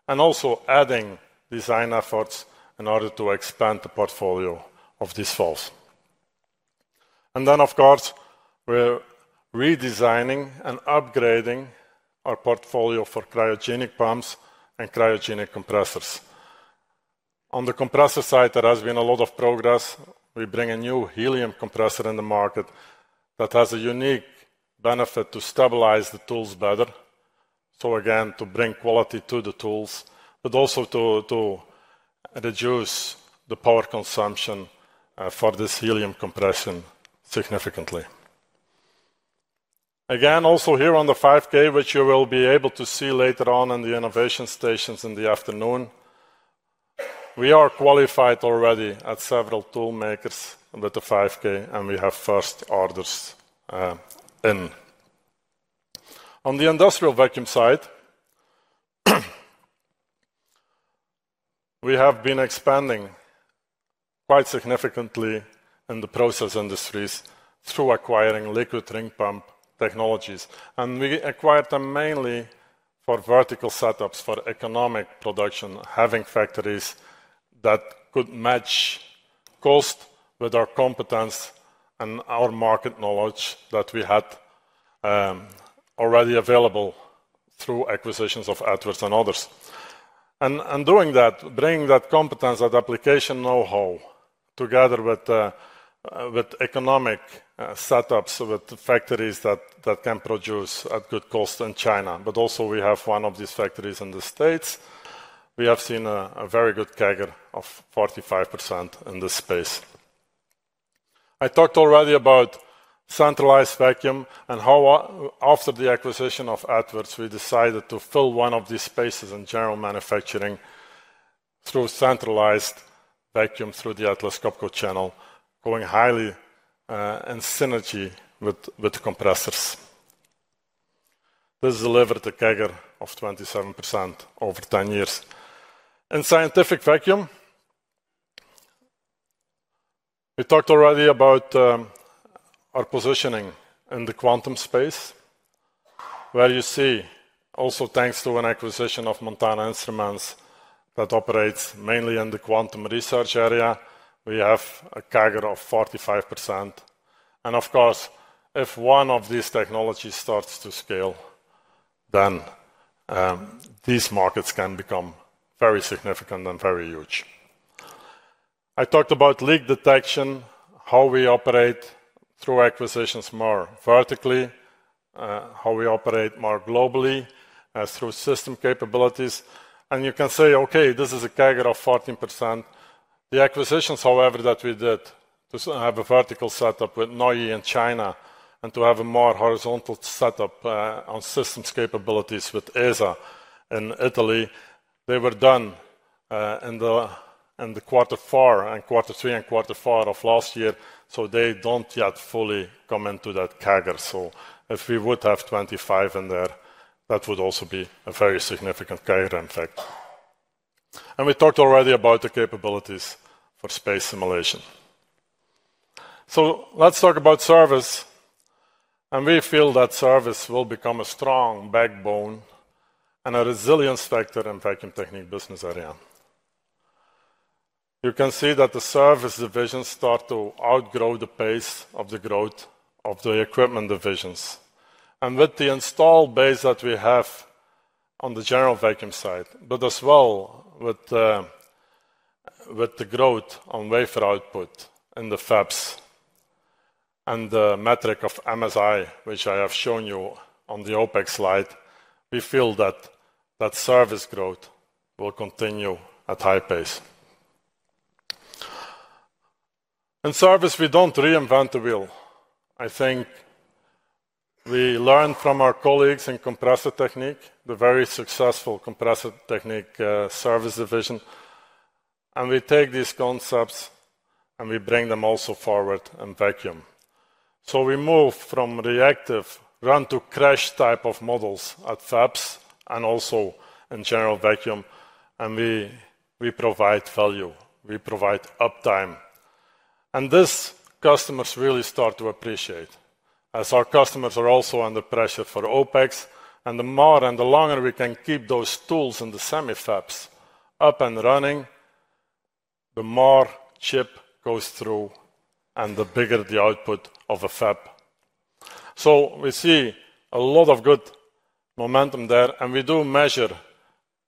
and also adding design efforts in order to expand the portfolio of these valves. Of course, we're redesigning and upgrading our portfolio for cryogenic pumps and cryogenic compressors. On the compressor side, there has been a lot of progress. We bring a new helium compressor in the market that has a unique benefit to stabilize the tools better. Again, to bring quality to the tools, but also to reduce the power consumption for this helium compression significantly. Also here on the 5K, which you will be able to see later on in the innovation stations in the afternoon, we are qualified already at several tool makers with the 5K and we have first orders in. On the industrial vacuum side, we have been expanding quite significantly in the process industries through acquiring liquid ring pump technologies. We acquired them mainly for vertical setups for economic production, having factories that could match cost with our competence and our market knowledge that we had already available through acquisitions of Edwards and others. Doing that, bringing that competence, that application know-how together with economic setups with factories that can produce at good cost in China. We also have one of these factories in the States. We have seen a very good CAGR of 45% in this space. I talked already about centralized vacuum and how after the acquisition of Edwards, we decided to fill one of these spaces in general manufacturing through centralized vacuum through the Atlas Copco channel, going highly in synergy with compressors. This delivered a CAGR of 27% over 10 years. In scientific vacuum, we talked already about our positioning in the quantum space, where you see also thanks to an acquisition of Montana Instruments that operates mainly in the quantum research area, we have a CAGR of 45%. If one of these technologies starts to scale, then these markets can become very significant and very huge. I talked about leak detection, how we operate through acquisitions more vertically, how we operate more globally as through system capabilities. You can say, okay, this is a CAGR of 14%. The acquisitions, however, that we did to have a vertical setup with NOIE in China and to have a more horizontal setup on systems capabilities with ESA in Italy, they were done in the quarter four and quarter three and quarter four of last year. They do not yet fully come into that CAGR. If we would have 25 in there, that would also be a very significant CAGR, in fact. We talked already about the capabilities for space simulation. Let's talk about service. We feel that service will become a strong backbone and a resilience factor in vacuum technique business area. You can see that the service divisions start to outgrow the pace of the growth of the equipment divisions. With the installed base that we have on the general vacuum side, but as well with the growth on wafer output in the fabs and the metric of MSI, which I have shown you on the OPEX slide, we feel that that service growth will continue at high pace. In service, we don't reinvent the wheel. I think we learned from our colleagues in compressor technique, the very successful compressor technique service division. We take these concepts and we bring them also forward in vacuum. We move from reactive run-to-crash type of models at fabs and also in general vacuum. We provide value. We provide uptime. This customers really start to appreciate as our customers are also under pressure for OPEX. The more and the longer we can keep those tools in the semi fabs up and running, the more chip goes through and the bigger the output of a fab. We see a lot of good momentum there. We do measure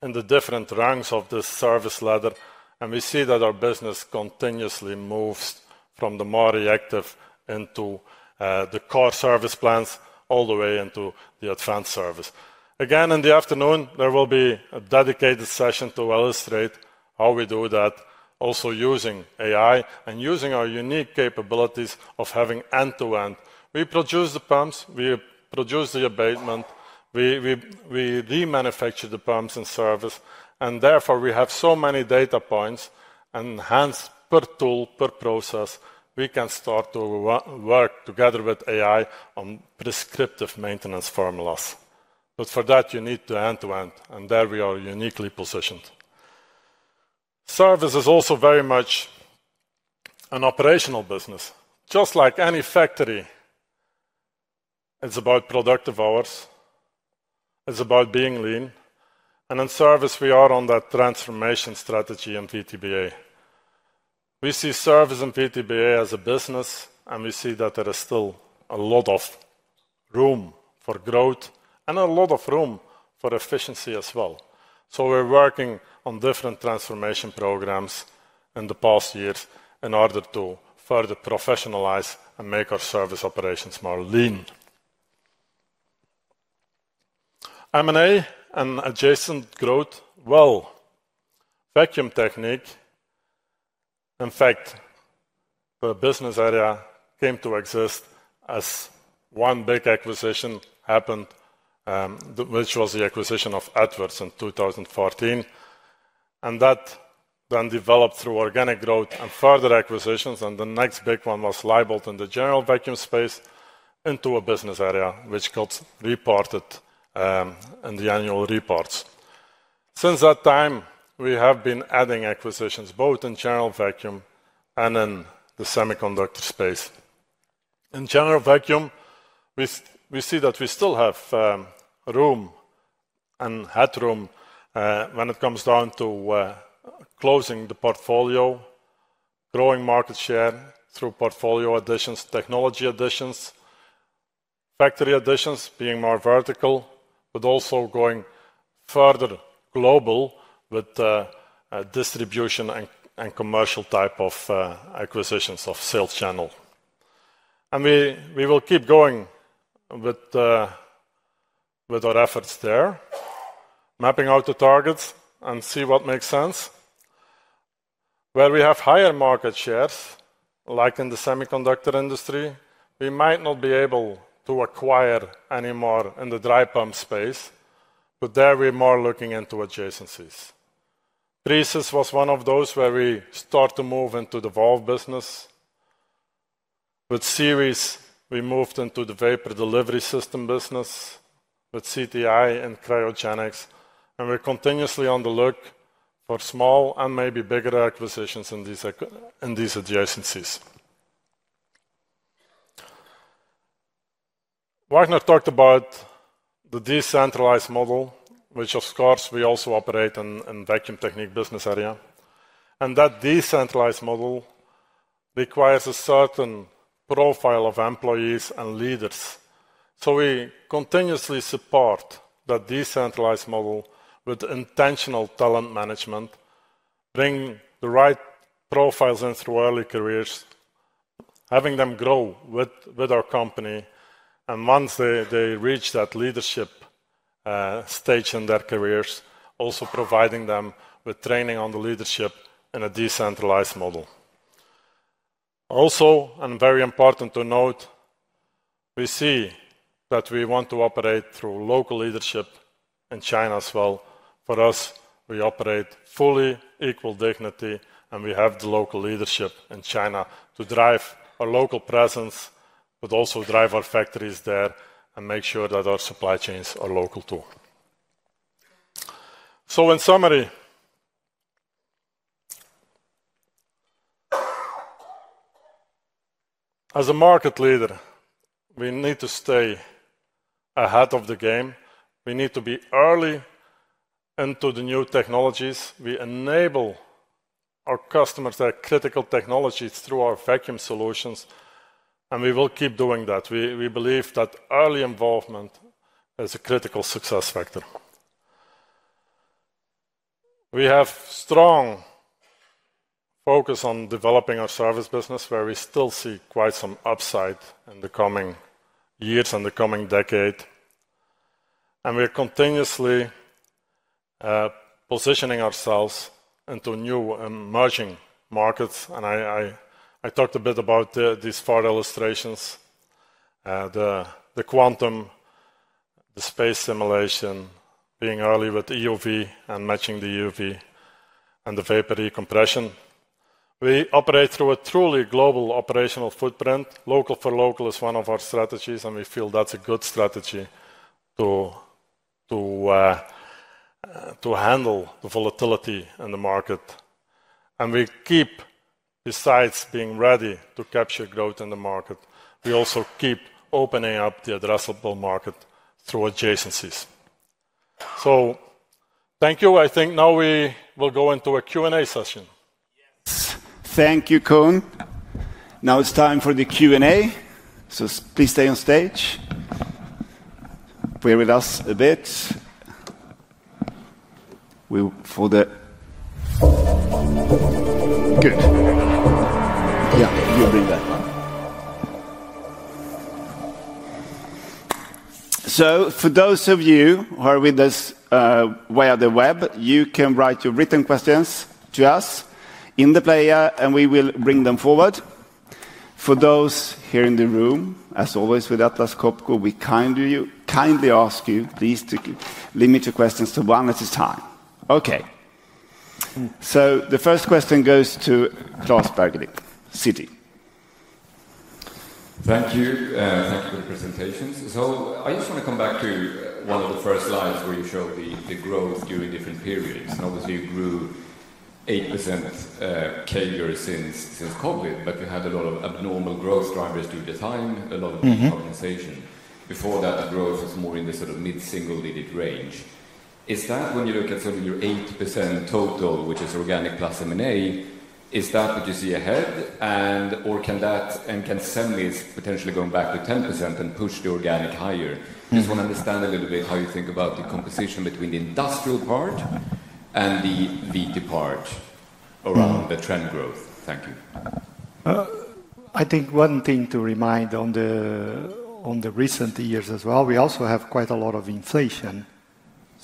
in the different ranks of this service ladder. We see that our business continuously moves from the more reactive into the core service plans all the way into the advanced service. Again, in the afternoon, there will be a dedicated session to illustrate how we do that, also using AI and using our unique capabilities of having end-to-end. We produce the pumps, we produce the abatement, we remanufacture the pumps and service. Therefore, we have so many data points and hands per tool, per process, we can start to work together with AI on prescriptive maintenance formulas. For that, you need to end-to-end. There we are uniquely positioned. Service is also very much an operational business. Just like any factory, it is about productive hours. It is about being lean. In service, we are on that transformation strategy in VTBA. We see service in VTBA as a business, and we see that there is still a lot of room for growth and a lot of room for efficiency as well. We're working on different transformation programs in the past years in order to further professionalize and make our service operations more lean. M&A and adjacent growth. Vacuum technique, in fact, the business area came to exist as one big acquisition happened, which was the acquisition of Edwards in 2014. That then developed through organic growth and further acquisitions. The next big one was Leybold in the general vacuum space into a business area, which got reported in the annual reports. Since that time, we have been adding acquisitions both in general vacuum and in the semiconductor space. In general vacuum, we see that we still have room and headroom when it comes down to closing the portfolio, growing market share through portfolio additions, technology additions, factory additions being more vertical, but also going further global with distribution and commercial type of acquisitions of sales channel. We will keep going with our efforts there, mapping out the targets and see what makes sense. Where we have higher market shares, like in the semiconductor industry, we might not be able to acquire anymore in the dry pump space, but there we are more looking into adjacencies. Prius was one of those where we start to move into the valve business. With Series, we moved into the vapor delivery system business with CTI and cryogenics. We are continuously on the look for small and maybe bigger acquisitions in these adjacencies. Vagner talked about the decentralized model, which of course we also operate in the vacuum technique business area. That decentralized model requires a certain profile of employees and leaders. We continuously support that decentralized model with intentional talent management, bringing the right profiles in through early careers, having them grow with our company. Once they reach that leadership stage in their careers, also providing them with training on the leadership in a decentralized model. Also, and very important to note, we see that we want to operate through local leadership in China as well. For us, we operate fully equal dignity, and we have the local leadership in China to drive our local presence, but also drive our factories there and make sure that our supply chains are local too. In summary, as a market leader, we need to stay ahead of the game. We need to be early into the new technologies. We enable our customers that are critical technologies through our vacuum solutions. We will keep doing that. We believe that early involvement is a critical success factor. We have strong focus on developing our service business, where we still see quite some upside in the coming years and the coming decade. We are continuously positioning ourselves into new emerging markets. I talked a bit about these four illustrations, the quantum, the space simulation, being early with EUV and matching the EUV and the vapor decompression. We operate through a truly global operational footprint. Local for local is one of our strategies, and we feel that's a good strategy to handle the volatility in the market. We keep, besides being ready to capture growth in the market, we also keep opening up the addressable market through adjacencies. Thank you. I think now we will go into a Q&A session. Yes. Thank you, Koen. Now it's time for the Q&A. Please stay on stage. Bear with us a bit. Good. Yeah, you'll bring that. For those of you who are with us via the web, you can write your written questions to us in the player, and we will bring them forward. For those here in the room, as always with Atlas Copco, we kindly ask you, please limit your questions to one at a time. Okay. The first question goes to Klaus Berglick, CT. Thank you. Thank you for the presentations. I just want to come back to one of the first slides where you showed the growth during different periods. Obviously, you grew 8% CAGR since COVID, but you had a lot of abnormal growth drivers through the time, a lot of decarbonization. Before that, the growth was more in the sort of mid-single digit range. Is that when you look at sort of your 8% total, which is organic plus M&A, is that what you see ahead? Can SEMIs potentially go back to 10% and push the organic higher? I just want to understand a little bit how you think about the composition between the industrial part and the VT part around the trend growth. Thank you. I think one thing to remind on the recent years as well, we also have quite a lot of inflation.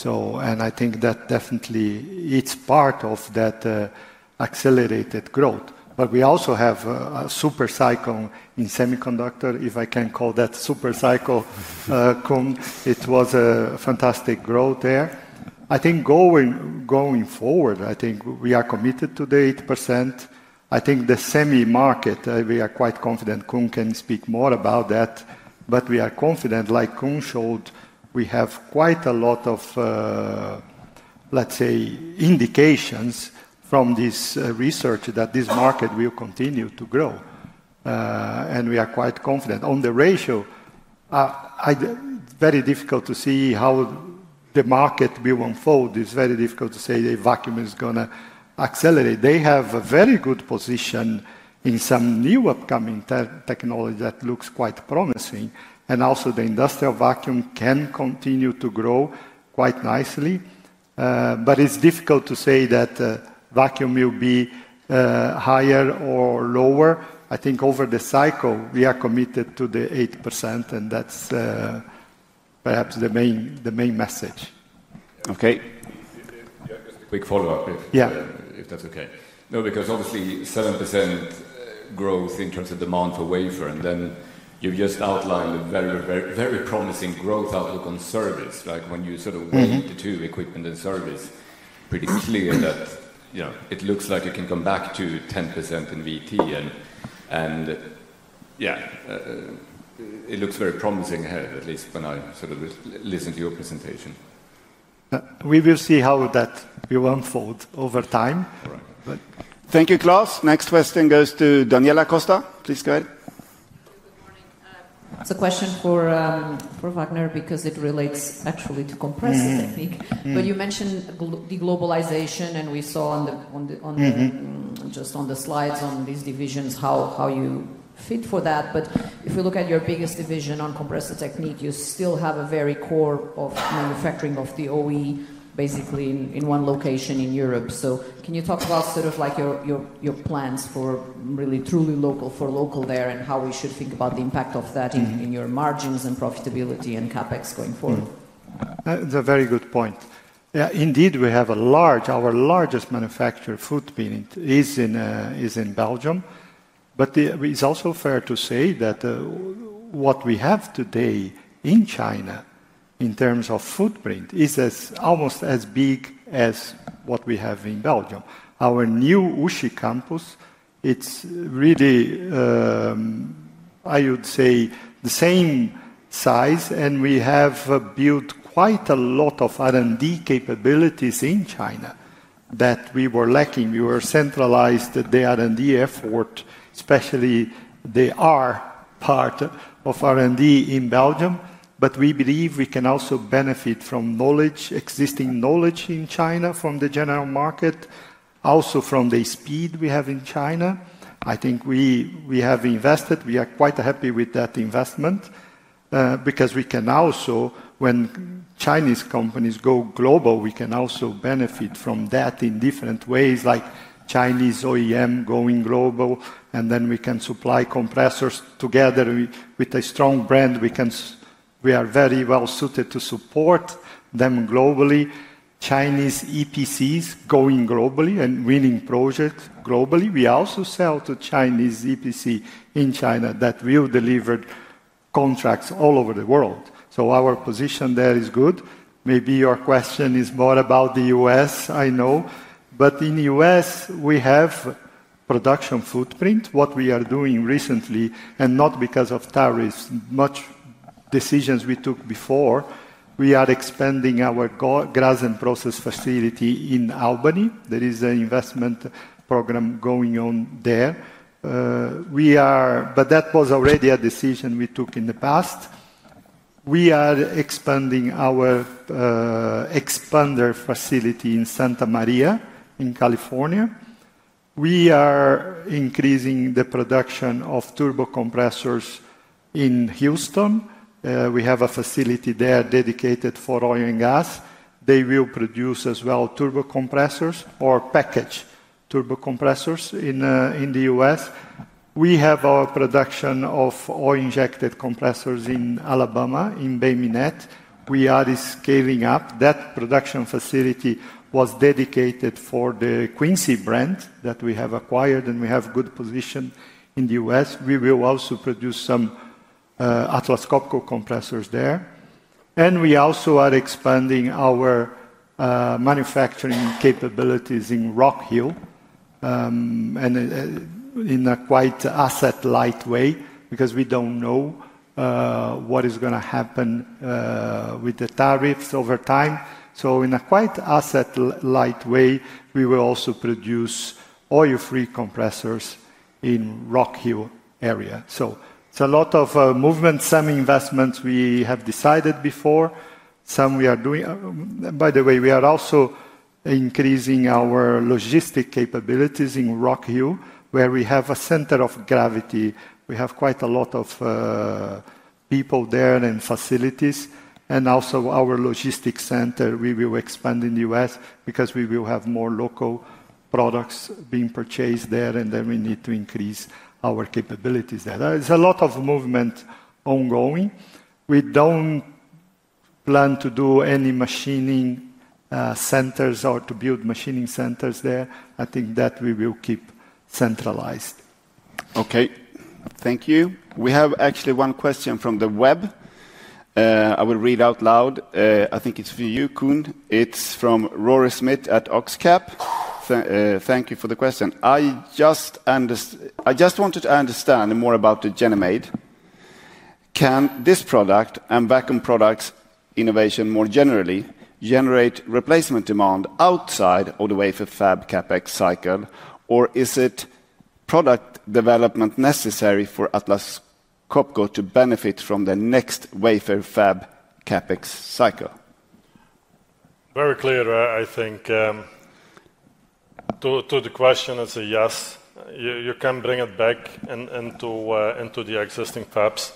I think that definitely is part of that accelerated growth. We also have a super cycle in semiconductor, if I can call that a super cycle, Koen. It was a fantastic growth there. I think going forward, we are committed to the 8%. I think the semi market, we are quite confident. Koen can speak more about that. We are confident, like Koen showed, we have quite a lot of, let's say, indications from this research that this market will continue to grow. We are quite confident. On the ratio, it's very difficult to see how the market will unfold. It's very difficult to say the vacuum is going to accelerate. They have a very good position in some new upcoming technology that looks quite promising. Also, the industrial vacuum can continue to grow quite nicely. It's difficult to say that vacuum will be higher or lower. I think over the cycle, we are committed to the 8%, and that's perhaps the main message. Okay. Just a quick follow-up, if that's okay. No, because obviously 7% growth in terms of demand for wafer, and then you've just outlined a very, very promising growth outlook on service. Like when you sort of weigh the two equipment and service, it's pretty clear that it looks like it can come back to 10% in VT. Yeah, it looks very promising ahead, at least when I sort of listen to your presentation. We will see how that will unfold over time. Thank you, Klaus. Next question goes to Daniela Costa. Please go ahead. Good morning. It's a question for Vagner because it relates actually to compressor technique. You mentioned the globalization, and we saw just on the slides on these divisions how you fit for that. If we look at your biggest division on compressor technique, you still have a very core of manufacturing of the OE, basically in one location in Europe. Can you talk about sort of like your plans for really truly local for local there and how we should think about the impact of that in your margins and profitability and CapEx going forward? That's a very good point. Indeed, we have a large, our largest manufacturer footprint is in Belgium. It is also fair to say that what we have today in China in terms of footprint is almost as big as what we have in Belgium. Our new USHI campus, it is really, I would say, the same size. We have built quite a lot of R&D capabilities in China that we were lacking. We were centralized the R&D effort, especially the R part of R&D in Belgium. We believe we can also benefit from knowledge, existing knowledge in China from the general market, also from the speed we have in China. I think we have invested. We are quite happy with that investment because we can also, when Chinese companies go global, we can also benefit from that in different ways, like Chinese OEM going global. We can supply compressors together with a strong brand. We are very well suited to support them globally. Chinese EPCs going globally and winning projects globally. We also sell to Chinese EPC in China that will deliver contracts all over the world. Our position there is good. Maybe your question is more about the U.S., I know. In the U.S., we have production footprint. What we are doing recently, and not because of tariffs, much decisions we took before, we are expanding our gas and process facility in Albany. There is an investment program going on there. That was already a decision we took in the past. We are expanding our expander facility in Santa Maria in California. We are increasing the production of turbo compressors in Houston. We have a facility there dedicated for oil and gas. They will produce as well turbo compressors or package turbo compressors in the U.S. We have our production of oil injected compressors in Alabama in Bay Minette. We are scaling up that production facility, was dedicated for the Quincy brand that we have acquired, and we have good position in the U.S. We will also produce some Atlas Copco compressors there. We also are expanding our manufacturing capabilities in Rock Hill in a quite asset light way because we do not know what is going to happen with the tariffs over time. In a quite asset light way, we will also produce oil-free compressors in the Rock Hill area. It is a lot of movement, some investments we have decided before. Some we are doing. By the way, we are also increasing our logistic capabilities in Rock Hill, where we have a center of gravity. We have quite a lot of people there and facilities. Also our logistics center, we will expand in the US because we will have more local products being purchased there, and then we need to increase our capabilities there. There's a lot of movement ongoing. We don't plan to do any machining centers or to build machining centers there. I think that we will keep centralized. Okay. Thank you. We have actually one question from the web. I will read out loud. I think it's for you, Koen. It's from Rory Smith at OxCap. Thank you for the question. I just wanted to understand more about the GenMade. Can this product and vacuum products innovation more generally generate replacement demand outside of the wafer fab CapEx cycle, or is it product development necessary for Atlas Copco to benefit from the next wafer fab CapEx cycle? Very clear, I think. To the question, it's a yes. You can bring it back into the existing fabs.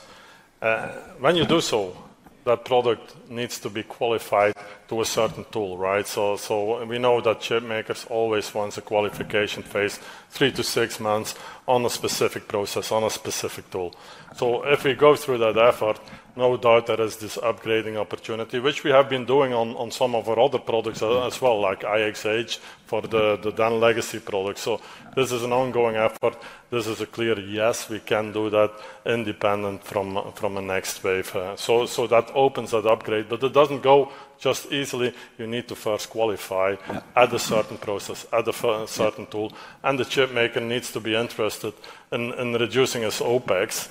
When you do so, that product needs to be qualified to a certain tool, right? You know that chip makers always want a qualification phase, three to six months on a specific process, on a specific tool. If we go through that effort, no doubt there is this upgrading opportunity, which we have been doing on some of our other products as well, like IXH for the Dunn Legacy products. This is an ongoing effort. This is a clear yes, we can do that independent from a next wafer. That opens that upgrade, but it does not go just easily. You need to first qualify at a certain process, at a certain tool. The chip maker needs to be interested in reducing its OPEX,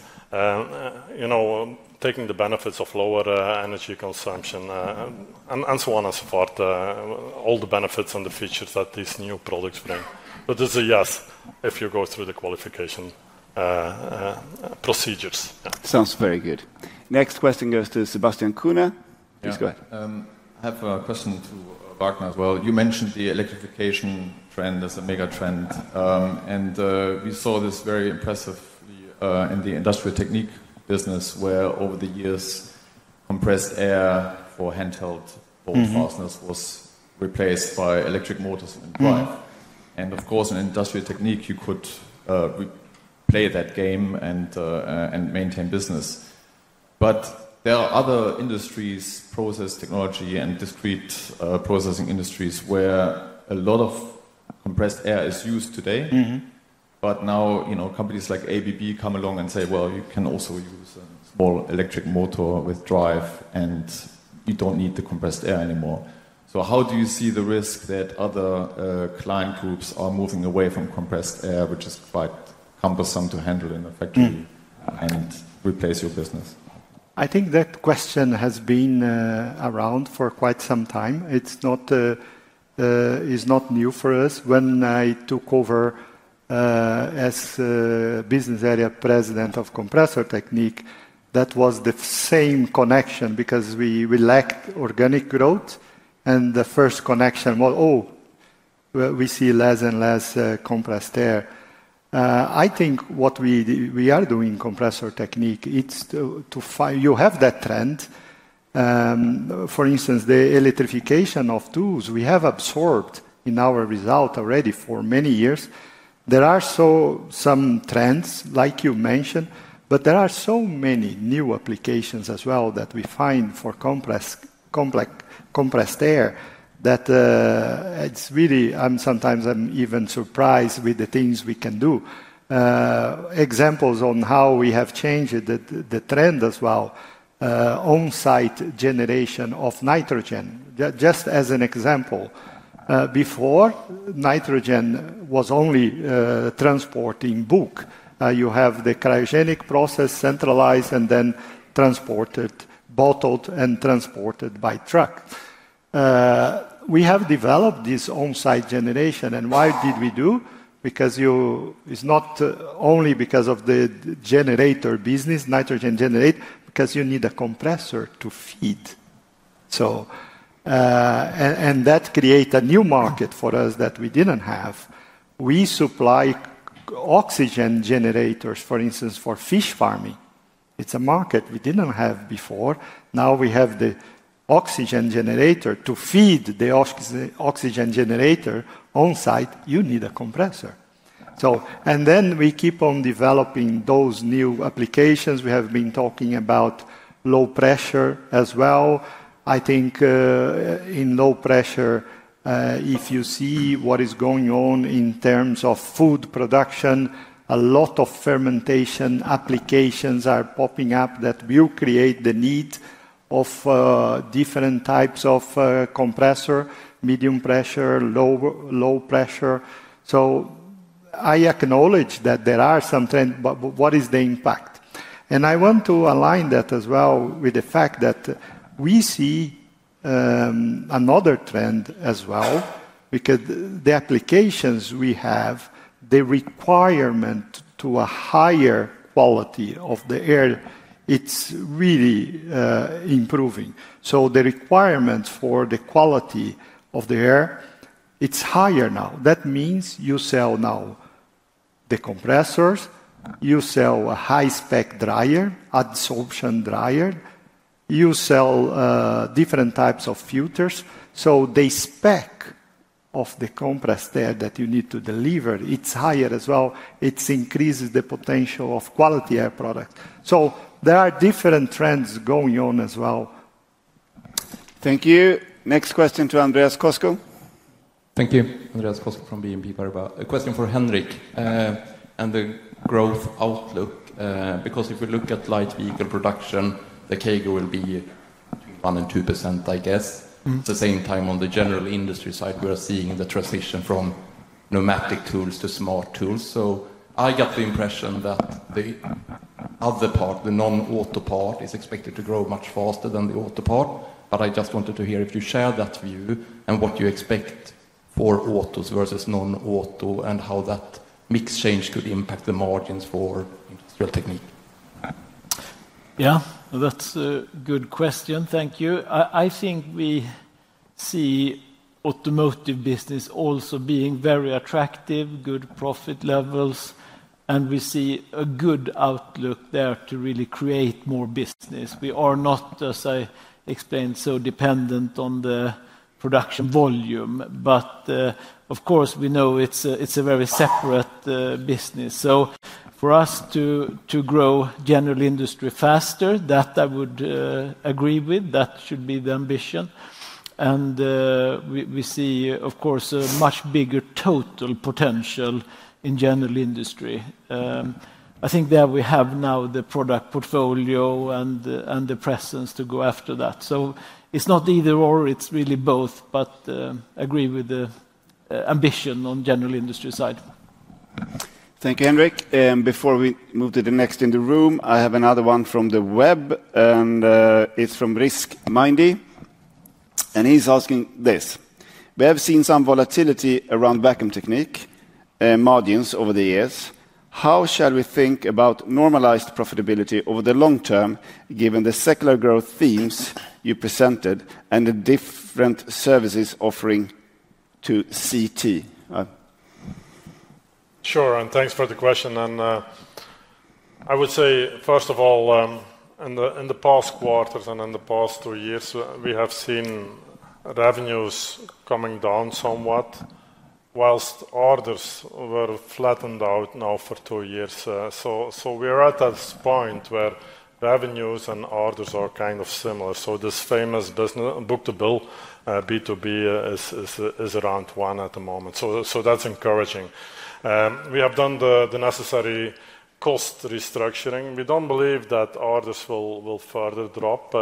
taking the benefits of lower energy consumption, and so on and so forth, all the benefits and the features that these new products bring. It is a yes if you go through the qualification procedures. Sounds very good. Next question goes to Sebastian Kuhner. Please go ahead. I have a question to Vagner as well. You mentioned the electrification trend as a mega trend. We saw this very impressively in the industrial technique business, where over the years, compressed air for handheld bolt fasteners was replaced by electric motors and drive. Of course, in industrial technique, you could play that game and maintain business. There are other industries, process technology, and discrete processing industries where a lot of compressed air is used today. Now companies like ABB come along and say, you can also use a small electric motor with drive, and you don't need the compressed air anymore. How do you see the risk that other client groups are moving away from compressed air, which is quite cumbersome to handle in a factory and replace your business? I think that question has been around for quite some time. It's not new for us. When I took over as Business Area President of Compressor Technique, that was the same connection because we lacked organic growth. The first connection was, oh, we see less and less compressed air. I think what we are doing in Compressor Technique, it's to find you have that trend. For instance, the electrification of tools we have absorbed in our result already for many years. There are some trends, like you mentioned, but there are so many new applications as well that we find for compressed air that it's really, I'm sometimes even surprised with the things we can do. Examples on how we have changed the trend as well, on-site generation of nitrogen, just as an example. Before, nitrogen was only transporting bulk. You have the cryogenic process centralized and then transported, bottled, and transported by truck. We have developed this on-site generation. And why did we do? Because it's not only because of the generator business, nitrogen generator, because you need a compressor to feed. That created a new market for us that we didn't have. We supply oxygen generators, for instance, for fish farming. It's a market we didn't have before. Now we have the oxygen generator. To feed the oxygen generator on-site, you need a compressor. We keep on developing those new applications. We have been talking about low pressure as well. I think in low pressure, if you see what is going on in terms of food production, a lot of fermentation applications are popping up that will create the need of different types of compressor, medium pressure, low pressure. I acknowledge that there are some trends, but what is the impact? I want to align that as well with the fact that we see another trend as well because the applications we have, the requirement to a higher quality of the air, it's really improving. The requirements for the quality of the air, it's higher now. That means you sell now the compressors, you sell a high-spec dryer, absorption dryer, you sell different types of filters. The spec of the compressed air that you need to deliver, it's higher as well. It increases the potential of quality air product. There are different trends going on as well. Thank you. Next question to Andreas Kosko. Thank you. Andreas Kosko from BNP Paribas. A question for Henrik and the growth outlook. Because if we look at light vehicle production, the CAGR will be between 1 and 2%, I guess. At the same time, on the general industry side, we are seeing the transition from pneumatic tools to smart tools. I got the impression that the other part, the non-auto part, is expected to grow much faster than the auto part. I just wanted to hear if you share that view and what you expect for autos versus non-auto and how that mix change could impact the margins for industrial technique. Yeah, that's a good question. Thank you. I think we see automotive business also being very attractive, good profit levels, and we see a good outlook there to really create more business. We are not, as I explained, so dependent on the production volume. Of course, we know it's a very separate business. For us to grow general industry faster, that I would agree with, that should be the ambition. We see, of course, a much bigger total potential in general industry. I think there we have now the product portfolio and the presence to go after that. It's not either or, it's really both, but agree with the ambition on general industry side. Thank you, Henrik. Before we move to the next in the room, I have another one from the web, and it's from RiskMindy. He's asking this. We have seen some volatility around vacuum technique margins over the years. How shall we think about normalized profitability over the long term given the secular growth themes you presented and the different services offering to CT? Sure, and thanks for the question. I would say, first of all, in the past quarters and in the past two years, we have seen revenues coming down somewhat, whilst orders were flattened out now for two years. We are at this point where revenues and orders are kind of similar. This famous business, book to bill, B2B is around one at the moment. That's encouraging. We have done the necessary cost restructuring. We don't believe that orders will further drop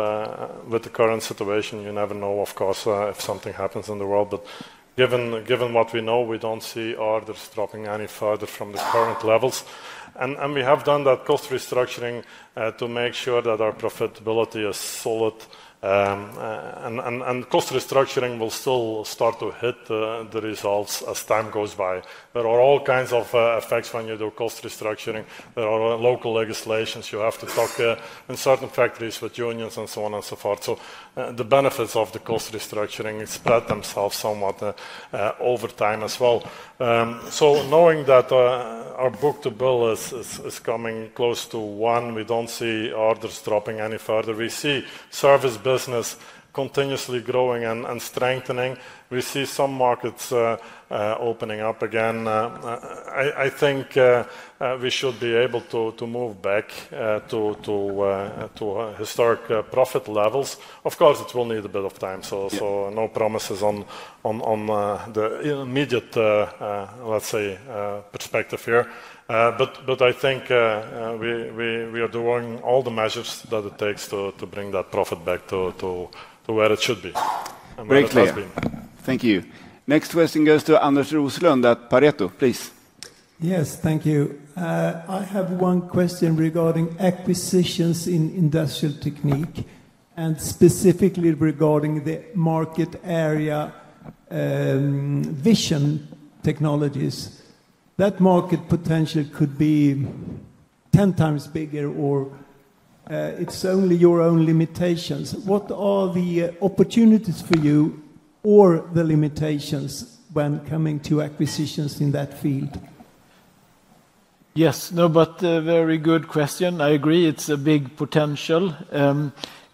with the current situation. You never know, of course, if something happens in the world. Given what we know, we do not see orders dropping any further from the current levels. We have done that cost restructuring to make sure that our profitability is solid. Cost restructuring will still start to hit the results as time goes by. There are all kinds of effects when you do cost restructuring. There are local legislations. You have to talk in certain factories with unions and so on and so forth. The benefits of the cost restructuring spread themselves somewhat over time as well. Knowing that our book-to-bill is coming close to one, we do not see orders dropping any further. We see service business continuously growing and strengthening. We see some markets opening up again. I think we should be able to move back to historic profit levels. Of course, it will need a bit of time. No promises on the immediate, let's say, perspective here. I think we are doing all the measures that it takes to bring that profit back to where it should be. Greatly. Thank you. Next question goes to Anders Roslund at Pareto, please. Yes, thank you. I have one question regarding acquisitions in industrial technique and specifically regarding the market area vision technologies. That market potential could be 10 times bigger or it's only your own limitations. What are the opportunities for you or the limitations when coming to acquisitions in that field? Yes, no, but very good question. I agree. It's a big potential.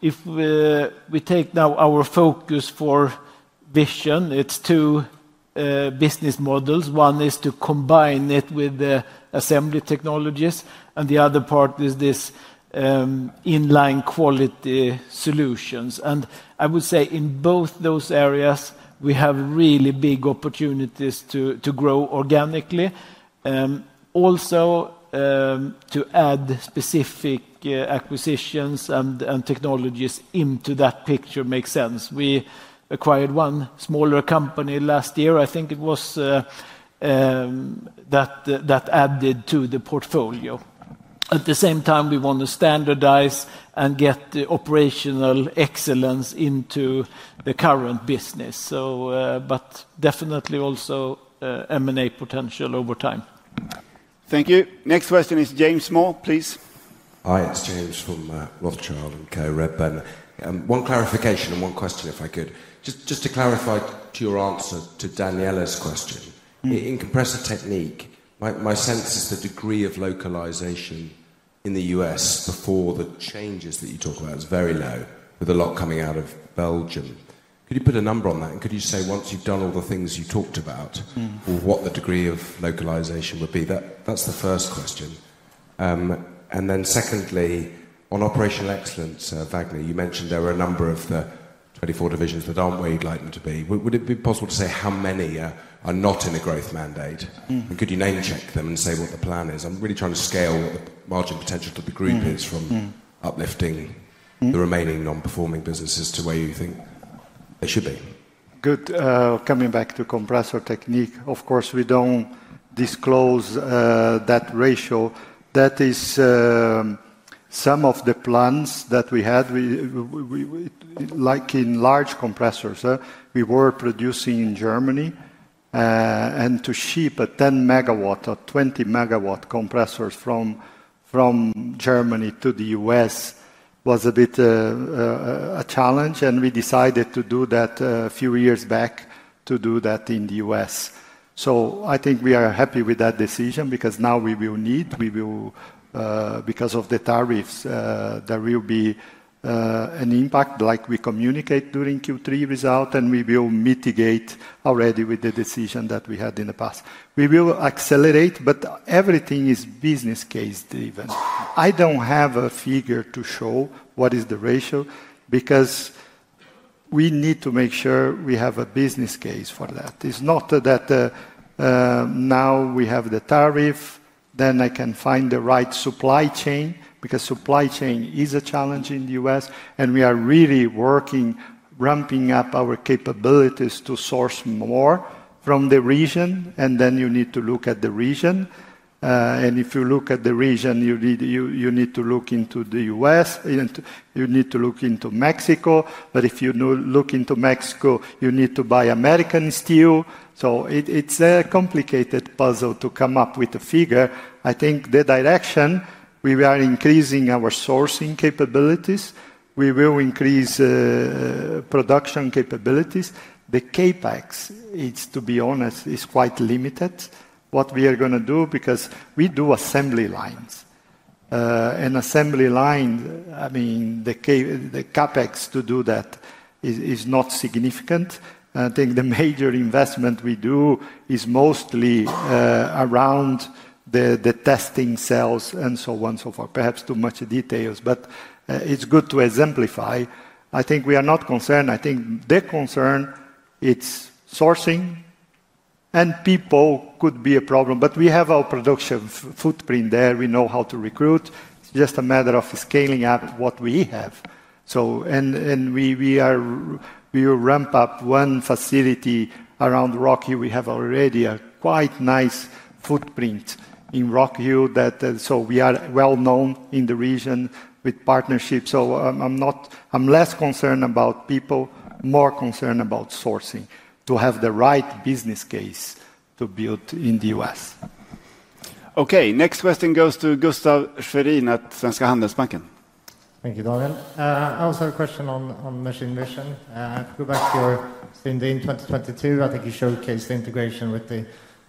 If we take now our focus for vision, it's two business models. One is to combine it with assembly technologies, and the other part is this inline quality solutions. I would say in both those areas, we have really big opportunities to grow organically. Also, to add specific acquisitions and technologies into that picture makes sense. We acquired one smaller company last year. I think it was that added to the portfolio. At the same time, we want to standardize and get the operational excellence into the current business. Definitely also M&A potential over time. Thank you. Next question is James Moore, please. Hi, it's James from Rothschild and KO Reb. One clarification and one question, if I could. Just to clarify to your answer to Daniela's question, in compressor technique, my sense is the degree of localization in the U.S. before the changes that you talk about is very low, with a lot coming out of Belgium. Could you put a number on that? Could you say once you've done all the things you talked about, what the degree of localization would be? That's the first question. Secondly, on operational excellence, Vagner, you mentioned there are a number of the 24 divisions that aren't where you'd like them to be. Would it be possible to say how many are not in a growth mandate? Could you name-check them and say what the plan is? I'm really trying to scale what the margin potential to the group is from uplifting the remaining non-performing businesses to where you think they should be. Good. Coming back to compressor technique, of course, we don't disclose that ratio. That is some of the plans that we had. Like in large compressors, we were producing in Germany. To ship a 10 MW or 20 MW compressors from Germany to the U.S. was a bit of a challenge. We decided to do that a few years back to do that in the U.S. I think we are happy with that decision because now we will need, because of the tariffs, there will be an impact like we communicate during Q3 result, and we will mitigate already with the decision that we had in the past. We will accelerate, but everything is business case driven. I do not have a figure to show what is the ratio because we need to make sure we have a business case for that. It is not that now we have the tariff, then I can find the right supply chain because supply chain is a challenge in the U.S. We are really working, ramping up our capabilities to source more from the region. You need to look at the region. If you look at the region, you need to look into the U.S. You need to look into Mexico. If you look into Mexico, you need to buy American steel. It is a complicated puzzle to come up with a figure. I think the direction, we are increasing our sourcing capabilities. We will increase production capabilities. The CapEx, to be honest, is quite limited. What we are going to do, because we do assembly lines. Assembly lines, I mean, the CapEx to do that is not significant. I think the major investment we do is mostly around the testing cells and so on and so forth. Perhaps too much detail, but it is good to exemplify. I think we are not concerned. I think the concern, it's sourcing, and people could be a problem. We have our production footprint there. We know how to recruit. It's just a matter of scaling up what we have. We will ramp up one facility around Rock Hill. We have already a quite nice footprint in Rock Hill. We are well known in the region with partnerships. I'm less concerned about people, more concerned about sourcing to have the right business case to build in the U.S. Okay, next question goes to Gustaf Schwerin at Svenska Handelsbanken. Thank you, Daniel. I also have a question on machine vision. Go back to your spin in 2022. I think you showcased the integration with the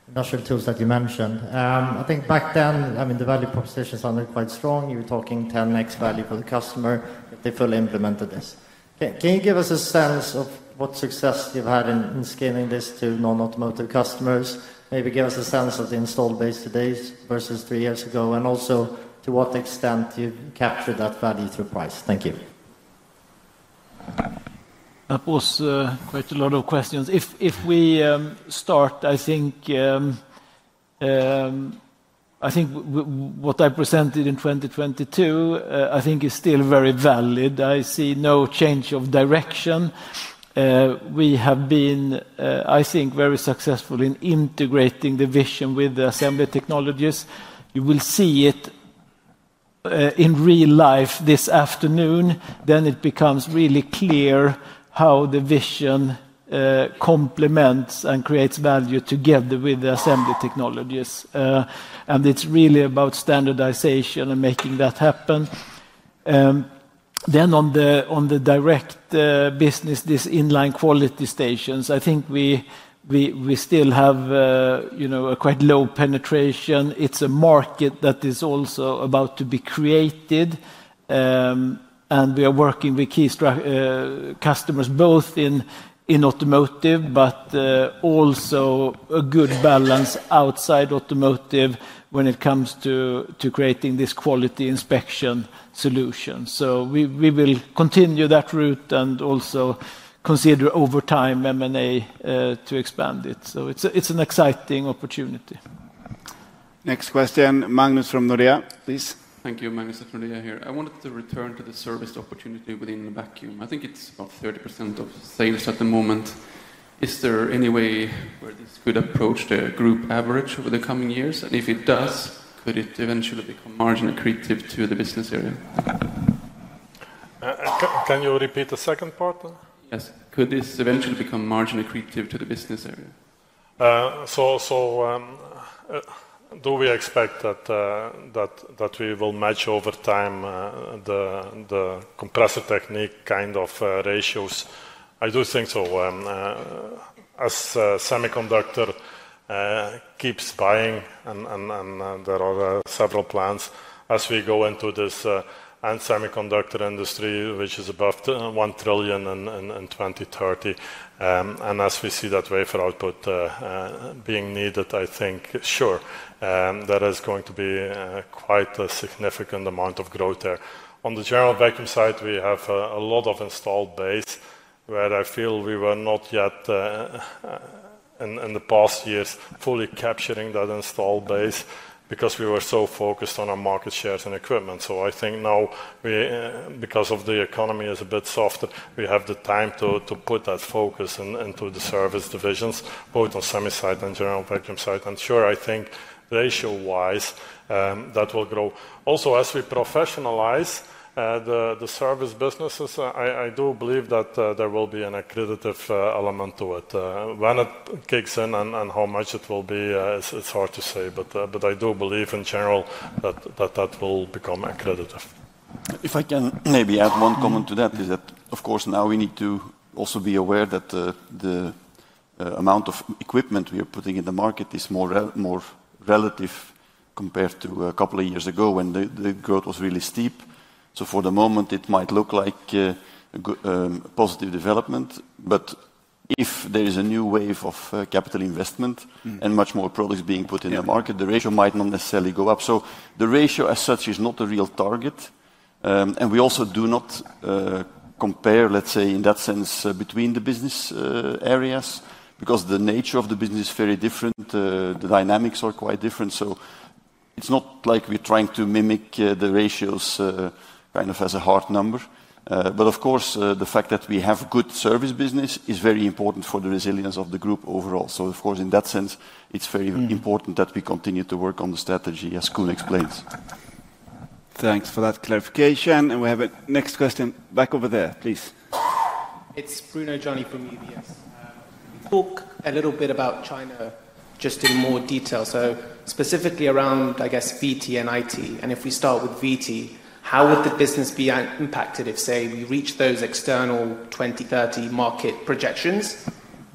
industrial tools that you mentioned. I think back then, I mean, the value propositions are quite strong. You were talking 10x value for the customer if they fully implemented this. Can you give us a sense of what success you've had in scaling this to non-automotive customers? Maybe give us a sense of the install base today versus three years ago and also to what extent you captured that value through price. Thank you. That was quite a lot of questions. If we start, I think what I presented in 2022, I think is still very valid. I see no change of direction. We have been, I think, very successful in integrating the vision with the assembly technologies. You will see it in real life this afternoon. It becomes really clear how the vision complements and creates value together with the assembly technologies. It is really about standardization and making that happen. On the direct business, these inline quality stations, I think we still have a quite low penetration. It's a market that is also about to be created. We are working with key customers both in automotive, but also a good balance outside automotive when it comes to creating this quality inspection solution. We will continue that route and also consider over time M&A to expand it. It's an exciting opportunity. Next question, Magnus from Nordea, please. Thank you, Magnus at Nordea here. I wanted to return to the service opportunity within the vacuum. I think it's about 30% of sales at the moment. Is there any way where this could approach the group average over the coming years? If it does, could it eventually become margin accretive to the business area? Can you repeat the second part? Yes. Could this eventually become margin accretive to the business area? Do we expect that we will match over time the compressor technique kind of ratios? I do think so. As semiconductor keeps buying, and there are several plans as we go into this semiconductor industry, which is above $1 trillion in 2030. As we see that wafer output being needed, I think, sure, there is going to be quite a significant amount of growth there. On the general vacuum side, we have a lot of installed base where I feel we were not yet in the past years fully capturing that installed base because we were so focused on our market shares and equipment. I think now, because the economy is a bit softer, we have the time to put that focus into the service divisions, both on semi-site and general vacuum site. Sure, I think ratio-wise, that will grow. Also, as we professionalize the service businesses, I do believe that there will be an accredited element to it. When it kicks in and how much it will be, it's hard to say. I do believe in general that that will become accredited. If I can maybe add one comment to that, is that, of course, now we need to also be aware that the amount of equipment we are putting in the market is more relative compared to a couple of years ago when the growth was really steep. For the moment, it might look like a positive development. If there is a new wave of capital investment and much more products being put in the market, the ratio might not necessarily go up. The ratio as such is not a real target. We also do not compare, let's say, in that sense between the business areas because the nature of the business is very different. The dynamics are quite different. It is not like we are trying to mimic the ratios kind of as a hard number. Of course, the fact that we have good service business is very important for the resilience of the group overall. In that sense, it is very important that we continue to work on the strategy as Koen explains. Thanks for that clarification. We have a next question back over there, please. It is Bruno Gianni from UBS. Talk a little bit about China just in more detail. Specifically around, I guess, VT and IT. If we start with VT, how would the business be impacted if, say, we reach those external 2030 market projections,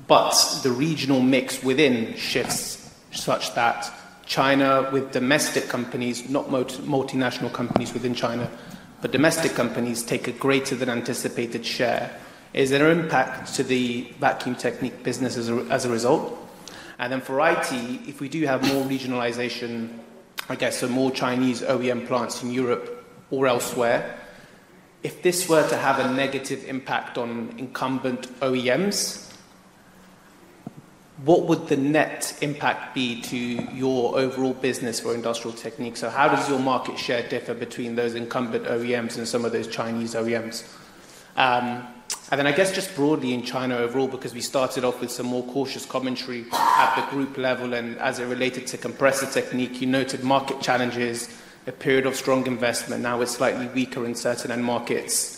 but the regional mix within shifts such that China with domestic companies, not multinational companies within China, but domestic companies take a greater than anticipated share? Is there an impact to the vacuum technique business as a result? For IT, if we do have more regionalization, I guess, so more Chinese OEM plants in Europe or elsewhere, if this were to have a negative impact on incumbent OEMs, what would the net impact be to your overall business for industrial technique? How does your market share differ between those incumbent OEMs and some of those Chinese OEMs? I guess just broadly in China overall, because we started off with some more cautious commentary at the group level and as it related to compressor technique, you noted market challenges, a period of strong investment, now it's slightly weaker in certain end markets.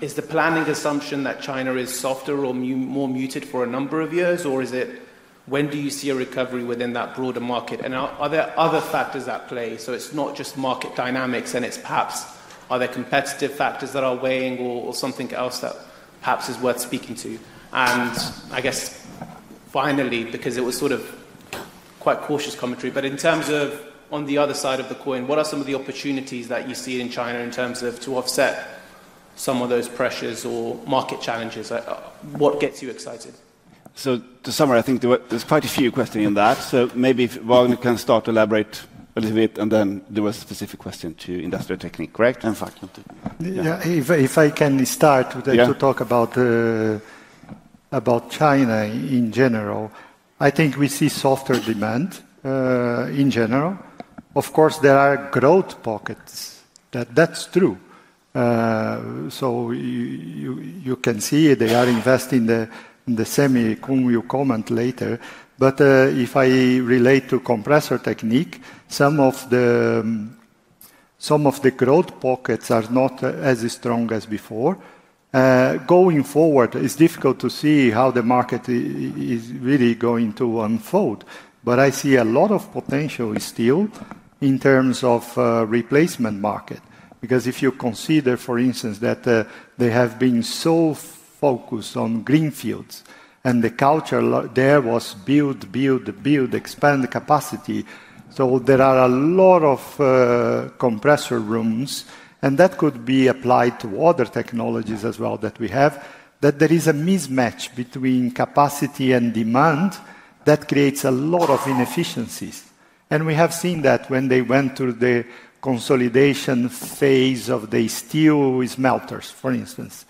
Is the planning assumption that China is softer or more muted for a number of years, or is it when do you see a recovery within that broader market? Are there other factors at play? It's not just market dynamics, and it's perhaps other competitive factors that are weighing or something else that perhaps is worth speaking to. I guess finally, because it was sort of quite cautious commentary, but in terms of on the other side of the coin, what are some of the opportunities that you see in China in terms of to offset some of those pressures or market challenges? What gets you excited? To summarize, I think there's quite a few questions on that. Maybe Vagner can start to elaborate a little bit, and then there was a specific question to industrial technique, correct? In fact, if I can start to talk about China in general, I think we see softer demand in general. Of course, there are growth pockets. That's true. You can see they are investing in the semi, Koen, you comment later. If I relate to compressor technique, some of the growth pockets are not as strong as before. Going forward, it's difficult to see how the market is really going to unfold. I see a lot of potential still in terms of replacement market. Because if you consider, for instance, that they have been so focused on greenfields and the culture there was build, build, build, expand capacity. There are a lot of compressor rooms, and that could be applied to other technologies as well that we have, that there is a mismatch between capacity and demand that creates a lot of inefficiencies. We have seen that when they went through the consolidation phase of the steel smelters, for instance,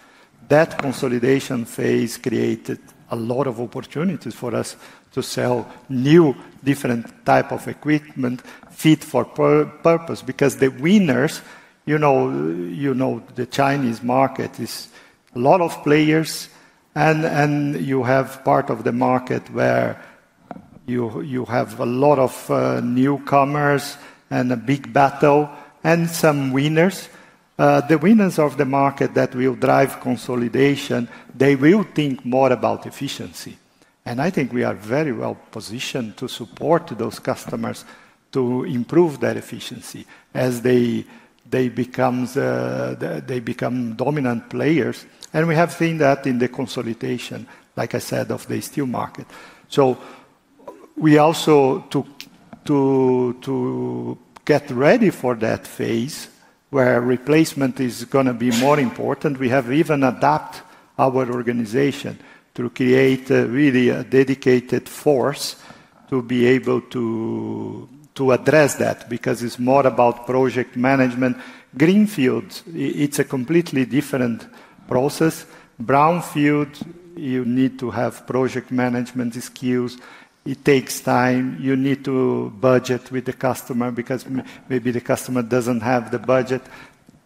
that consolidation phase created a lot of opportunities for us to sell new different types of equipment fit for purpose. The winners, you know, the Chinese market is a lot of players. You have part of the market where you have a lot of newcomers and a big battle and some winners. The winners of the market that will drive consolidation, they will think more about efficiency. I think we are very well positioned to support those customers to improve that efficiency as they become dominant players. We have seen that in the consolidation, like I said, of the steel market. We also get ready for that phase where replacement is going to be more important. We have even adapted our organization to create really a dedicated force to be able to address that because it is more about project management. Greenfields, it is a completely different process. Brownfield, you need to have project management skills. It takes time. You need to budget with the customer because maybe the customer does not have the budget.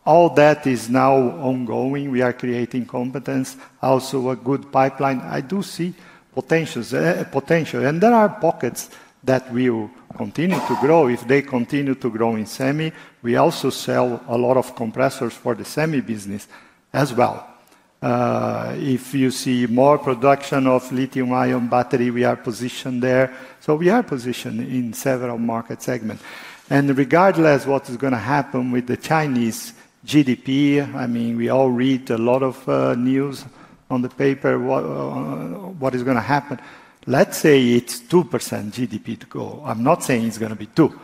All that is now ongoing. We are creating competence, also a good pipeline. I do see potential. There are pockets that will continue to grow. If they continue to grow in semi, we also sell a lot of compressors for the semi business as well. If you see more production of lithium-ion battery, we are positioned there. We are positioned in several market segments. Regardless of what is going to happen with the Chinese GDP, I mean, we all read a lot of news on the paper what is going to happen. Let's say it's 2% GDP to go. I'm not saying it's going to be 2%.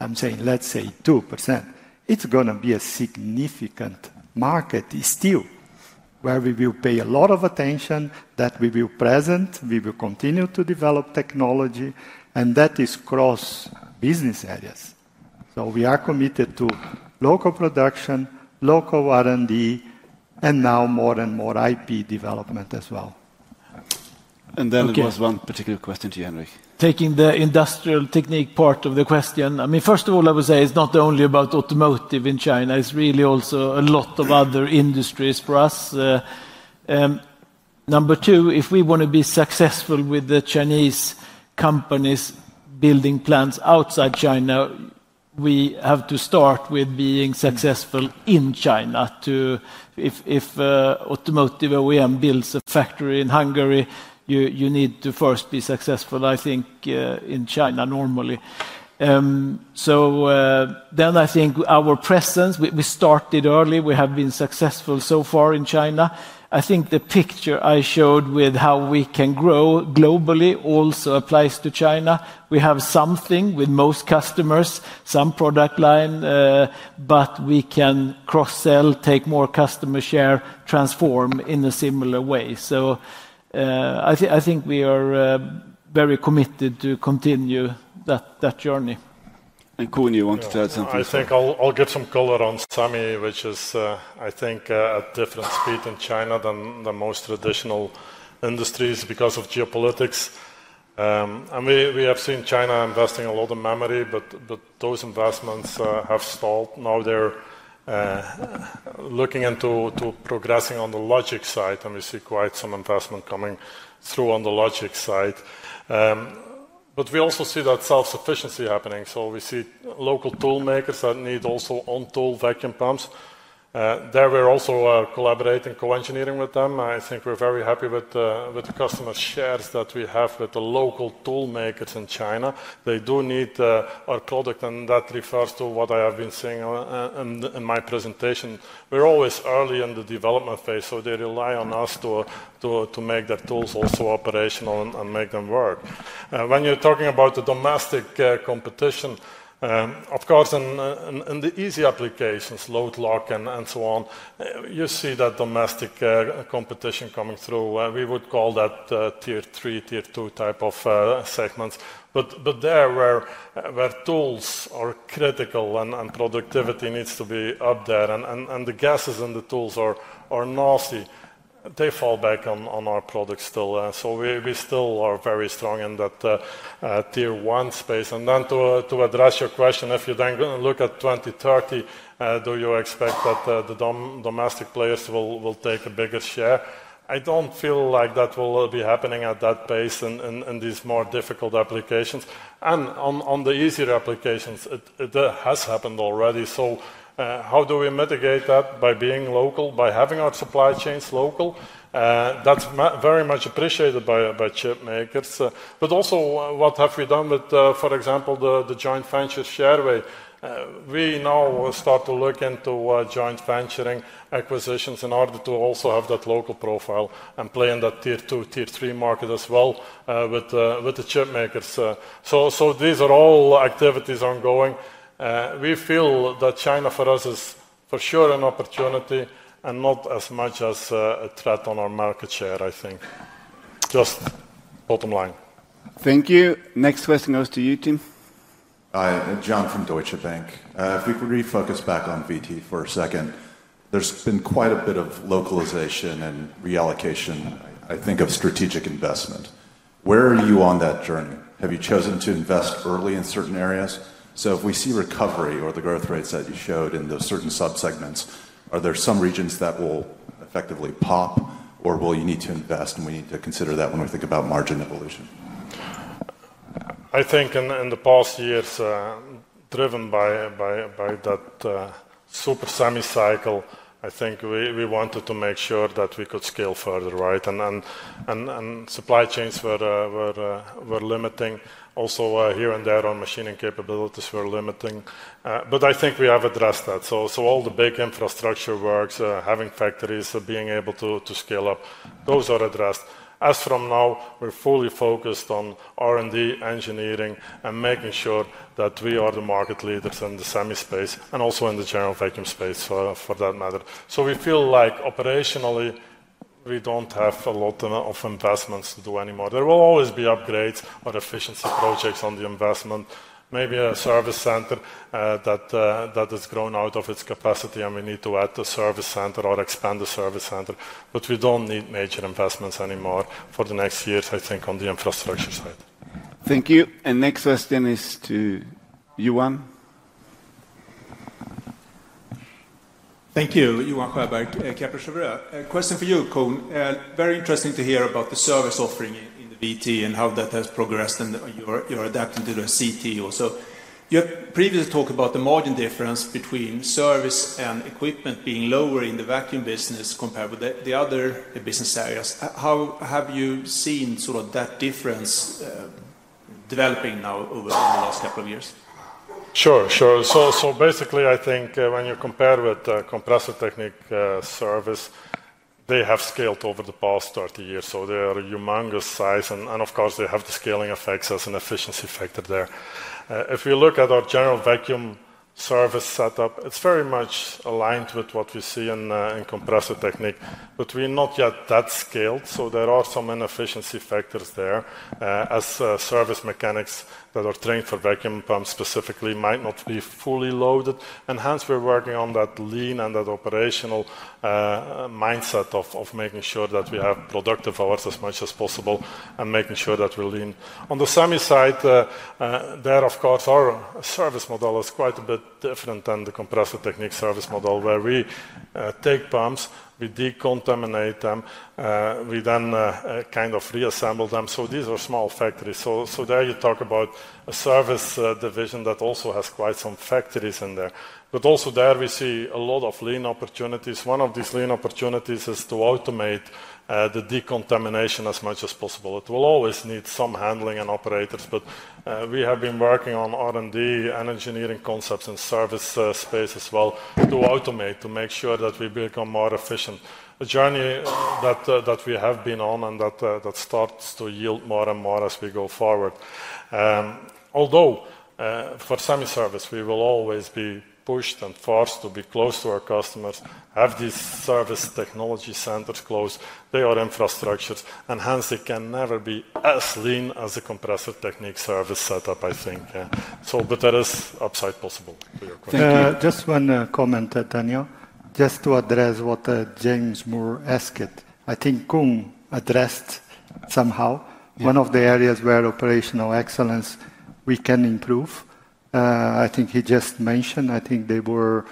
I'm saying let's say 2%. It's going to be a significant market still where we will pay a lot of attention, we will present, we will continue to develop technology, and that is cross business areas. We are committed to local production, local R&D, and now more and more IP development as well. There was one particular question to you, Henrik. Taking the industrial technique part of the question, I mean, first of all, I would say it's not only about automotive in China. It's really also a lot of other industries for us. Number two, if we want to be successful with the Chinese companies building plants outside China, we have to start with being successful in China. If an automotive OEM builds a factory in Hungary, you need to first be successful, I think, in China normally. I think our presence, we started early. We have been successful so far in China. I think the picture I showed with how we can grow globally also applies to China. We have something with most customers, some product line, but we can cross-sell, take more customer share, transform in a similar way. I think we are very committed to continue that journey. Koen, you wanted to add something? I think I'll get some color on semi, which is, I think, a different speed in China than most traditional industries because of geopolitics. We have seen China investing a lot in memory, but those investments have stalled. Now they're looking into progressing on the logic side, and we see quite some investment coming through on the logic side. We also see that self-sufficiency happening. We see local toolmakers that need also on-tool vacuum pumps. There we're also collaborating, co-engineering with them. I think we're very happy with the customer shares that we have with the local toolmakers in China. They do need our product, and that refers to what I have been seeing in my presentation. We're always early in the development phase, so they rely on us to make their tools also operational and make them work. When you're talking about the domestic competition, of course, in the easy applications, load lock and so on, you see that domestic competition coming through. We would call that tier three, tier two type of segments. Where tools are critical and productivity needs to be up there and the gases and the tools are naughty, they fall back on our products still. We still are very strong in that tier one space. To address your question, if you then look at 2030, do you expect that the domestic players will take a bigger share? I don't feel like that will be happening at that pace in these more difficult applications. On the easier applications, it has happened already. How do we mitigate that by being local, by having our supply chains local? That's very much appreciated by chip makers. What have we done with, for example, the joint venture ShareWay? We now start to look into joint venturing acquisitions in order to also have that local profile and play in that tier two, tier three market as well with the chip makers. These are all activities ongoing. We feel that China for us is for sure an opportunity and not as much as a threat on our market share, I think. Just bottom line. Thank you. Next question goes to you, Tim. Hi, John from Deutsche Bank. If we could refocus back on VT for a second, there's been quite a bit of localization and reallocation, I think, of strategic investment. Where are you on that journey? Have you chosen to invest early in certain areas? If we see recovery or the growth rates that you showed in those certain subsegments, are there some regions that will effectively pop, or will you need to invest and we need to consider that when we think about margin evolution? I think in the past years, driven by that super semi cycle, I think we wanted to make sure that we could scale further, right? Supply chains were limiting. Also here and there on machining capabilities were limiting. I think we have addressed that. All the big infrastructure works, having factories, being able to scale up, those are addressed. As from now, we're fully focused on R&D, engineering, and making sure that we are the market leaders in the semi space and also in the general vacuum space for that matter. We feel like operationally, we don't have a lot of investments to do anymore. There will always be upgrades or efficiency projects on the investment. Maybe a service center that has grown out of its capacity and we need to add the service center or expand the service center. We don't need major investments anymore for the next years, I think, on the infrastructure side. Thank you. Next question is to Yuan. Thank you, Yuan Heberg, Kepler Cheuvreux. Question for you, Koen. Very interesting to hear about the service offering in the VT and how that has progressed and you're adapting to the CT also. You have previously talked about the margin difference between service and equipment being lower in the vacuum business compared with the other business areas. How have you seen sort of that difference developing now over the last couple of years? Sure, sure. Basically, I think when you compare with compressor technique service, they have scaled over the past 30 years. They are a humongous size. Of course, they have the scaling effects as an efficiency factor there. If we look at our general vacuum service setup, it is very much aligned with what we see in compressor technique, but we are not yet that scaled. There are some inefficiency factors there as service mechanics that are trained for vacuum pumps specifically might not be fully loaded. We're working on that lean and that operational mindset of making sure that we have productive hours as much as possible and making sure that we're lean. On the semi side, there, of course, our service model is quite a bit different than the compressor technique service model where we take pumps, we decontaminate them, we then kind of reassemble them. These are small factories. There you talk about a service division that also has quite some factories in there. Also there we see a lot of lean opportunities. One of these lean opportunities is to automate the decontamination as much as possible. It will always need some handling and operators, but we have been working on R&D and engineering concepts and service space as well to automate to make sure that we become more efficient. A journey that we have been on and that starts to yield more and more as we go forward. Although for semi service, we will always be pushed and forced to be close to our customers, have these service technology centers close, they are infrastructures, and hence they can never be as lean as a compressor technique service setup, I think. That is upside possible for your question. Just one comment, Daniela. Just to address what James Moore asked, I think Koen addressed somehow one of the areas where operational excellence we can improve. I think he just mentioned, I think they could,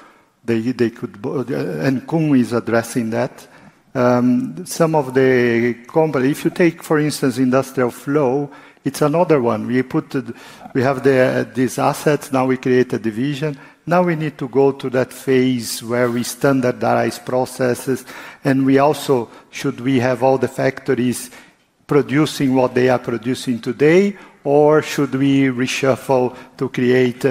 and Koen is addressing that. Some of the companies, if you take for instance, industrial flow, it is another one. We have these assets, now we create a division. Now we need to go to that phase where we standardize processes. We also, should we have all the factories producing what they are producing today, or should we reshuffle to create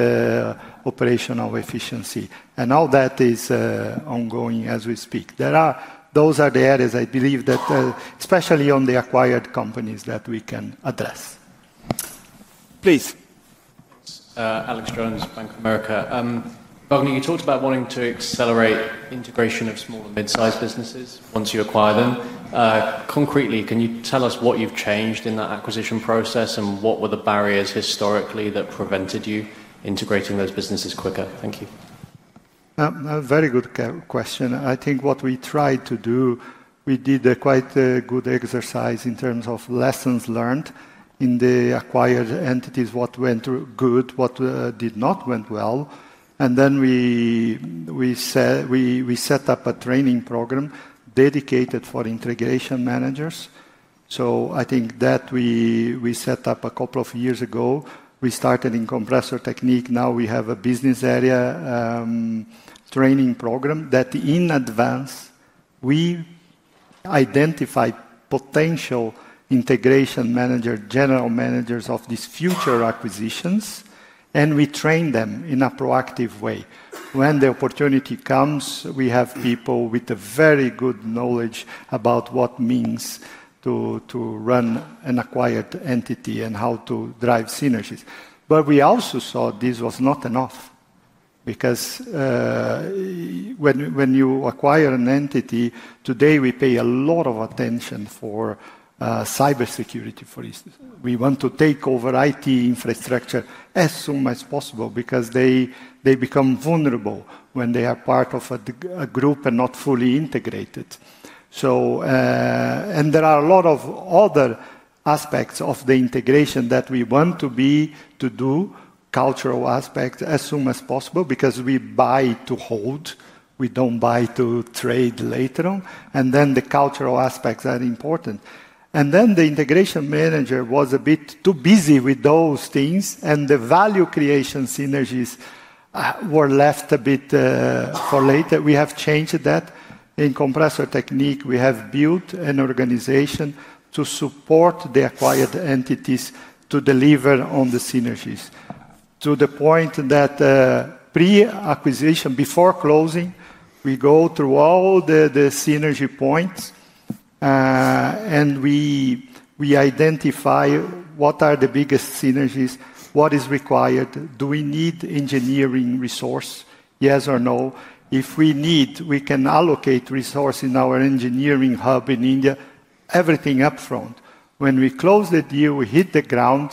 operational efficiency? All that is ongoing as we speak. Those are the areas I believe that especially on the acquired companies that we can address. Please. Alexander Jones, Bank of America. Bogdan, you talked about wanting to accelerate integration of small and mid-sized businesses once you acquire them. Concretely, can you tell us what you've changed in that acquisition process and what were the barriers historically that prevented you integrating those businesses quicker? Thank you. Very good question. I think what we tried to do, we did quite a good exercise in terms of lessons learned in the acquired entities, what went good, what did not went well. Then we set up a training program dedicated for integration managers. I think that we set up a couple of years ago. We started in compressor technique. Now we have a business area training program that in advance we identify potential integration managers, general managers of these future acquisitions, and we train them in a proactive way. When the opportunity comes, we have people with very good knowledge about what means to run an acquired entity and how to drive synergies. We also saw this was not enough because when you acquire an entity, today we pay a lot of attention for cybersecurity, for instance. We want to take over IT infrastructure as soon as possible because they become vulnerable when they are part of a group and not fully integrated. There are a lot of other aspects of the integration that we want to do, cultural aspects as soon as possible because we buy to hold. We do not buy to trade later on. The cultural aspects are important. The integration manager was a bit too busy with those things, and the value creation synergies were left a bit for later. We have changed that. In compressor technique, we have built an organization to support the acquired entities to deliver on the synergies to the point that pre-acquisition, before closing, we go through all the synergy points and we identify what are the biggest synergies, what is required, do we need engineering resource, yes or no? If we need, we can allocate resources in our engineering hub in India, everything upfront. When we close the deal, we hit the ground,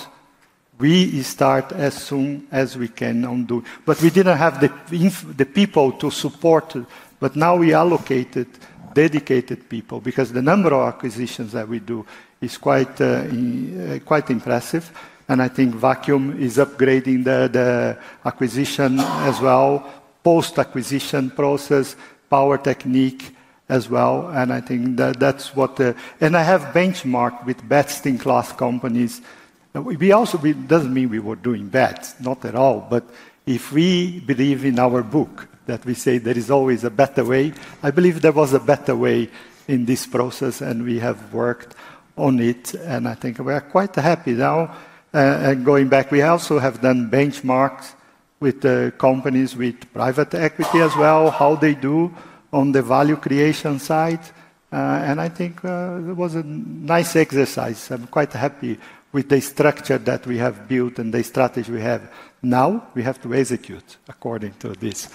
we start as soon as we can undo. We did not have the people to support, but now we allocated dedicated people because the number of acquisitions that we do is quite impressive. I think vacuum is upgrading the acquisition as well, post-acquisition process, power technique as well. I think that's what the... I have benchmarked with best-in-class companies. It doesn't mean we were doing bad, not at all. If we believe in our book that we say there is always a better way, I believe there was a better way in this process and we have worked on it. I think we are quite happy now. Going back, we also have done benchmarks with companies with private equity as well, how they do on the value creation side. I think it was a nice exercise. I'm quite happy with the structure that we have built and the strategy we have now. We have to execute according to this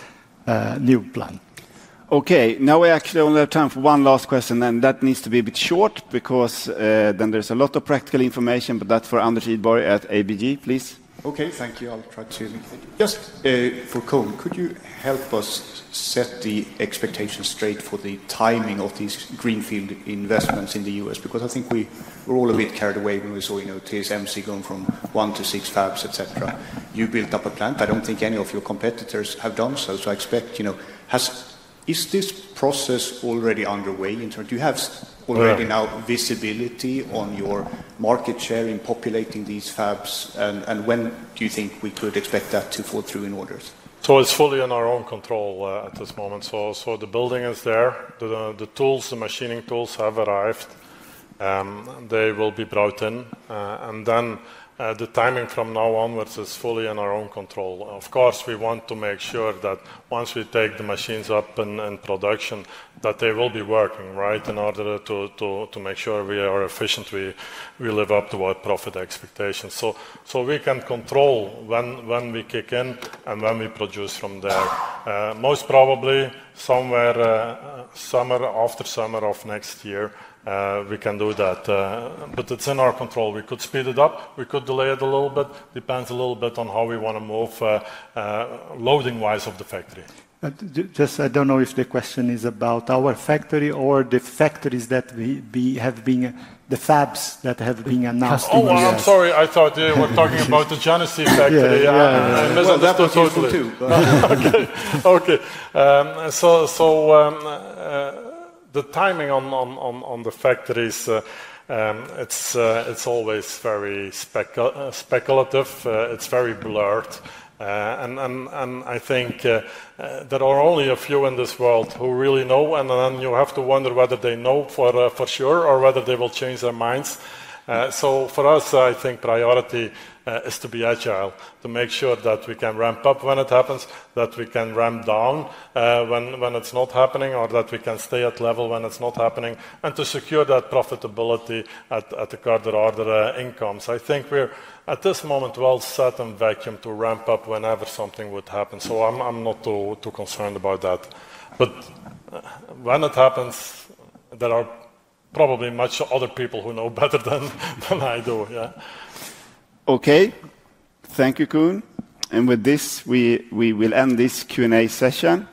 new plan. Okay, now we actually only have time for one last question, and that needs to be a bit short because then there's a lot of practical information, but that's for Anders Hedborg at ABG, please. Okay, thank you. I'll try to... Just for Koen, could you help us set the expectations straight for the timing of these greenfield investments in the US? Because I think we were all a bit carried away when we saw TSMC going from one to six fabs, etc. You built up a plant. I don't think any of your competitors have done so. I expect, is this process already underway? Do you have already now visibility on your market share in populating these fabs? When do you think we could expect that to fall through in orders? It's fully in our own control at this moment. The building is there. The tools, the machining tools have arrived. They will be brought in. The timing from now onwards is fully in our own control. Of course, we want to make sure that once we take the machines up in production, that they will be working, right, in order to make sure we are efficient, we live up to our profit expectations. We can control when we kick in and when we produce from there. Most probably somewhere summer after summer of next year, we can do that. It is in our control. We could speed it up. We could delay it a little bit. Depends a little bit on how we want to move loading-wise of the factory. I do not know if the question is about our factory or the factories that have been, the fabs that have been announced in the U.S. Oh, I'm sorry. I thought you were talking about the Genesee factory. I misunderstood totally. Okay. The timing on the factories, it's always very speculative. It's very blurred. I think there are only a few in this world who really know. You have to wonder whether they know for sure or whether they will change their minds. For us, I think priority is to be agile, to make sure that we can ramp up when it happens, that we can ramp down when it's not happening, or that we can stay at level when it's not happening, and to secure that profitability at the card or other incomes. I think we're at this moment well set and vacuum to ramp up whenever something would happen. I'm not too concerned about that. When it happens, there are probably much other people who know better than I do. Yeah. Okay. Thank you, Koen. With this, we will end this Q&A session.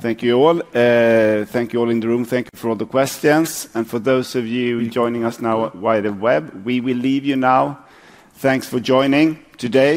Thank you all. Thank you all in the room. Thank you for all the questions. For those of you joining us now via the web, we will leave you now. Thanks for joining today.